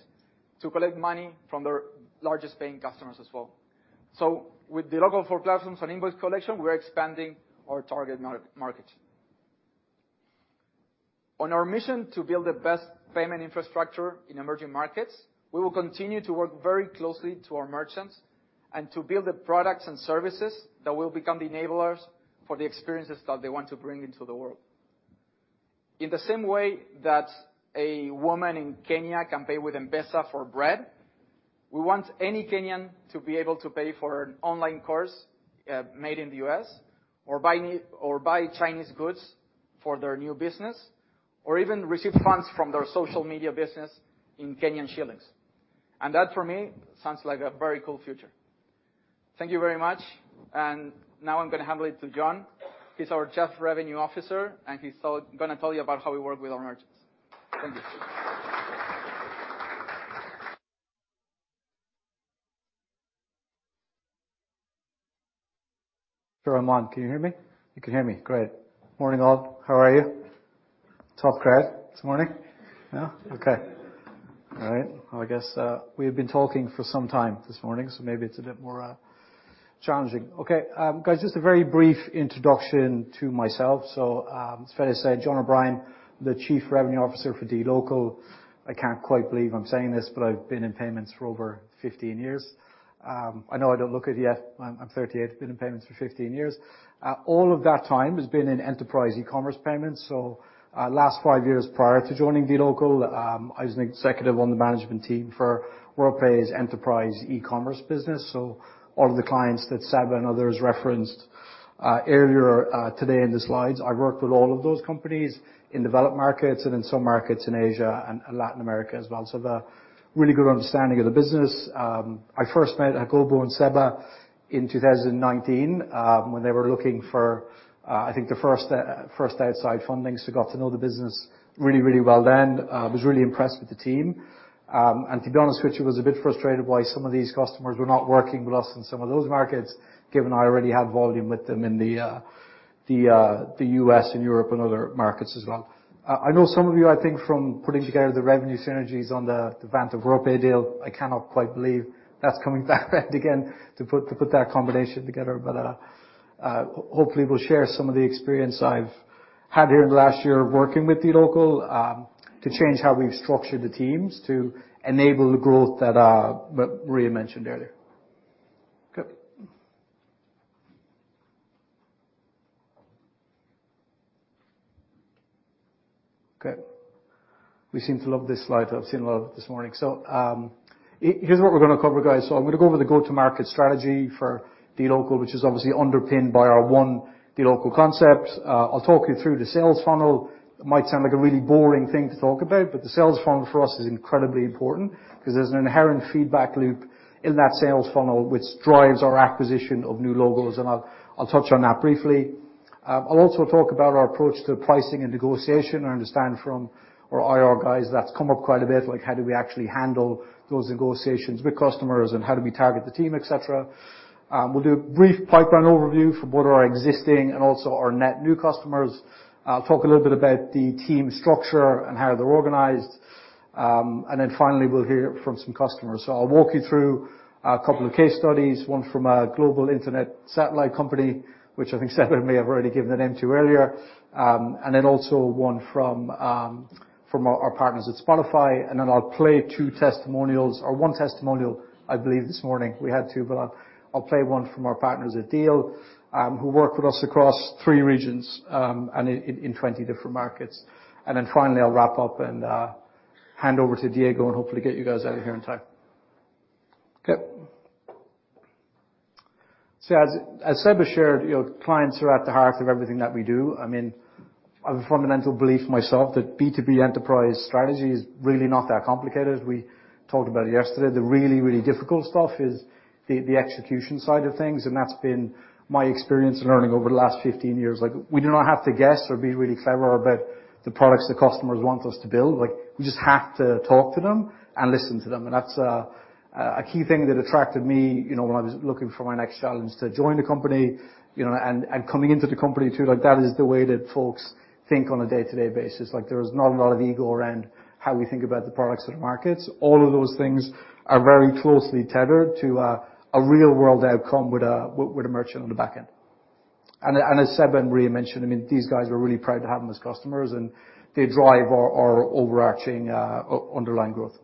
to collect money from their largest paying customers as well. With dLocal for Platforms and Invoice Collection, we're expanding our target market. On our mission to build the best payment infrastructure in emerging markets, we will continue to work very closely to our merchants, to build the products and services that will become the enablers for the experiences that they want to bring into the world. In the same way that a woman in Kenya can pay with M-Pesa for bread, we want any Kenyan to be able to pay for an online course made in the U.S., or buy Chinese goods for their new business, or even receive funds from their social media business in Kenyan shillings. That, for me, sounds like a very cool future. Thank you very much, now I'm gonna hand over to John. He's our chief revenue officer, he's gonna tell you about how we work with our merchants. Thank you. I'm on. Can you hear me? You can hear me. Great. Morning, all. How are you? Top crowd this morning? Yeah. Okay. All right. I guess, we have been talking for some time this morning, maybe it's a bit more challenging. Guys, just a very brief introduction to myself. It's fair to say, John O'Brien, the Chief Revenue Officer for dLocal. I can't quite believe I'm saying this, I've been in payments for over 15 years. I know I don't look it yet. I'm 38, been in payments for 15 years. All of that time has been in enterprise e-commerce payments. Last five years prior to joining dLocal, I was an executive on the management team for Worldpay's enterprise e-commerce business. All of the clients that Seba and others referenced earlier today in the slides, I worked with all of those companies in developed markets and in some markets in Asia and Latin America as well. The really good understanding of the business. I first met Jacobo and Seba in 2019, when they were looking for, I think the first outside funding, so got to know the business really, really well then. Was really impressed with the team. And to be honest with you, I was a bit frustrated why some of these customers were not working with us in some of those markets, given I already had volume with them in the US and Europe and other markets as well. I know some of you, I think, from putting together the revenue synergies on the Vantiv Worldpay deal, I cannot quite believe that's coming back again, to put that combination together. Hopefully, we'll share some of the experience I've had here in the last year of working with dLocal, to change how we've structured the teams to enable the growth that what Maria mentioned earlier. Okay. We seem to love this slide. I've seen love this morning. Here's what we're gonna cover, guys. I'm gonna go over the go-to-market strategy for dLocal, which is obviously underpinned by our one dLocal concept. I'll talk you through the sales funnel. It might sound like a really boring thing to talk about, but the sales funnel for us is incredibly important because there's an inherent feedback loop in that sales funnel, which drives our acquisition of new logos, and I'll touch on that briefly. I'll also talk about our approach to pricing and negotiation. I understand from our IR guys, that's come up quite a bit, like, how do we actually handle those negotiations with customers, and how do we target the team, et cetera? We'll do a brief pipeline overview for both our existing and also our net new customers. I'll talk a little bit about the team structure and how they're organized. Then finally, we'll hear from some customers. I'll walk you through a couple of case studies, one from a global internet satellite company, which I think Seba may have already given a name to earlier, and then also one from our partners at Spotify. I'll play two testimonials or one testimonial. I believe this morning we had two, I'll play one from our partners at Deel, who work with us across three regions and in 20 different markets. Finally, I'll wrap up and hand over to Diego and hopefully get you guys out of here on time. Okay. As Seba shared, you know, clients are at the heart of everything that we do. I mean, I have a fundamental belief myself that B2B enterprise strategy is really not that complicated. We talked about it yesterday. The really difficult stuff is the execution side of things, and that's been my experience learning over the last 15 years. Like, we do not have to guess or be really clever about the products the customers want us to build. Like, we just have to talk to them and listen to them, and that's a key thing that attracted me, you know, when I was looking for my next challenge to join the company, you know, and coming into the company, too. Like, that is the way that folks think on a day-to-day basis. Like, there is not a lot of ego around how we think about the products and markets. All of those things are very closely tethered to a real-world outcome with a merchant on the back end. As Seba and Maria mentioned, I mean, these guys, we're really proud to have them as customers, and they drive our overarching underlying growth.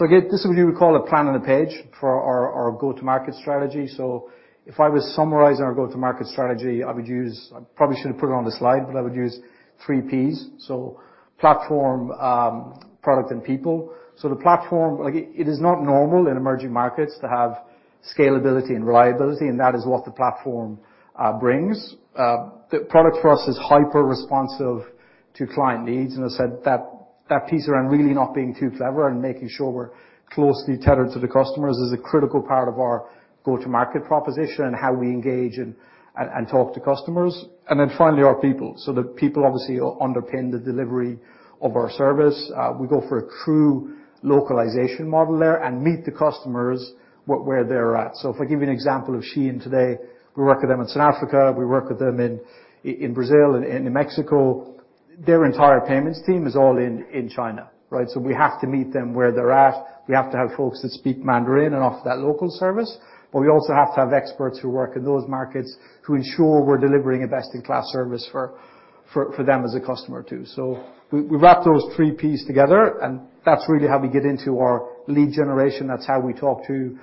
Again, this is what we call a plan on the page for our go-to-market strategy. If I was summarizing our go-to-market strategy, I would use I probably should have put it on the slide, but I would use 3 Ps. Platform, product, and people. The platform, like, it is not normal in emerging markets to have scalability and reliability, and that is what the platform brings. The product for us is hyper-responsive to client needs. I said that piece around really not being too clever and making sure we're closely tethered to the customers is a critical part of our go-to-market proposition and how we engage and talk to customers. Finally, our people. The people obviously underpin the delivery of our service. We go for a true localization model there and meet the customers where they're at. If I give you an example of SHEIN today, we work with them in South Africa, we work with them in Brazil, in Mexico. Their entire payments team is all in China, right? We have to meet them where they're at. We have to have folks that speak Mandarin and offer that local service. We also have to have experts who work in those markets to ensure we're delivering a best-in-class service for them as a customer, too. We wrap those 3 Ps together. That's really how we get into our lead generation. That's how we talk to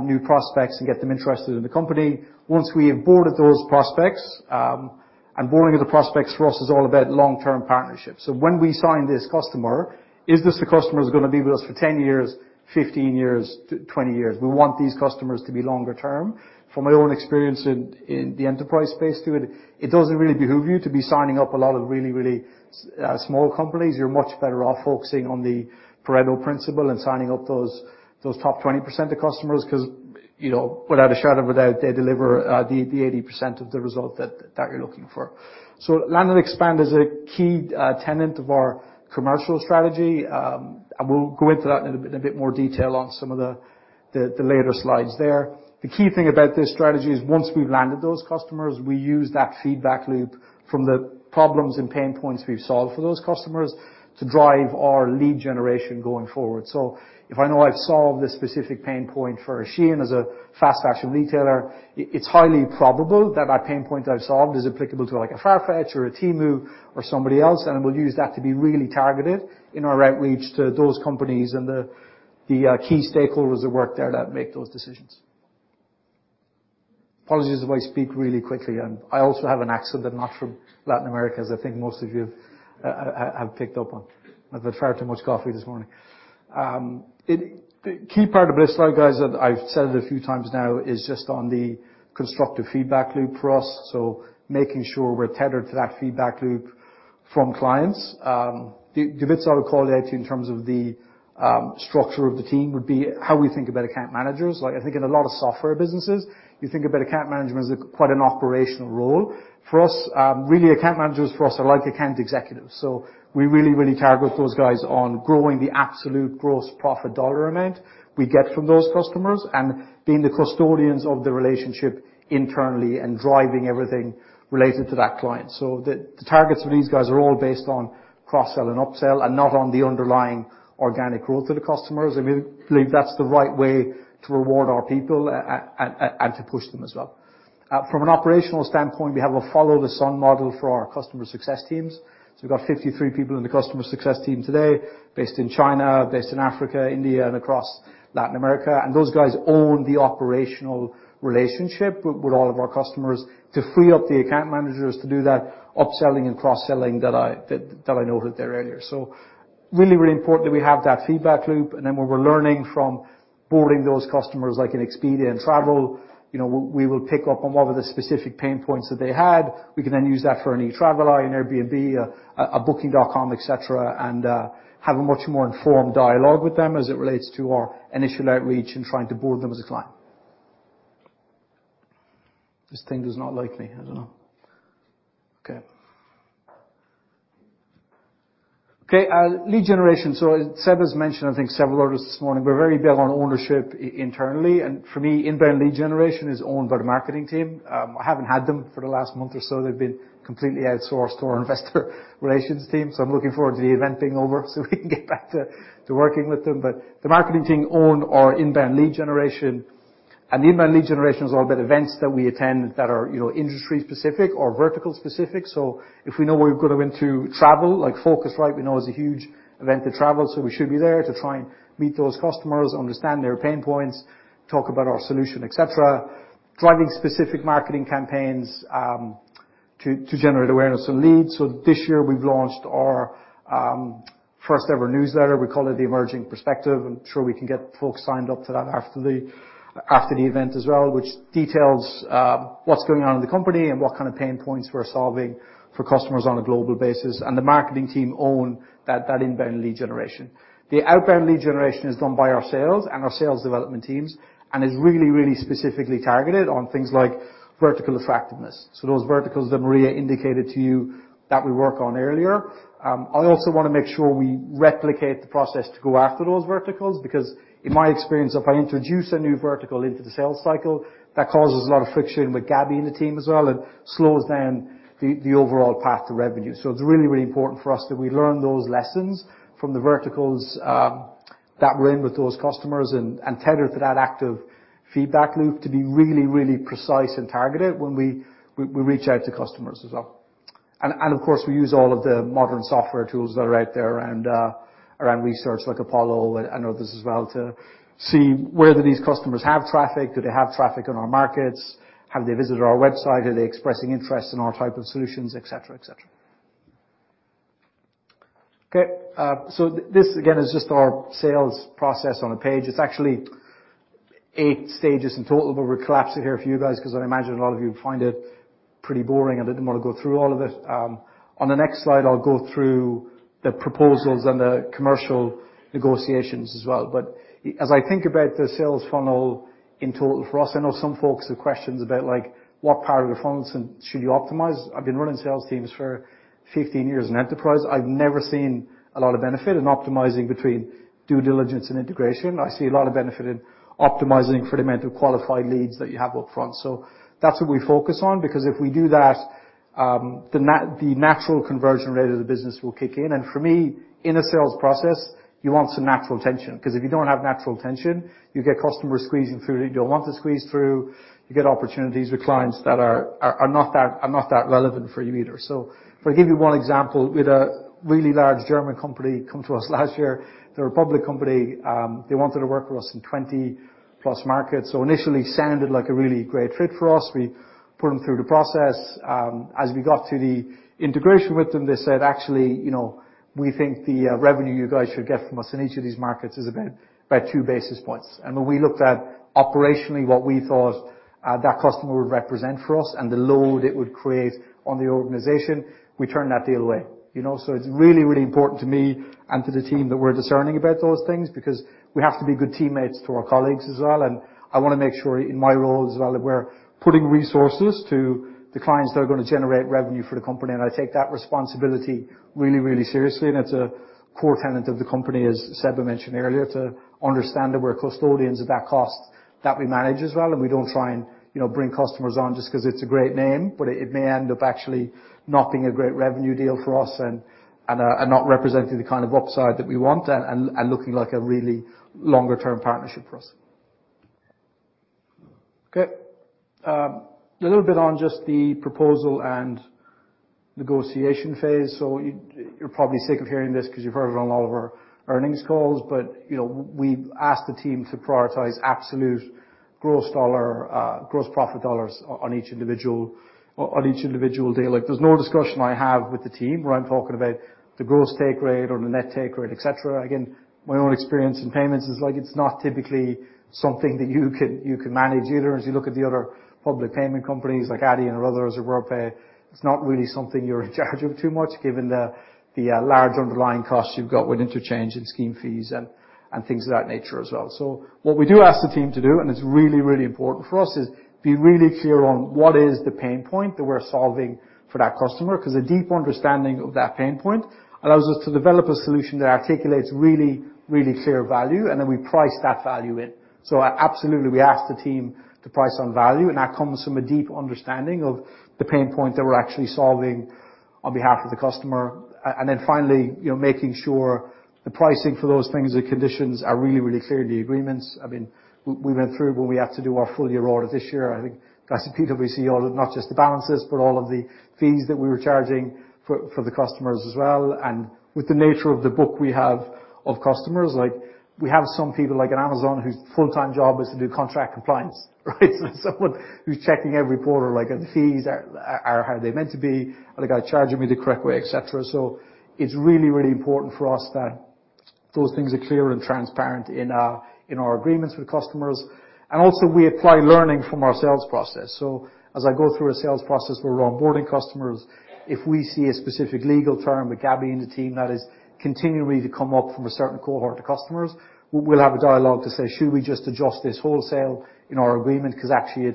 new prospects and get them interested in the company. Once we have boarded those prospects, boarding the prospects for us is all about long-term partnerships. When we sign this customer, is this the customer who's gonna be with us for 10 years, 15 years, 20 years? We want these customers to be longer term. From my own experience in the enterprise space, dude, it doesn't really behoove you to be signing up a lot of really small companies. You're much better off focusing on the parental principle and signing up those top 20% of customers, 'cause, you know, without a shadow of a doubt, they deliver the 80% of the result that you're looking for. Land and expand is a key tenet of our commercial strategy, and we'll go into that in a bit more detail on the later slides there. The key thing about this strategy is once we've landed those customers, we use that feedback loop from the problems and pain points we've solved for those customers to drive our lead generation going forward. If I know I've solved this specific pain point for SHEIN as a fast fashion retailer, it's highly probable that that pain point I've solved is applicable to, like, a Farfetch or a Temu or somebody else, and we'll use that to be really targeted in our outreach to those companies and the key stakeholders that work there that make those decisions. Apologies if I speak really quickly, I also have an accent that not from Latin America, as I think most of you have picked up on. I've had far too much coffee this morning. The key part of this slide, guys, that I've said it a few times now, is just on the constructive feedback loop for us, so making sure we're tethered to that feedback loop from clients. The bits I would call it in terms of the structure of the team would be how we think about account managers. I think in a lot of software businesses, you think about account management as a quite an operational role. For us, really, account managers for us are like account executives. We really target those guys on growing the absolute gross profit dollar amount we get from those customers and being the custodians of the relationship internally and driving everything related to that client. The targets for these guys are all based on cross-sell and upsell and not on the underlying organic growth of the customers, and we believe that's the right way to reward our people and to push them as well. From an operational standpoint, we have a follow-the-sun model for our customer success teams. We've got 53 people in the customer success team today, based in China, based in Africa, India, and across Latin America, and those guys own the operational relationship with all of our customers to free up the account managers to do that upselling and cross-selling that I noted there earlier. Really, really important that we have that feedback loop, and then when we're learning from boarding those customers, like in Expedia and Travel, you know, we will pick up on what were the specific pain points that they had. We can use that for an Etraveli, an Airbnb, a Booking.com, et cetera, and have a much more informed dialogue with them as it relates to our initial outreach and trying to board them as a client. This thing does not like me. I don't know. Okay. Okay, lead generation. As Seba's mentioned, I think, several times this morning, we're very big on ownership internally, and for me, inbound lead generation is owned by the marketing team. I haven't had them for the last month or so. They've been completely outsourced to our investor relations team, I'm looking forward to the event being over so we can get back to working with them. The marketing team own our inbound lead generation, and the inbound lead generation is all about events that we attend that are, you know, industry specific or vertical specific. If we know we're going to went to travel, like Phocuswright, we know, is a huge event to travel, so we should be there to try and meet those customers, understand their pain points, talk about our solution, et cetera. Driving specific marketing campaigns to generate awareness and leads. This year, we've launched our first-ever newsletter. We call it the Emerging Perspective. I'm sure we can get folks signed up to that after the event as well, which details what's going on in the company and what kind of pain points we're solving for customers on a global basis, and the marketing team own that inbound lead generation. The outbound lead generation is done by our sales and our sales development teams and is really, really specifically targeted on things like vertical attractiveness. Those verticals that Maria indicated to you that we work on earlier. I also want to make sure we replicate the process to go after those verticals, because in my experience, if I introduce a new vertical into the sales cycle, that causes a lot of friction with Gabby and the team as well, and slows down the overall path to revenue. It's really, really important for us that we learn those lessons from the verticals that we're in with those customers and tethered to that active feedback loop to be really, really precise and targeted when we reach out to customers as well. Of course, we use all of the modern software tools that are out there around research, like Apollo and others as well, to see where do these customers have traffic? Do they have traffic in our markets? Have they visited our website? Are they expressing interest in our type of solutions, et cetera, et cetera. This, again, is just our sales process on a page. It's actually eight stages in total, but we're collapsed it here for you guys because I imagine a lot of you find it pretty boring and didn't want to go through all of it. On the next slide, I'll go through the proposals and the commercial negotiations as well. As I think about the sales funnel in total for us, I know some folks have questions about, like, what part of the funnels and should you optimize? I've been running sales teams for 15 years in enterprise. I've never seen a lot of benefit in optimizing between due diligence and integration. I see a lot of benefit in optimizing for the amount of qualified leads that you have upfront. That's what we focus on, because if we do that, the natural conversion rate of the business will kick in. For me, in a sales process, you want some natural tension, because if you don't have natural tension, you get customers squeezing through who don't want to squeeze through. You get opportunities with clients that are not that, are not that relevant for you either. If I give you one example, we had a really large German company come to us last year. They're a public company. They wanted to work with us in 20-plus markets. Initially, sounded like a really great fit for us. We put them through the process. As we got to the integration with them, they said, "Actually, you know, we think the revenue you guys should get from us in each of these markets is about two basis points." When we looked at operationally what we thought that customer would represent for us and the load it would create on the organization, we turned that deal away. You know, it's really, really important to me and to the team that we're discerning about those things because we have to be good teammates to our colleagues as well, and I want to make sure in my role as well, that we're putting resources to the clients that are going to generate revenue for the company. I take that responsibility really, really seriously, and it's a core tenet of the company, as Seba mentioned earlier, to understand that we're custodians of that that we manage as well, and we don't try and, you know, bring customers on just 'cause it's a great name, but it may end up actually not being a great revenue deal for us and not representing the kind of upside that we want and looking like a really longer term partnership for us. Okay. A little bit on just the proposal and negotiation phase. You're probably sick of hearing this, because you've heard it on all of our earnings calls, but, you know, we've asked the team to prioritize absolute gross dollar, gross profit dollars on each individual, on each individual deal. There's no discussion I have with the team where I'm talking about the gross take rate or the net take rate, et cetera. Again, my own experience in payments is, like, it's not typically something that you can, you can manage either. As you look at the other public payment companies, like Adyen or others, or Worldpay, it's not really something you're in charge of too much, given the large underlying costs you've got with interchange and scheme fees and things of that nature as well. What we do ask the team to do, and it's really, really important for us, is be really clear on what is the pain point that we're solving for that customer. Because a deep understanding of that pain point allows us to develop a solution that articulates really, really clear value, and then we price that value in. Absolutely, we ask the team to price on value, and that comes from a deep understanding of the pain point that we're actually solving on behalf of the customer. Then finally, you know, making sure the pricing for those things and conditions are really, really clear in the agreements. I mean, we went through when we had to do our full year audit this year. I think PricewaterhouseCoopers, we see all of. Not just the balances, but all of the fees that we were charging for the customers as well. With the nature of the book we have of customers, like, we have some people, like in Amazon, whose full-time job is to do contract compliance, right? Someone who's checking every quarter, like, the fees are they meant to be? Are they gonna charge me the correct way, et cetera. It's really, really important for us that those things are clear and transparent in our agreements with customers. Also, we apply learning from our sales process. As I go through a sales process where we're onboarding customers, if we see a specific legal term with Gabby and the team that is continually to come up from a certain cohort of customers, we'll have a dialogue to say, "Should we just adjust this wholesale in our agreement? Because actually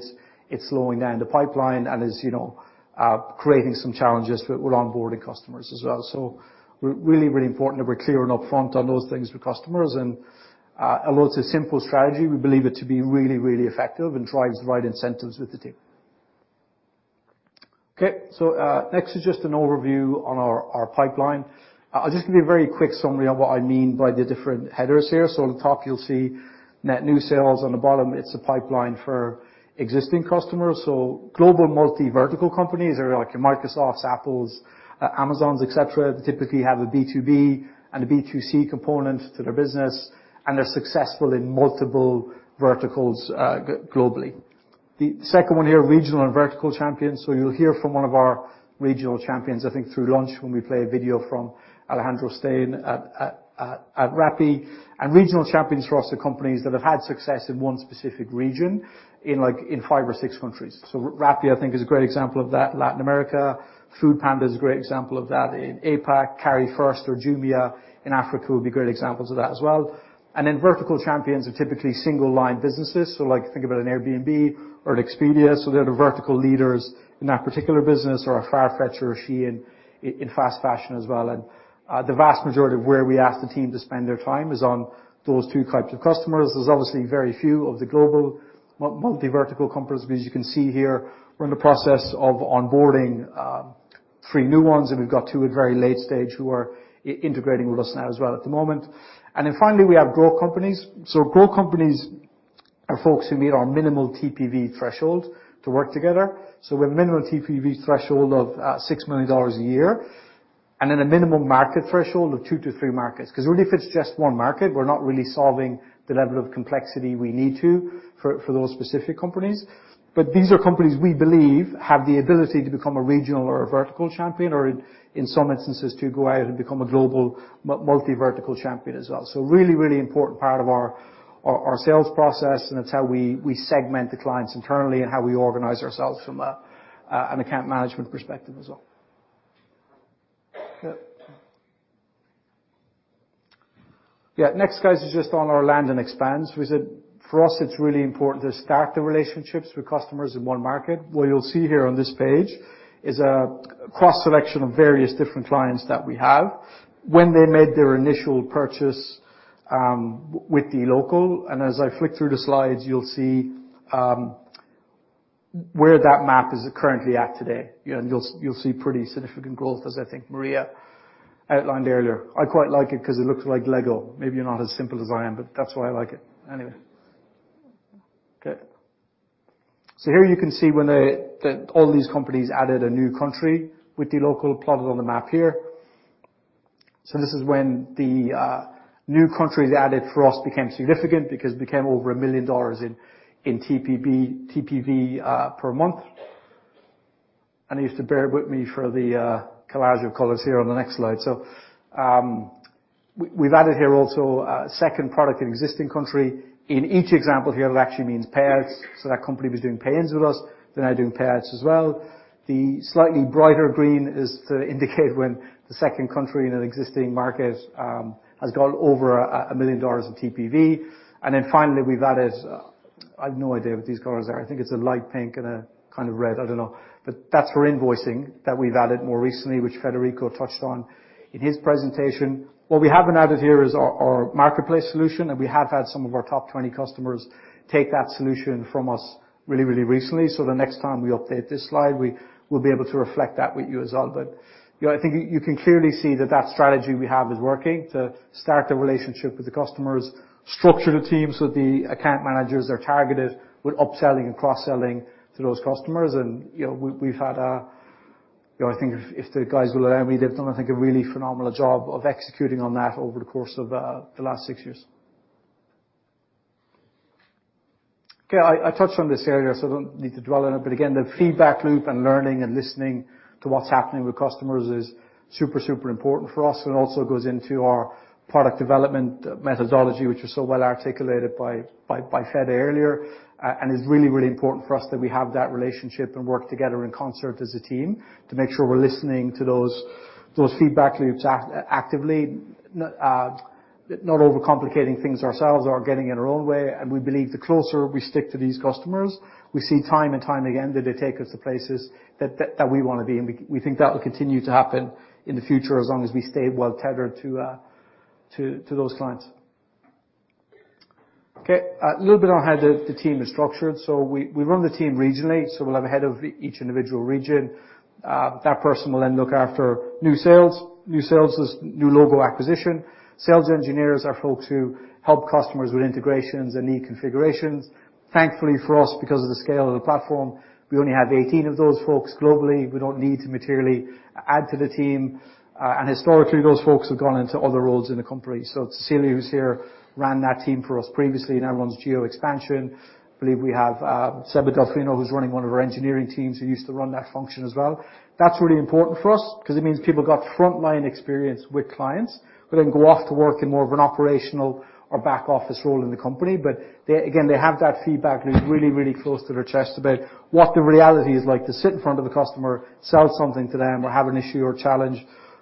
it's slowing down the pipeline and is, you know, creating some challenges with we're onboarding customers as well." Really, really important that we're clear and upfront on those things with customers. Although it's a simple strategy, we believe it to be really, really effective and drives the right incentives with the team. Okay. Next is just an overview on our pipeline. I'll just give you a very quick summary on what I mean by the different headers here. On the top, you'll see net new sales. On the bottom, it's a pipeline for existing customers. Global multi-vertical companies are like your Microsoft, Apple, Amazon, et cetera. They typically have a B2B and a B2C component to their business, and they're successful in multiple verticals globally. The second one here, regional and vertical champions, you'll hear from one of our regional champions, I think, through lunch, when we play a video from Alejandro Stein at Rappi. Regional champions for us are companies that have had success in one specific region, in, like, in five or six countries. Rappi, I think, is a great example of that, Latin America. Foodpanda is a great example of that in APAC. Carry1st or Jumia in Africa would be great examples of that as well. Vertical champions are typically single-line businesses. Like, think about an Airbnb or an Expedia. They're the vertical leaders in that particular business, or a Farfetch or SHEIN in fast fashion as well. The vast majority of where we ask the team to spend their time is on those 2 types of customers. There's obviously very few of the global multi-vertical companies. As you can see here, we're in the process of onboarding 3 new ones, and we've got 2 at very late stage who are integrating with us now as well at the moment. Finally, we have growth companies. Growth companies are folks who meet our minimal TPV threshold to work together. We have a minimal TPV threshold of $6 million a year, and then a minimum market threshold of 2-3 markets. Really, if it's just one market, we're not really solving the level of complexity we need to for those specific companies. These are companies we believe have the ability to become a regional or a vertical champion, or in some instances, to go out and become a global multi-vertical champion as well. Really important part of our sales process, and it's how we segment the clients internally and how we organize ourselves from an account management perspective as well. Okay. Yeah, next, guys, is just on our land and expands. We said, for us, it's really important to start the relationships with customers in one market. What you'll see here on this page is a cross-selection of various different clients that we have when they made their initial purchase with dLocal. As I flick through the slides, you'll see where that map is currently at today. You know, you'll see pretty significant growth, as I think Maria outlined earlier. I quite like it because it looks like Lego. Maybe you're not as simple as I am, that's why I like it. Okay. Here you can see when the all these companies added a new country with dLocal plotted on the map here. This is when the new countries added for us became significant because it became over $1 million in TPV per month. You have to bear with me for the collage of colors here on the next slide. We've added here also a second product in existing country. In each example here, it actually means payouts. That company was doing pay-ins with us, they're now doing payouts as well. The slightly brighter green is to indicate when the second country in an existing market has gone over $1 million of TPV. Finally, we've added. I have no idea what these colors are. I think it's a light pink and a kind of red. I don't know. That's for invoicing that we've added more recently, which Federico touched on in his presentation. What we haven't added here is our marketplace solution, we have had some of our top 20 customers take that solution from us really recently. The next time we update this slide, we will be able to reflect that with you as well. You know, I think you can clearly see that that strategy we have is working to start the relationship with the customers, structure the team so the account managers are targeted with upselling and cross-selling to those customers. You know, I think if the guys will allow me, they've done, I think, a really phenomenal job of executing on that over the course of the last six years. I touched on this earlier, so I don't need to dwell on it, but again, the feedback loop and learning and listening to what's happening with customers is super important for us, and also goes into our product development methodology, which was so well articulated by Fed earlier. It's really, really important for us that we have that relationship and work together in concert as a team to make sure we're listening to those feedback loops actively, not overcomplicating things ourselves or getting in our own way. We believe the closer we stick to these customers, we see time and time again, that they take us to places that we want to be, and we think that will continue to happen in the future as long as we stay well tethered to those clients. A little bit on how the team is structured. We run the team regionally, so we'll have a head of each individual region. That person will then look after new sales. New sales is new logo acquisition. Sales engineers are folks who help customers with integrations and e-configurations. Thankfully, for us, because of the scale of the platform, we only have 18 of those folks globally. We don't need to materially add to the team. Historically, those folks have gone into other roles in the company. Celia, who's here, ran that team for us previously, now runs geo expansion. I believe we have, Seba Delfino, who's running one of our engineering teams, who used to run that function as well. That's really important for us because it means people got frontline experience with clients, but then go off to work in more of an operational or back office role in the company. They... Again, they have that feedback loop really, really close to their chest about what the reality is like to sit in front of the customer, sell something to them, or have an issue or challenge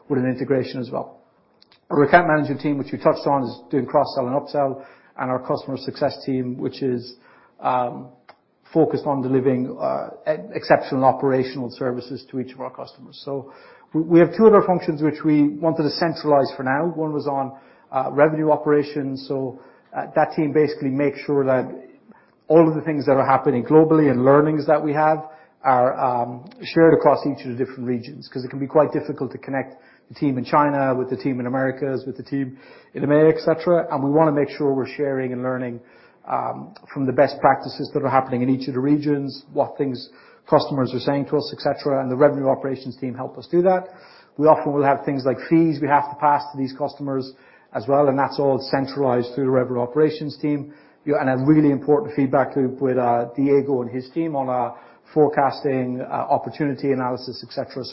with an integration as well. Our account management team, which we touched on, is doing cross-sell and upsell, and our customer success team, which is focused on delivering exceptional operational services to each of our customers. We have two other functions which we wanted to centralize for now. One was on revenue operations. That team basically makes sure that all of the things that are happening globally and learnings that we have are shared across each of the different regions, because it can be quite difficult to connect the team in China, with the team in Americas, with the team in EMEA, et cetera, and we wanna make sure we're sharing and learning from the best practices that are happening in each of the regions, what things customers are saying to us, et cetera. The revenue operations team help us do that. We often will have things like fees we have to pass to these customers as well, and that's all centralized through the revenue operations team. A really important feedback loop with Diego and his team on forecasting, opportunity analysis, et cetera.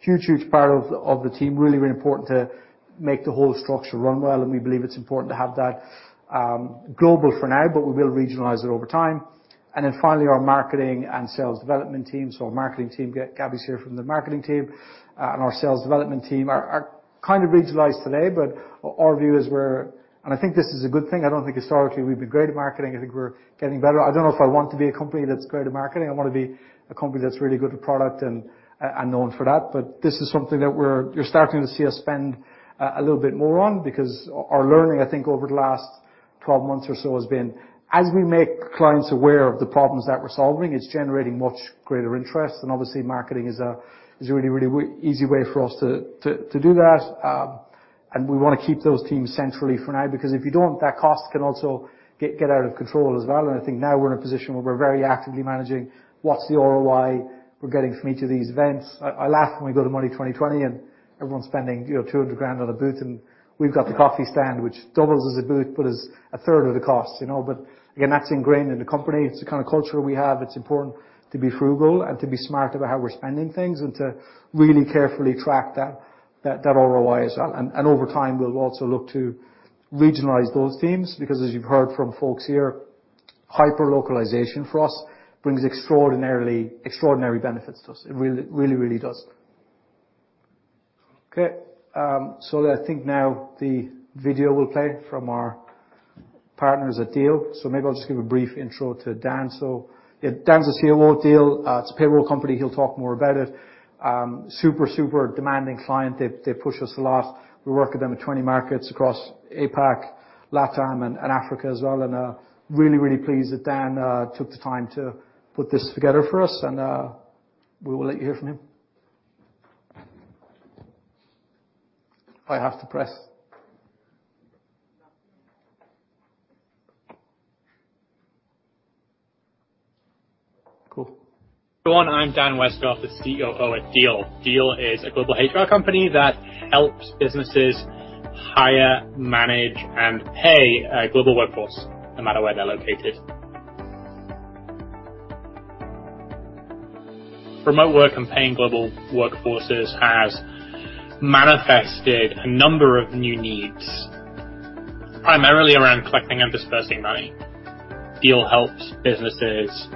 Huge part of the team. Really important to make the whole structure run well, and we believe it's important to have that global for now, but we will regionalize it over time. Finally, our marketing and sales development team. Our marketing team, Gabby's here from the marketing team, and our sales development team are kind of regionalized today, but our view is we're and I think this is a good thing. I don't think historically we've been great at marketing. I think we're getting better. I don't know if I want to be a company that's great at marketing. I want to be a company that's really good at product and known for that. This is something that you're starting to see us spend a little bit more on, because our learning, I think, over the last 12 months or so, has been, as we make clients aware of the problems that we're solving, it's generating much greater interest. Obviously, marketing is a really easy way for us to do that. We want to keep those teams centrally for now, because if you don't, that cost can also get out of control as well. I think now we're in a position where we're very actively managing what's the ROI we're getting from each of these events. I laugh when we go to Money20/20, everyone's spending, you know, $200,000 on a booth, and we've got the coffee stand, which doubles as a booth, but is a third of the cost, you know? Again, that's ingrained in the company. It's the kind of culture we have. It's important to be frugal and to be smart about how we're spending things and to really carefully track that ROI as well. And over time, we'll also look to regionalize those teams, because as you've heard from folks here, hyper-localization for us brings extraordinary benefits to us. It really does. Okay, I think now the video will play from our partners at Deel. Maybe I'll just give a brief intro to Dan. Yeah, Dan is CEO of Deel. It's a payroll company. He'll talk more about it. super demanding client. They push us a lot. We work with them in 20 markets across APAC, Latin, and Africa as well, and really pleased that Dan took the time to put this together for us, and we will let you hear from him. I have to press? Cool. Go on. I'm Dan Westgarth, the CEO of Deel. Deel is a global HR company that helps businesses hire, manage, and pay a global workforce, no matter where they're located. Remote work and paying global workforces has manifested a number of new needs, primarily around collecting and dispersing money. Deel helps businesses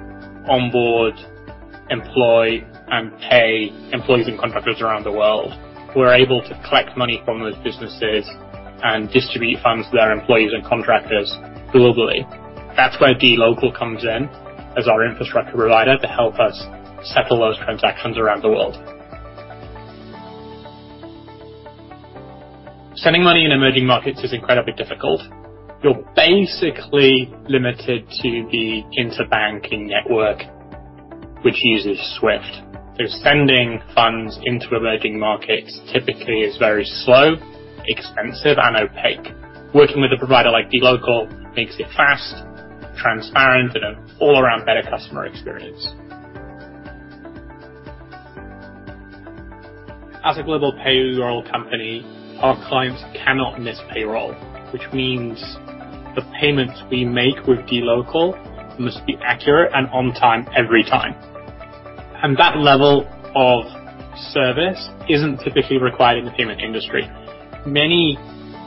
onboard, employ, and pay employees and contractors around the world. We're able to collect money from those businesses and distribute funds to their employees and contractors globally. That's where dLocal comes in as our infrastructure provider to help us settle those transactions around the world. Sending money in emerging markets is incredibly difficult. You're basically limited to the interbanking network, which uses SWIFT. Sending funds into emerging markets typically is very slow, expensive, and opaque. Working with a provider like dLocal makes it transparent and an all-around better customer experience. As a global payroll company, our clients cannot miss payroll, which means the payments we make with dLocal must be accurate and on time every time. That level of service isn't typically required in the payment industry. Many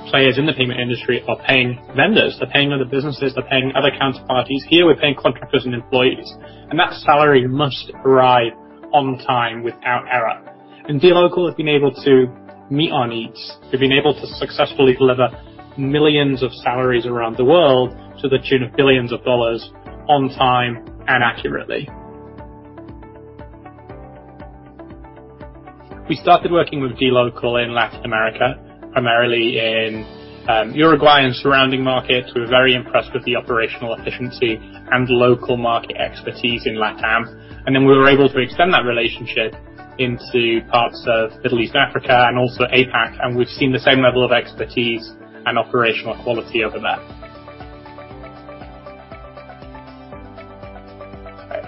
players in the payment industry are paying vendors. They're paying other businesses, they're paying other counterparties. Here, we're paying contractors and employees, and that salary must arrive on time without error. dLocal has been able to meet our needs. They've been able to successfully deliver millions of salaries around the world to the tune of $ billions on time and accurately. We started working with dLocal in Latin America, primarily in Uruguay and surrounding markets. We were very impressed with the operational efficiency and local market expertise in LATAM. Then we were able to extend that relationship into parts of Middle East, Africa, and also APAC. We've seen the same level of expertise and operational quality over there.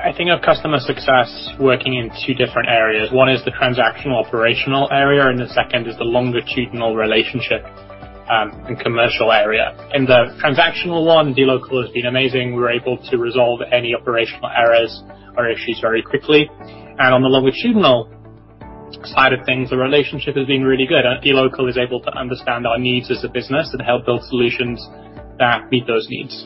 I think of customer success working in two different areas. One is the transactional, operational area, and the second is the longitudinal relationship, and commercial area. In the transactional one, dLocal has been amazing. We're able to resolve any operational errors or issues very quickly. On the longitudinal side of things, the relationship has been really good, and dLocal is able to understand our needs as a business and help build solutions that meet those needs.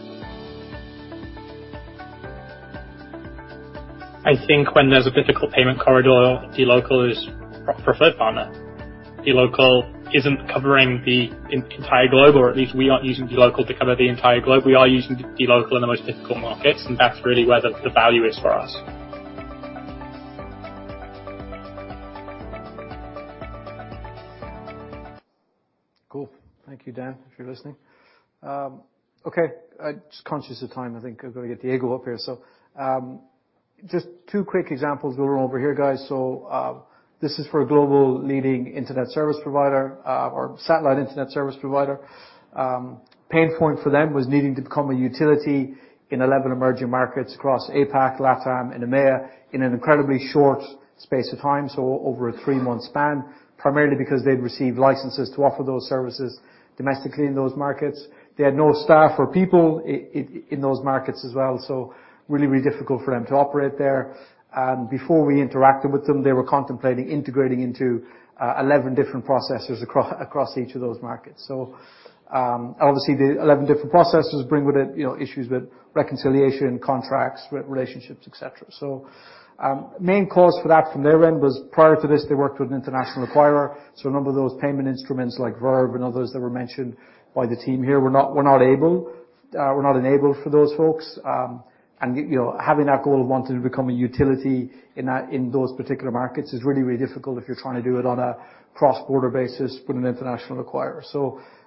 I think when there's a difficult payment corridor, dLocal is the preferred partner. dLocal isn't covering the entire globe, or at least we aren't using dLocal to cover the entire globe. We are using dLocal in the most difficult markets, and that's really where the value is for us. Cool. Thank you, Dan, if you're listening. Okay, I'm just conscious of time. I think I've got to get Diego up here. Just two quick examples we'll run over here, guys. This is for a global leading internet service provider, or satellite internet service provider. Pain point for them was needing to become a utility in 11 emerging markets across APAC, LATAM, and EMEA in an incredibly short space of time, so over a 3-month span, primarily because they'd received licenses to offer those services domestically in those markets. They had no staff or people in those markets as well, so really, really difficult for them to operate there. Before we interacted with them, they were contemplating integrating into 11 different processors across each of those markets. Obviously, the 11 different processors bring with it, you know, issues with reconciliation, contracts, re-relationships, et cetera. Main cause for that from their end was prior to this, they worked with an international acquirer, so a number of those payment instruments, like Verve and others that were mentioned by the team here, were not able, were not enabled for those folks. You know, having that goal of wanting to become a utility in those particular markets is really, really difficult if you're trying to do it on a cross-border basis with an international acquirer.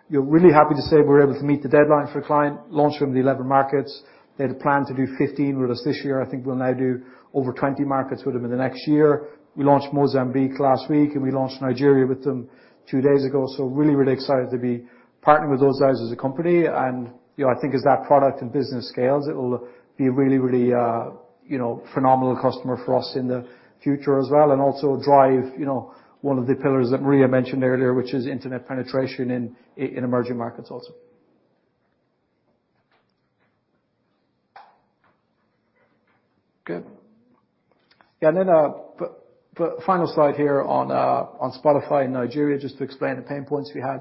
You're really happy to say we're able to meet the deadlines for client, launch them in the 11 markets. They had a plan to do 15 with us this year. I think we'll now do over 20 markets with them in the next year. We launched Mozambique last week, we launched Nigeria with them 2 days ago, really excited to be partnering with those guys as a company. I think as that product and business scales, it will be a really phenomenal customer for us in the future as well, also drive one of the pillars that Maria mentioned earlier, which is internet penetration in emerging markets also. Good. The final slide here on Spotify in Nigeria, just to explain the pain points we had.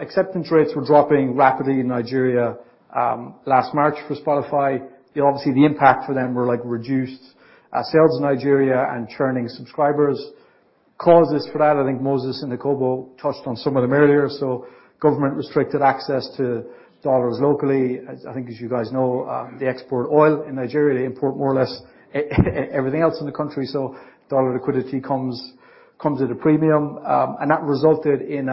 Acceptance rates were dropping rapidly in Nigeria last March for Spotify. Obviously, the impact for them were reduced sales in Nigeria and churning subscribers. Causes for that, I think Moses and Jacobo touched on some of them earlier. Government restricted access to USD locally. As I think, as you guys know, they export oil in Nigeria. They import more or less everything else in the country. USD liquidity comes at a premium, and that resulted in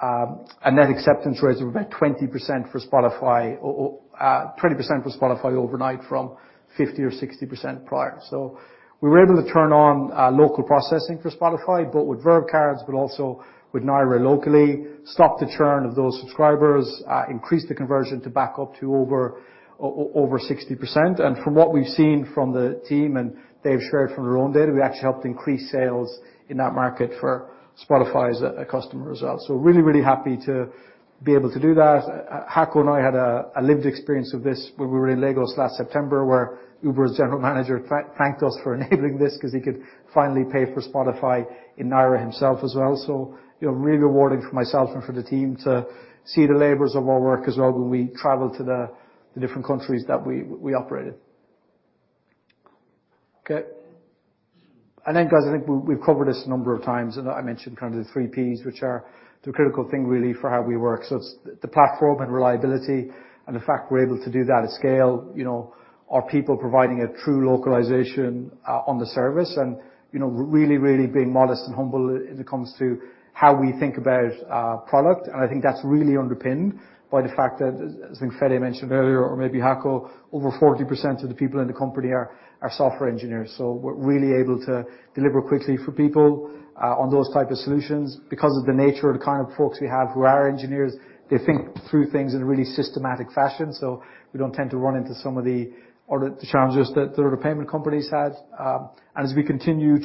a net acceptance rates of about 20% for Spotify or 20% for Spotify overnight, from 50% or 60% prior. We were able to turn on local processing for Spotify, both with Verve cards, but also with Naira locally, stopped the churn of those subscribers, increased the conversion to back up to over 60%. From what we've seen from the team, and they've shared from their own data, we actually helped increase sales in that market for Spotify as a customer as well. Really, really happy to be able to do that. Jaco and I had a lived experience of this when we were in Lagos last September, where Uber's general manager thanked us for enabling this because he could finally pay for Spotify in Naira himself as well. You know, really rewarding for myself and for the team to see the labors of our work as well when we travel to the different countries that we operate in. Okay, guys, I think we've covered this a number of times, and I mentioned kind of the three Ps, which are the critical thing really for how we work. It's the platform and reliability, and the fact we're able to do that at scale, you know, are people providing a true localization on the service and, you know, really being modest and humble when it comes to how we think about our product. I think that's really underpinned by the fact that, as I think Fedi mentioned earlier, or maybe Jaco, over 40% of the people in the company are software engineers. We're really able to deliver quickly for people on those type of solutions. Because of the nature of the kind of folks we have who are engineers, they think through things in a really systematic fashion, so we don't tend to run into some of the other challenges that the other payment companies had. As we continue.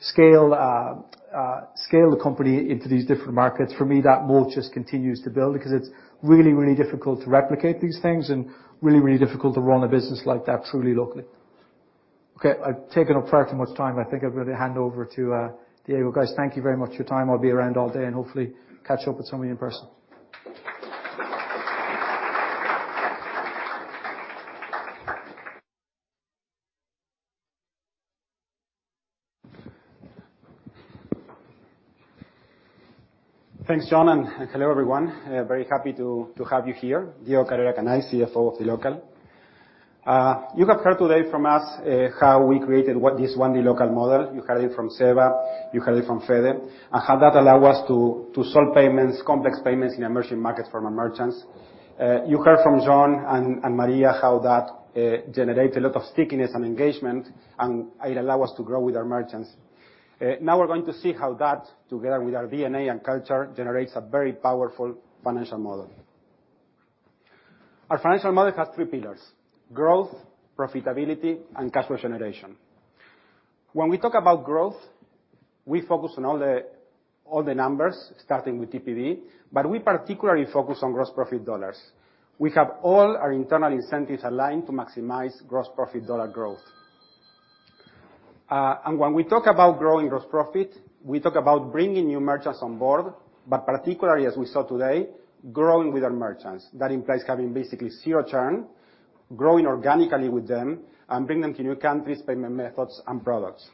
scale the company into these different markets, for me, that moat just continues to build because it's really, really difficult to replicate these things, and really, really difficult to run a business like that truly locally. Okay, I've taken up far too much time. I think I'm going to hand over to Diego. Guys, thank you very much for your time. I'll be around all day and hopefully catch up with some of you in person. Thanks, John, and hello, everyone. Very happy to have you here. Diego Cabrera Canay, CFO of dLocal. You have heard today from us how we created what this one, the dLocal model. You heard it from Seba, you heard it from Fede, and how that allow us to solve payments, complex payments in emerging markets from our merchants. You heard from John and Maria how that generate a lot of stickiness and engagement, and it allow us to grow with our merchants. Now we're going to see how that, together with our DNA and culture, generates a very powerful financial model. Our financial model has three pillars: growth, profitability, and cash flow generation. When we talk about growth, we focus on all the numbers, starting with TPV, but we particularly focus on gross profit dollars. We have all our internal incentives aligned to maximize gross profit dollar growth. When we talk about growing gross profit, we talk about bringing new merchants on board, but particularly, as we saw today, growing with our merchants. That implies having basically zero churn, growing organically with them, and bring them to new countries, payment methods, and products.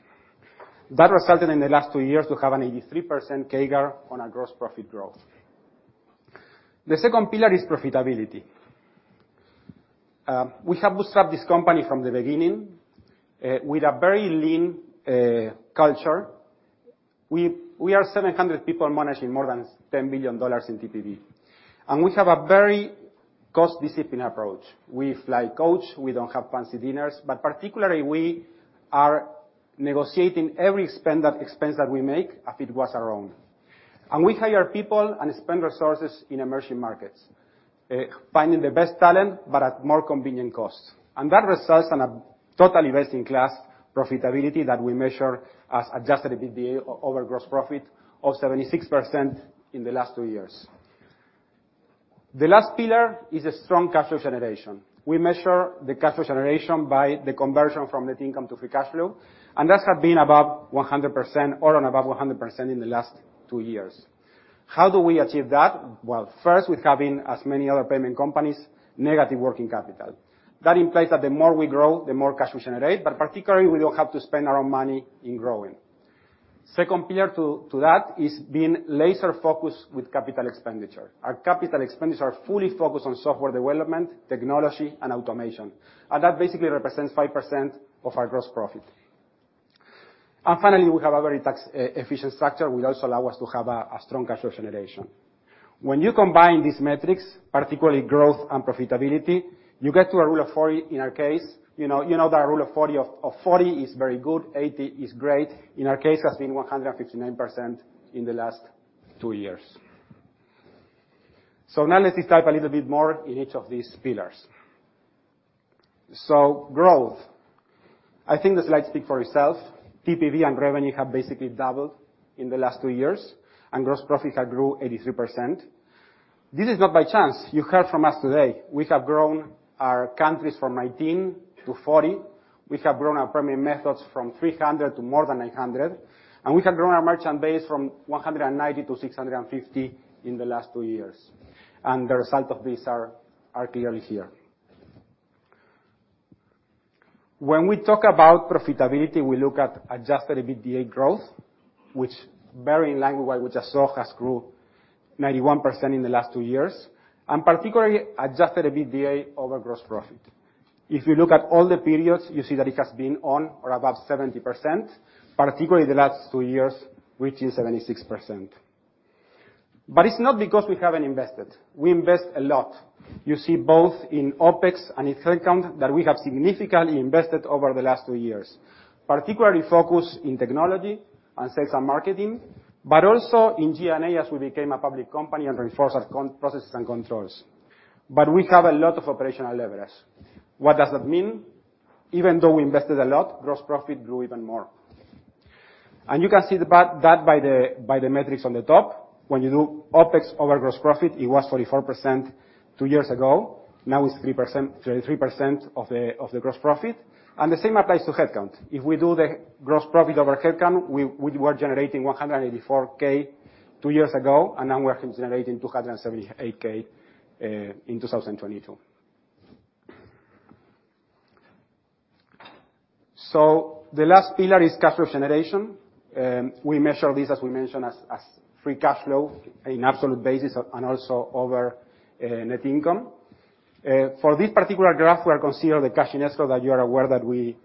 That resulted in the last two years to have an 83% CAGR on our gross profit growth. The second pillar is profitability. We have bootstrapped this company from the beginning, with a very lean culture. We are 700 people managing more than $10 billion in TPV, and we have a very cost-discipline approach. We fly coach, we don't have fancy dinners, particularly, we are negotiating every expense that we make as if it was our own. We hire people and spend resources in emerging markets, finding the best talent, but at more convenient costs. That results in a total investing class profitability that we measure as adjusted EBITDA over gross profit of 76% in the last 2 years. The last pillar is a strong cash flow generation. We measure the cash flow generation by the conversion from net income to free cash flow, and that has been above 100% or above 100% in the last 2 years. How do we achieve that? Well, first, with having, as many other payment companies, negative working capital. That implies that the more we grow, the more cash we generate, but particularly, we don't have to spend our own money in growing. Second pillar to that is being laser-focused with capital expenditure. Our capital expenditures are fully focused on software development, technology, and automation, and that basically represents 5% of our gross profit. Finally, we have a very tax efficient structure, which also allow us to have a strong cash flow generation. When you combine these metrics, particularly growth and profitability, you get to a Rule of 40, in our case. You know that a Rule of 40 of 40 is very good, 80 is great. In our case, it has been 159% in the last 2 years. Now let's dive a little bit more in each of these pillars. Growth, I think the slides speak for itself. TPV and revenue have basically doubled in the last 2 years, and gross profits have grew 83%. This is not by chance. You heard from us today, we have grown our countries from 19 to 40. We have grown our premium methods from 300 to more than 800, and we have grown our merchant base from 190 to 650 in the last 2 years. The result of these are clearly here. When we talk about profitability, we look at adjusted EBITDA growth, which very in line with what we just saw, has grew 91% in the last 2 years, and particularly, adjusted EBITDA over gross profit. If you look at all the periods, you see that it has been on or above 70%, particularly the last 2 years, which is 76%. It's not because we haven't invested. We invest a lot. You see, both in OpEx and in headcount, that we have significantly invested over the last 2 years, particularly focused in technology and sales and marketing, but also in G&A, as we became a public company and reinforced our processes and controls. We have a lot of operational leverage. What does that mean? Even though we invested a lot, gross profit grew even more. You can see that by the metrics on the top, when you do OpEx over gross profit, it was 44% 2 years ago. Now it's 33% of the gross profit. The same applies to headcount. If we do the gross profit over headcount, we were generating $184K 2 years ago, and now we are generating $278K in 2022. The last pillar is cash flow generation. We measure this, as we mentioned, as free cash flow in absolute basis and also over net income. For this particular graph, we are considering the cash in escrow that you are aware that we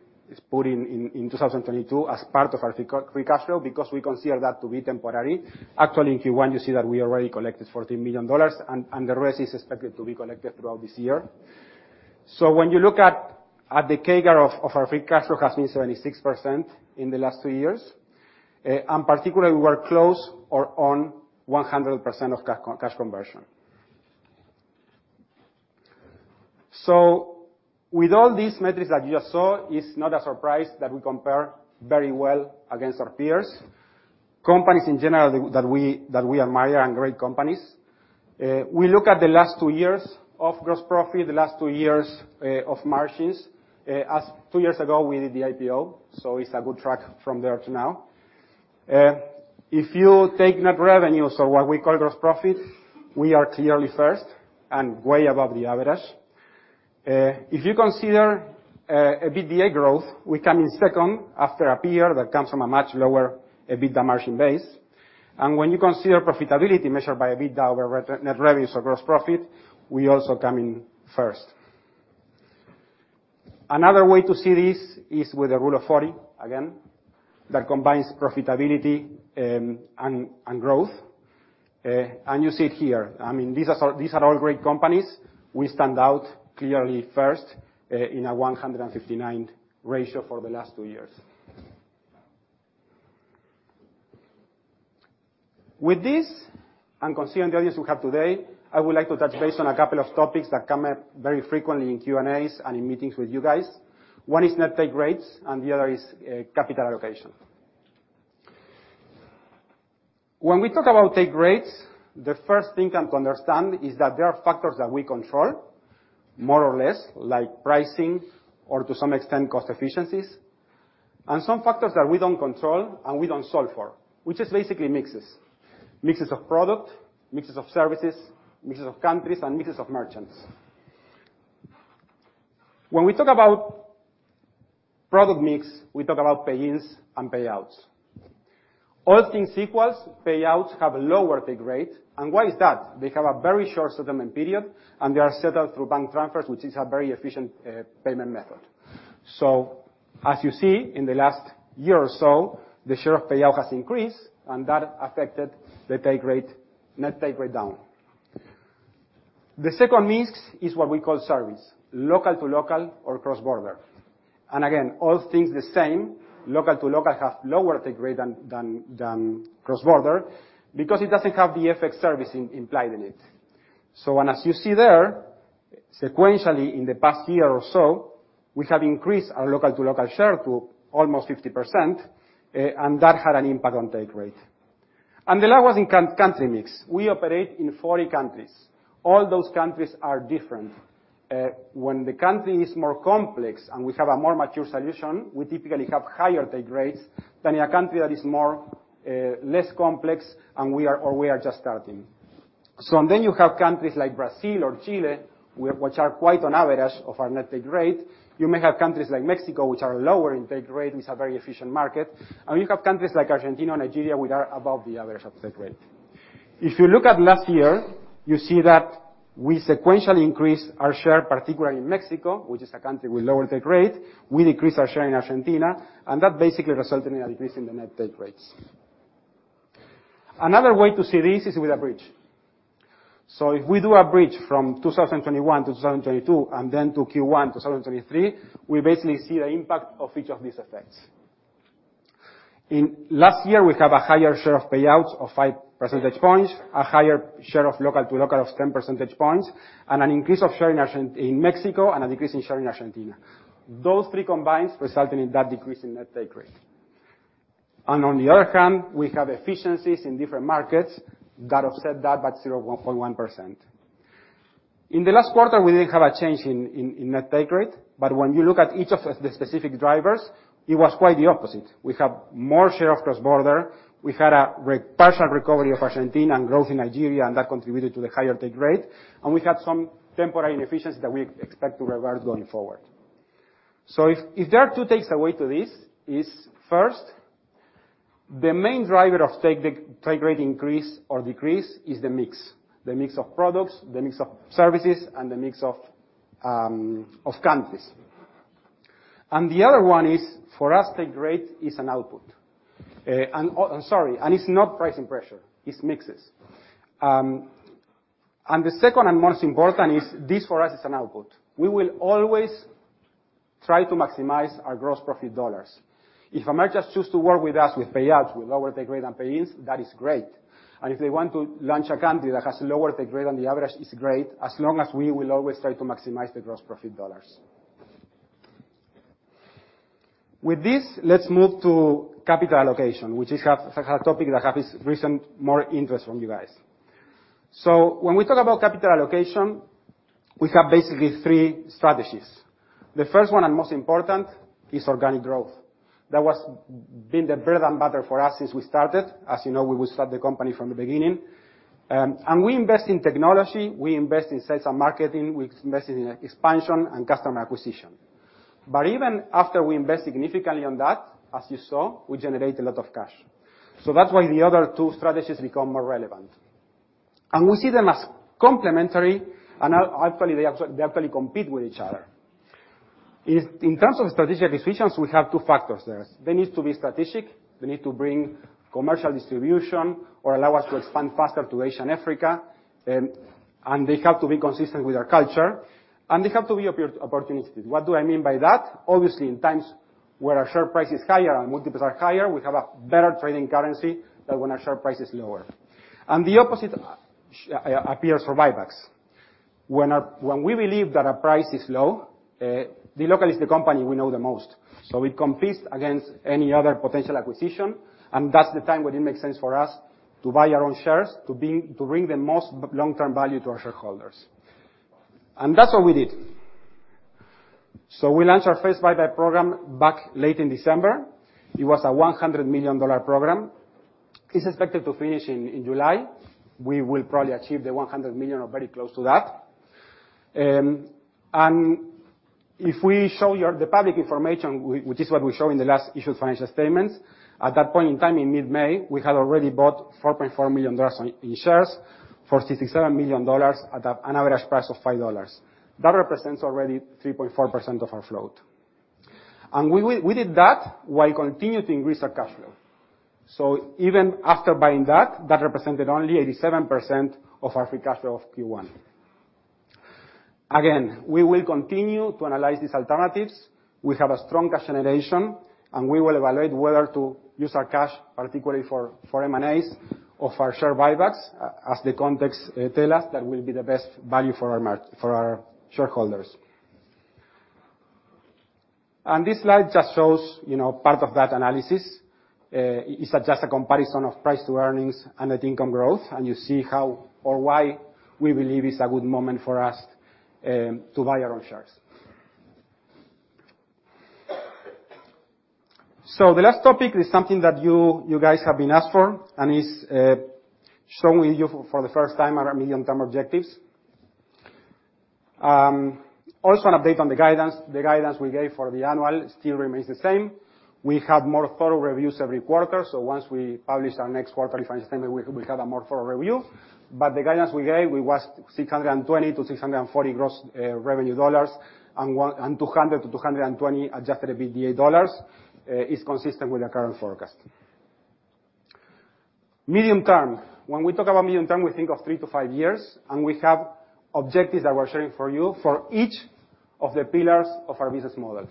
put in 2022 as part of our free cash flow, because we consider that to be temporary. Actually, in Q1, you see that we already collected $14 million, and the rest is expected to be collected throughout this year. When you look at the CAGR of our free cash flow, has been 76% in the last two years, and particularly, we are close or on 100% of cash conversion. With all these metrics that you just saw, it's not a surprise that we compare very well against our peers. Companies in general, that we admire and great companies. We look at the last two years of gross profit, the last two years of margins, as two years ago we did the IPO, so it's a good track from there to now. If you take net revenue, so what we call gross profit, we are clearly first and way above the average. If you consider EBITDA growth, we come in second after a peer that comes from a much lower EBITDA margin base. When you consider profitability measured by EBITDA or net revenue or gross profit, we also come in first. Another way to see this is with a Rule of 40, again, that combines profitability, and growth. You see it here. I mean, these are all great companies. We stand out clearly first, in a 159 ratio for the last 2 years. With this, and considering the audience we have today, I would like to touch base on a couple of topics that come up very frequently in Q&As and in meetings with you guys. One is net take rates, and the other is capital allocation. When we talk about take rates, the first thing I'm to understand is that there are factors that we control, more or less, like pricing or to some extent, cost efficiencies, and some factors that we don't control and we don't solve for, which is basically mixes. Mixes of product, mixes of services, mixes of countries, and mixes of merchants. When we talk about product mix, we talk about pay-ins and payouts. All things equals, payouts have a lower take rate. Why is that? They have a very short settlement period, and they are settled through bank transfers, which is a very efficient payment method. As you see, in the last year or so, the share of payout has increased, and that affected the take rate, net take rate down. The second mix is what we call service, local to local or cross-border. Again, all things the same, local to local have lower take rate than cross-border because it doesn't have the FX service implied in it. As you see there, sequentially, in the past year or so, we have increased our local-to-local share to almost 50%, and that had an impact on take rate. The last one is country mix. We operate in 40 countries. All those countries are different. When the country is more complex and we have a more mature solution, we typically have higher take rates than in a country that is more less complex, and we are, or we are just starting. You have countries like Brazil or Chile, which are quite on average of our net take rate. You may have countries like Mexico, which are lower in take rate, it's a very efficient market, and you have countries like Argentina, Nigeria, which are above the average of take rate. If you look at last year, you see that we sequentially increased our share, particularly in Mexico, which is a country with lower take rate. We increased our share in Argentina, and that basically resulted in a decrease in the net take rates. Another way to see this is with a bridge. If we do a bridge from 2021 to 2022, and then to Q1 2023, we basically see the impact of each of these effects. In last year, we have a higher share of payouts of 5 percentage points, a higher share of local to local of 10 percentage points, and an increase of share in Mexico, and a decrease in share in Argentina. Those three combined, resulting in that decrease in net take rate. On the other hand, we have efficiencies in different markets that offset that by 0.1%. In the last quarter, we didn't have a change in net take rate, but when you look at each of the specific drivers, it was quite the opposite. We have more share of cross-border. We had a partial recovery of Argentina and growth in Nigeria, and that contributed to the higher take rate, and we had some temporary inefficiency that we expect to reverse going forward. If there are two takeaways to this, is first, the main driver of take rate increase or decrease is the mix: the mix of products, the mix of services, and the mix of countries. The other one is, for us, take rate is an output. I'm sorry, it's not pricing pressure, it's mixes. The second and most important is this for us is an output. We will always try to maximize our gross profit dollars. If a merchant choose to work with us with payouts, with lower take rate and pay-ins, that is great. If they want to launch a country that has lower take rate than the average, it's great, as long as we will always try to maximize the gross profit dollars. With this, let's move to capital allocation, which is a topic that has recent more interest from you guys. When we talk about capital allocation, we have basically three strategies. The first one, and most important, is organic growth. That was, been the bread and butter for us since we started. As you know, we would start the company from the beginning. We invest in technology, we invest in sales and marketing, we invest in expansion and customer acquisition. Even after we invest significantly on that, as you saw, we generate a lot of cash. That's why the other two strategies become more relevant. We see them as complementary, actually, they compete with each other. In terms of strategic decisions, we have two factors there. They need to be strategic, they need to bring commercial distribution or allow us to expand faster to Asia and Africa, and they have to be consistent with our culture, and they have to be opportunities. What do I mean by that? Obviously, in times where our share price is higher and multiples are higher, we have a better trading currency than when our share price is lower. The opposite appears for buybacks. When we believe that our price is low, dLocal is the company we know the most, we compete against any other potential acquisition, that's the time when it makes sense for us to buy our own shares, to bring the most long-term value to our shareholders. That's what we did. We launched our first buyback program back late in December. It was a $100 million program. It's expected to finish in July. We will probably achieve the $100 million or very close to that. If we show you the public information, which is what we show in the last issued financial statements, at that point in time, in mid-May, we had already bought $4.4 million in shares, $47 million at an average price of $5. That represents already 3.4% of our float. We did that while continuing to increase our cash flow. Even after buying that represented only 87% of our free cash flow of Q1. Again, we will continue to analyze these alternatives. We have a strong cash generation, we will evaluate whether to use our cash, particularly for M&As or for share buybacks, as the context tell us that will be the best value for our shareholders. This slide just shows, you know, part of that analysis. It's just a comparison of price to earnings and net income growth, and you see how or why we believe it's a good moment for us, to buy our own shares. The last topic is something that you guys have been asked for, and it's showing you for the first time our medium-term objectives. Also an update on the guidance. The guidance we gave for the annual still remains the same. We have more thorough reviews every quarter, so once we publish our next quarterly financial statement, we have a more thorough review. The guidance we gave, it was $620-$640 gross revenue dollars, and $200-$220 adjusted EBITDA dollars, is consistent with the current forecast. Medium-term. When we talk about medium-term, we think of 3-5 years, and we have objectives that we're sharing for you for each of the pillars of our business model.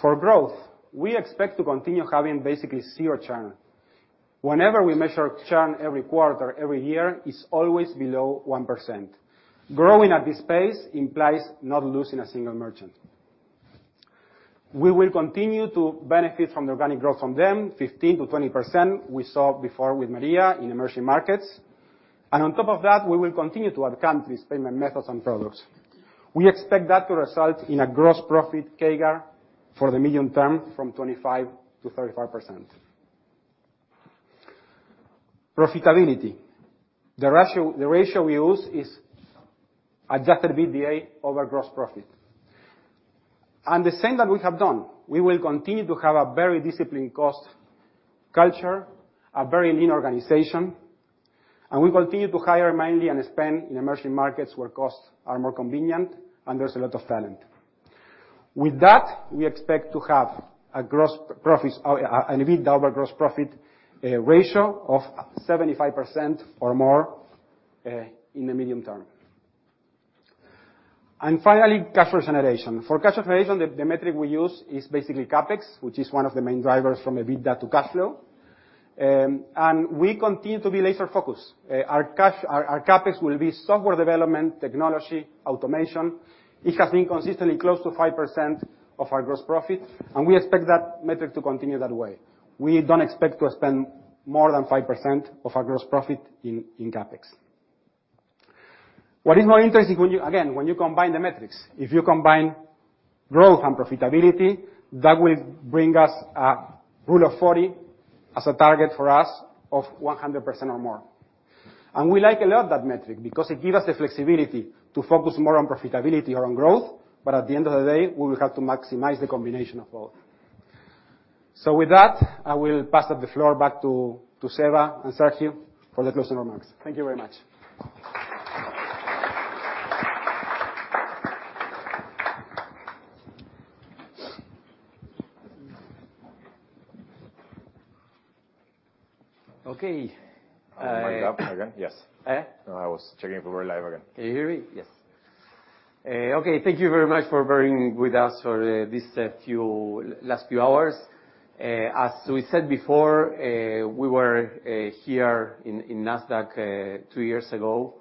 For growth, we expect to continue having basically zero churn. Whenever we measure churn every quarter, every year, it's always below 1%. Growing at this pace implies not losing a single merchant. We will continue to benefit from the organic growth from them, 15%-20%, we saw before with Maria in emerging markets. On top of that, we will continue to add countries, payment methods, and products. We expect that to result in a gross profit CAGR for the medium term, from 25%-35%. Profitability. The ratio we use is adjusted EBITDA over gross profit. The same that we have done, we will continue to have a very disciplined cost culture, a very lean organization, and we continue to hire mainly and spend in emerging markets where costs are more convenient and there's a lot of talent. With that, we expect to have a gross profit, an EBITDA over gross profit, ratio of 75% or more in the medium term. Finally, cash flow generation. For cash flow generation, the metric we use is basically CapEx, which is one of the main drivers from EBITDA to cash flow. We continue to be laser focused. Our cash, our CapEx will be software development, technology, automation. It has been consistently close to 5% of our gross profit, and we expect that metric to continue that way. We don't expect to spend more than 5% of our gross profit in CapEx. What is more interesting, again, when you combine the metrics, if you combine growth and profitability, that will bring us a Rule of 40 as a target for us of 100% or more. We like a lot that metric, because it gives us the flexibility to focus more on profitability or on growth, but at the end of the day, we will have to maximize the combination of both. With that, I will pass up the floor back to Seba and Sergio for the closing remarks. Thank you very much. Okay. Mic up again? Yes. Eh? I was checking if we were live again. Can you hear me? Yes. Okay, thank you very much for bearing with us for this last few hours. As we said before, we were here in Nasdaq two years ago.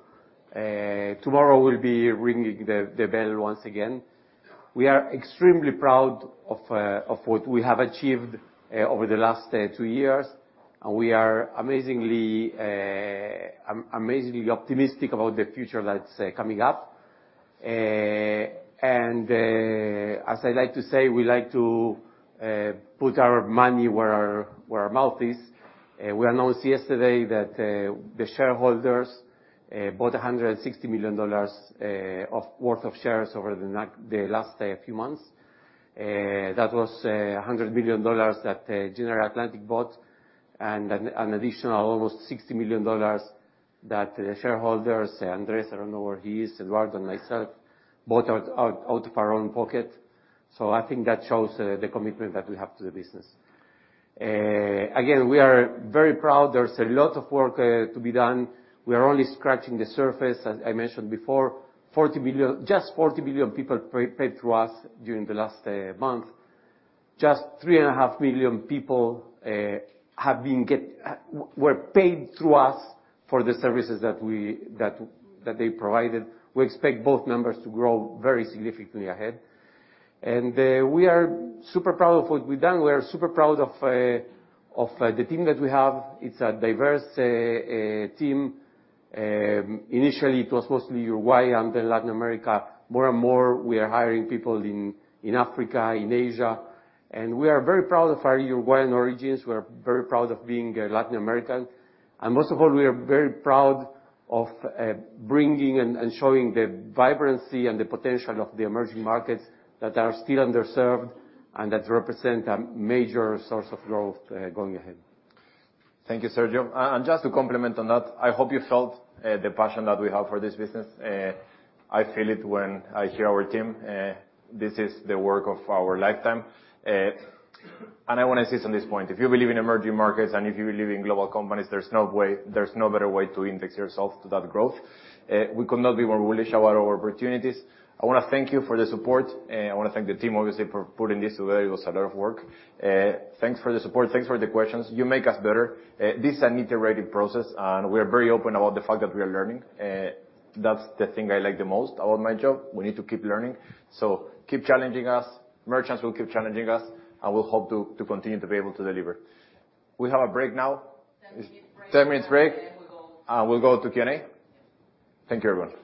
Tomorrow, we'll be ringing the bell once again. We are extremely proud of what we have achieved over the last two years, and we are amazingly optimistic about the future that's coming up. As I like to say, we like to put our money where our mouth is. We announced yesterday that the shareholders bought $160 million worth of shares over the last few months. That was $100 million that General Atlantic bought, and an additional almost $60 million that the shareholders, Andrés, I don't know where he is, Eduardo and myself, bought out of our own pocket. I think that shows the commitment that we have to the business. Again, we are very proud. There's a lot of work to be done. We are only scratching the surface. As I mentioned before, 40 billion people paid through us during the last month. Just three and a half million people were paid through us for the services that we provided. We expect both numbers to grow very significantly ahead. We are super proud of what we've done. We are super proud of the team that we have. It's a diverse team. Initially, it was mostly Uruguay and then Latin America. More and more, we are hiring people in Africa, in Asia, and we are very proud of our Uruguayan origins. We are very proud of being Latin American, and most of all, we are very proud of bringing and showing the vibrancy and the potential of the emerging markets that are still underserved and that represent a major source of growth going ahead. Thank you, Sergio. Just to complement on that, I hope you felt the passion that we have for this business. I feel it when I hear our team. This is the work of our lifetime. I wanna insist on this point: if you believe in emerging markets, and if you believe in global companies, there's no better way to index yourself to that growth. We could not be more bullish about our opportunities. I wanna thank you for the support, I wanna thank the team, obviously, for putting this together. It was a lot of work. Thanks for the support. Thanks for the questions. You make us better. This is an iterative process, and we are very open about the fact that we are learning. That's the thing I like the most about my job. We need to keep learning. Keep challenging us. Merchants will keep challenging us, and we'll hope to continue to be able to deliver. We have a break now? Ten-minute break. 10 minutes break. We go. We'll go to Q&A? Yes. Thank you, everyone.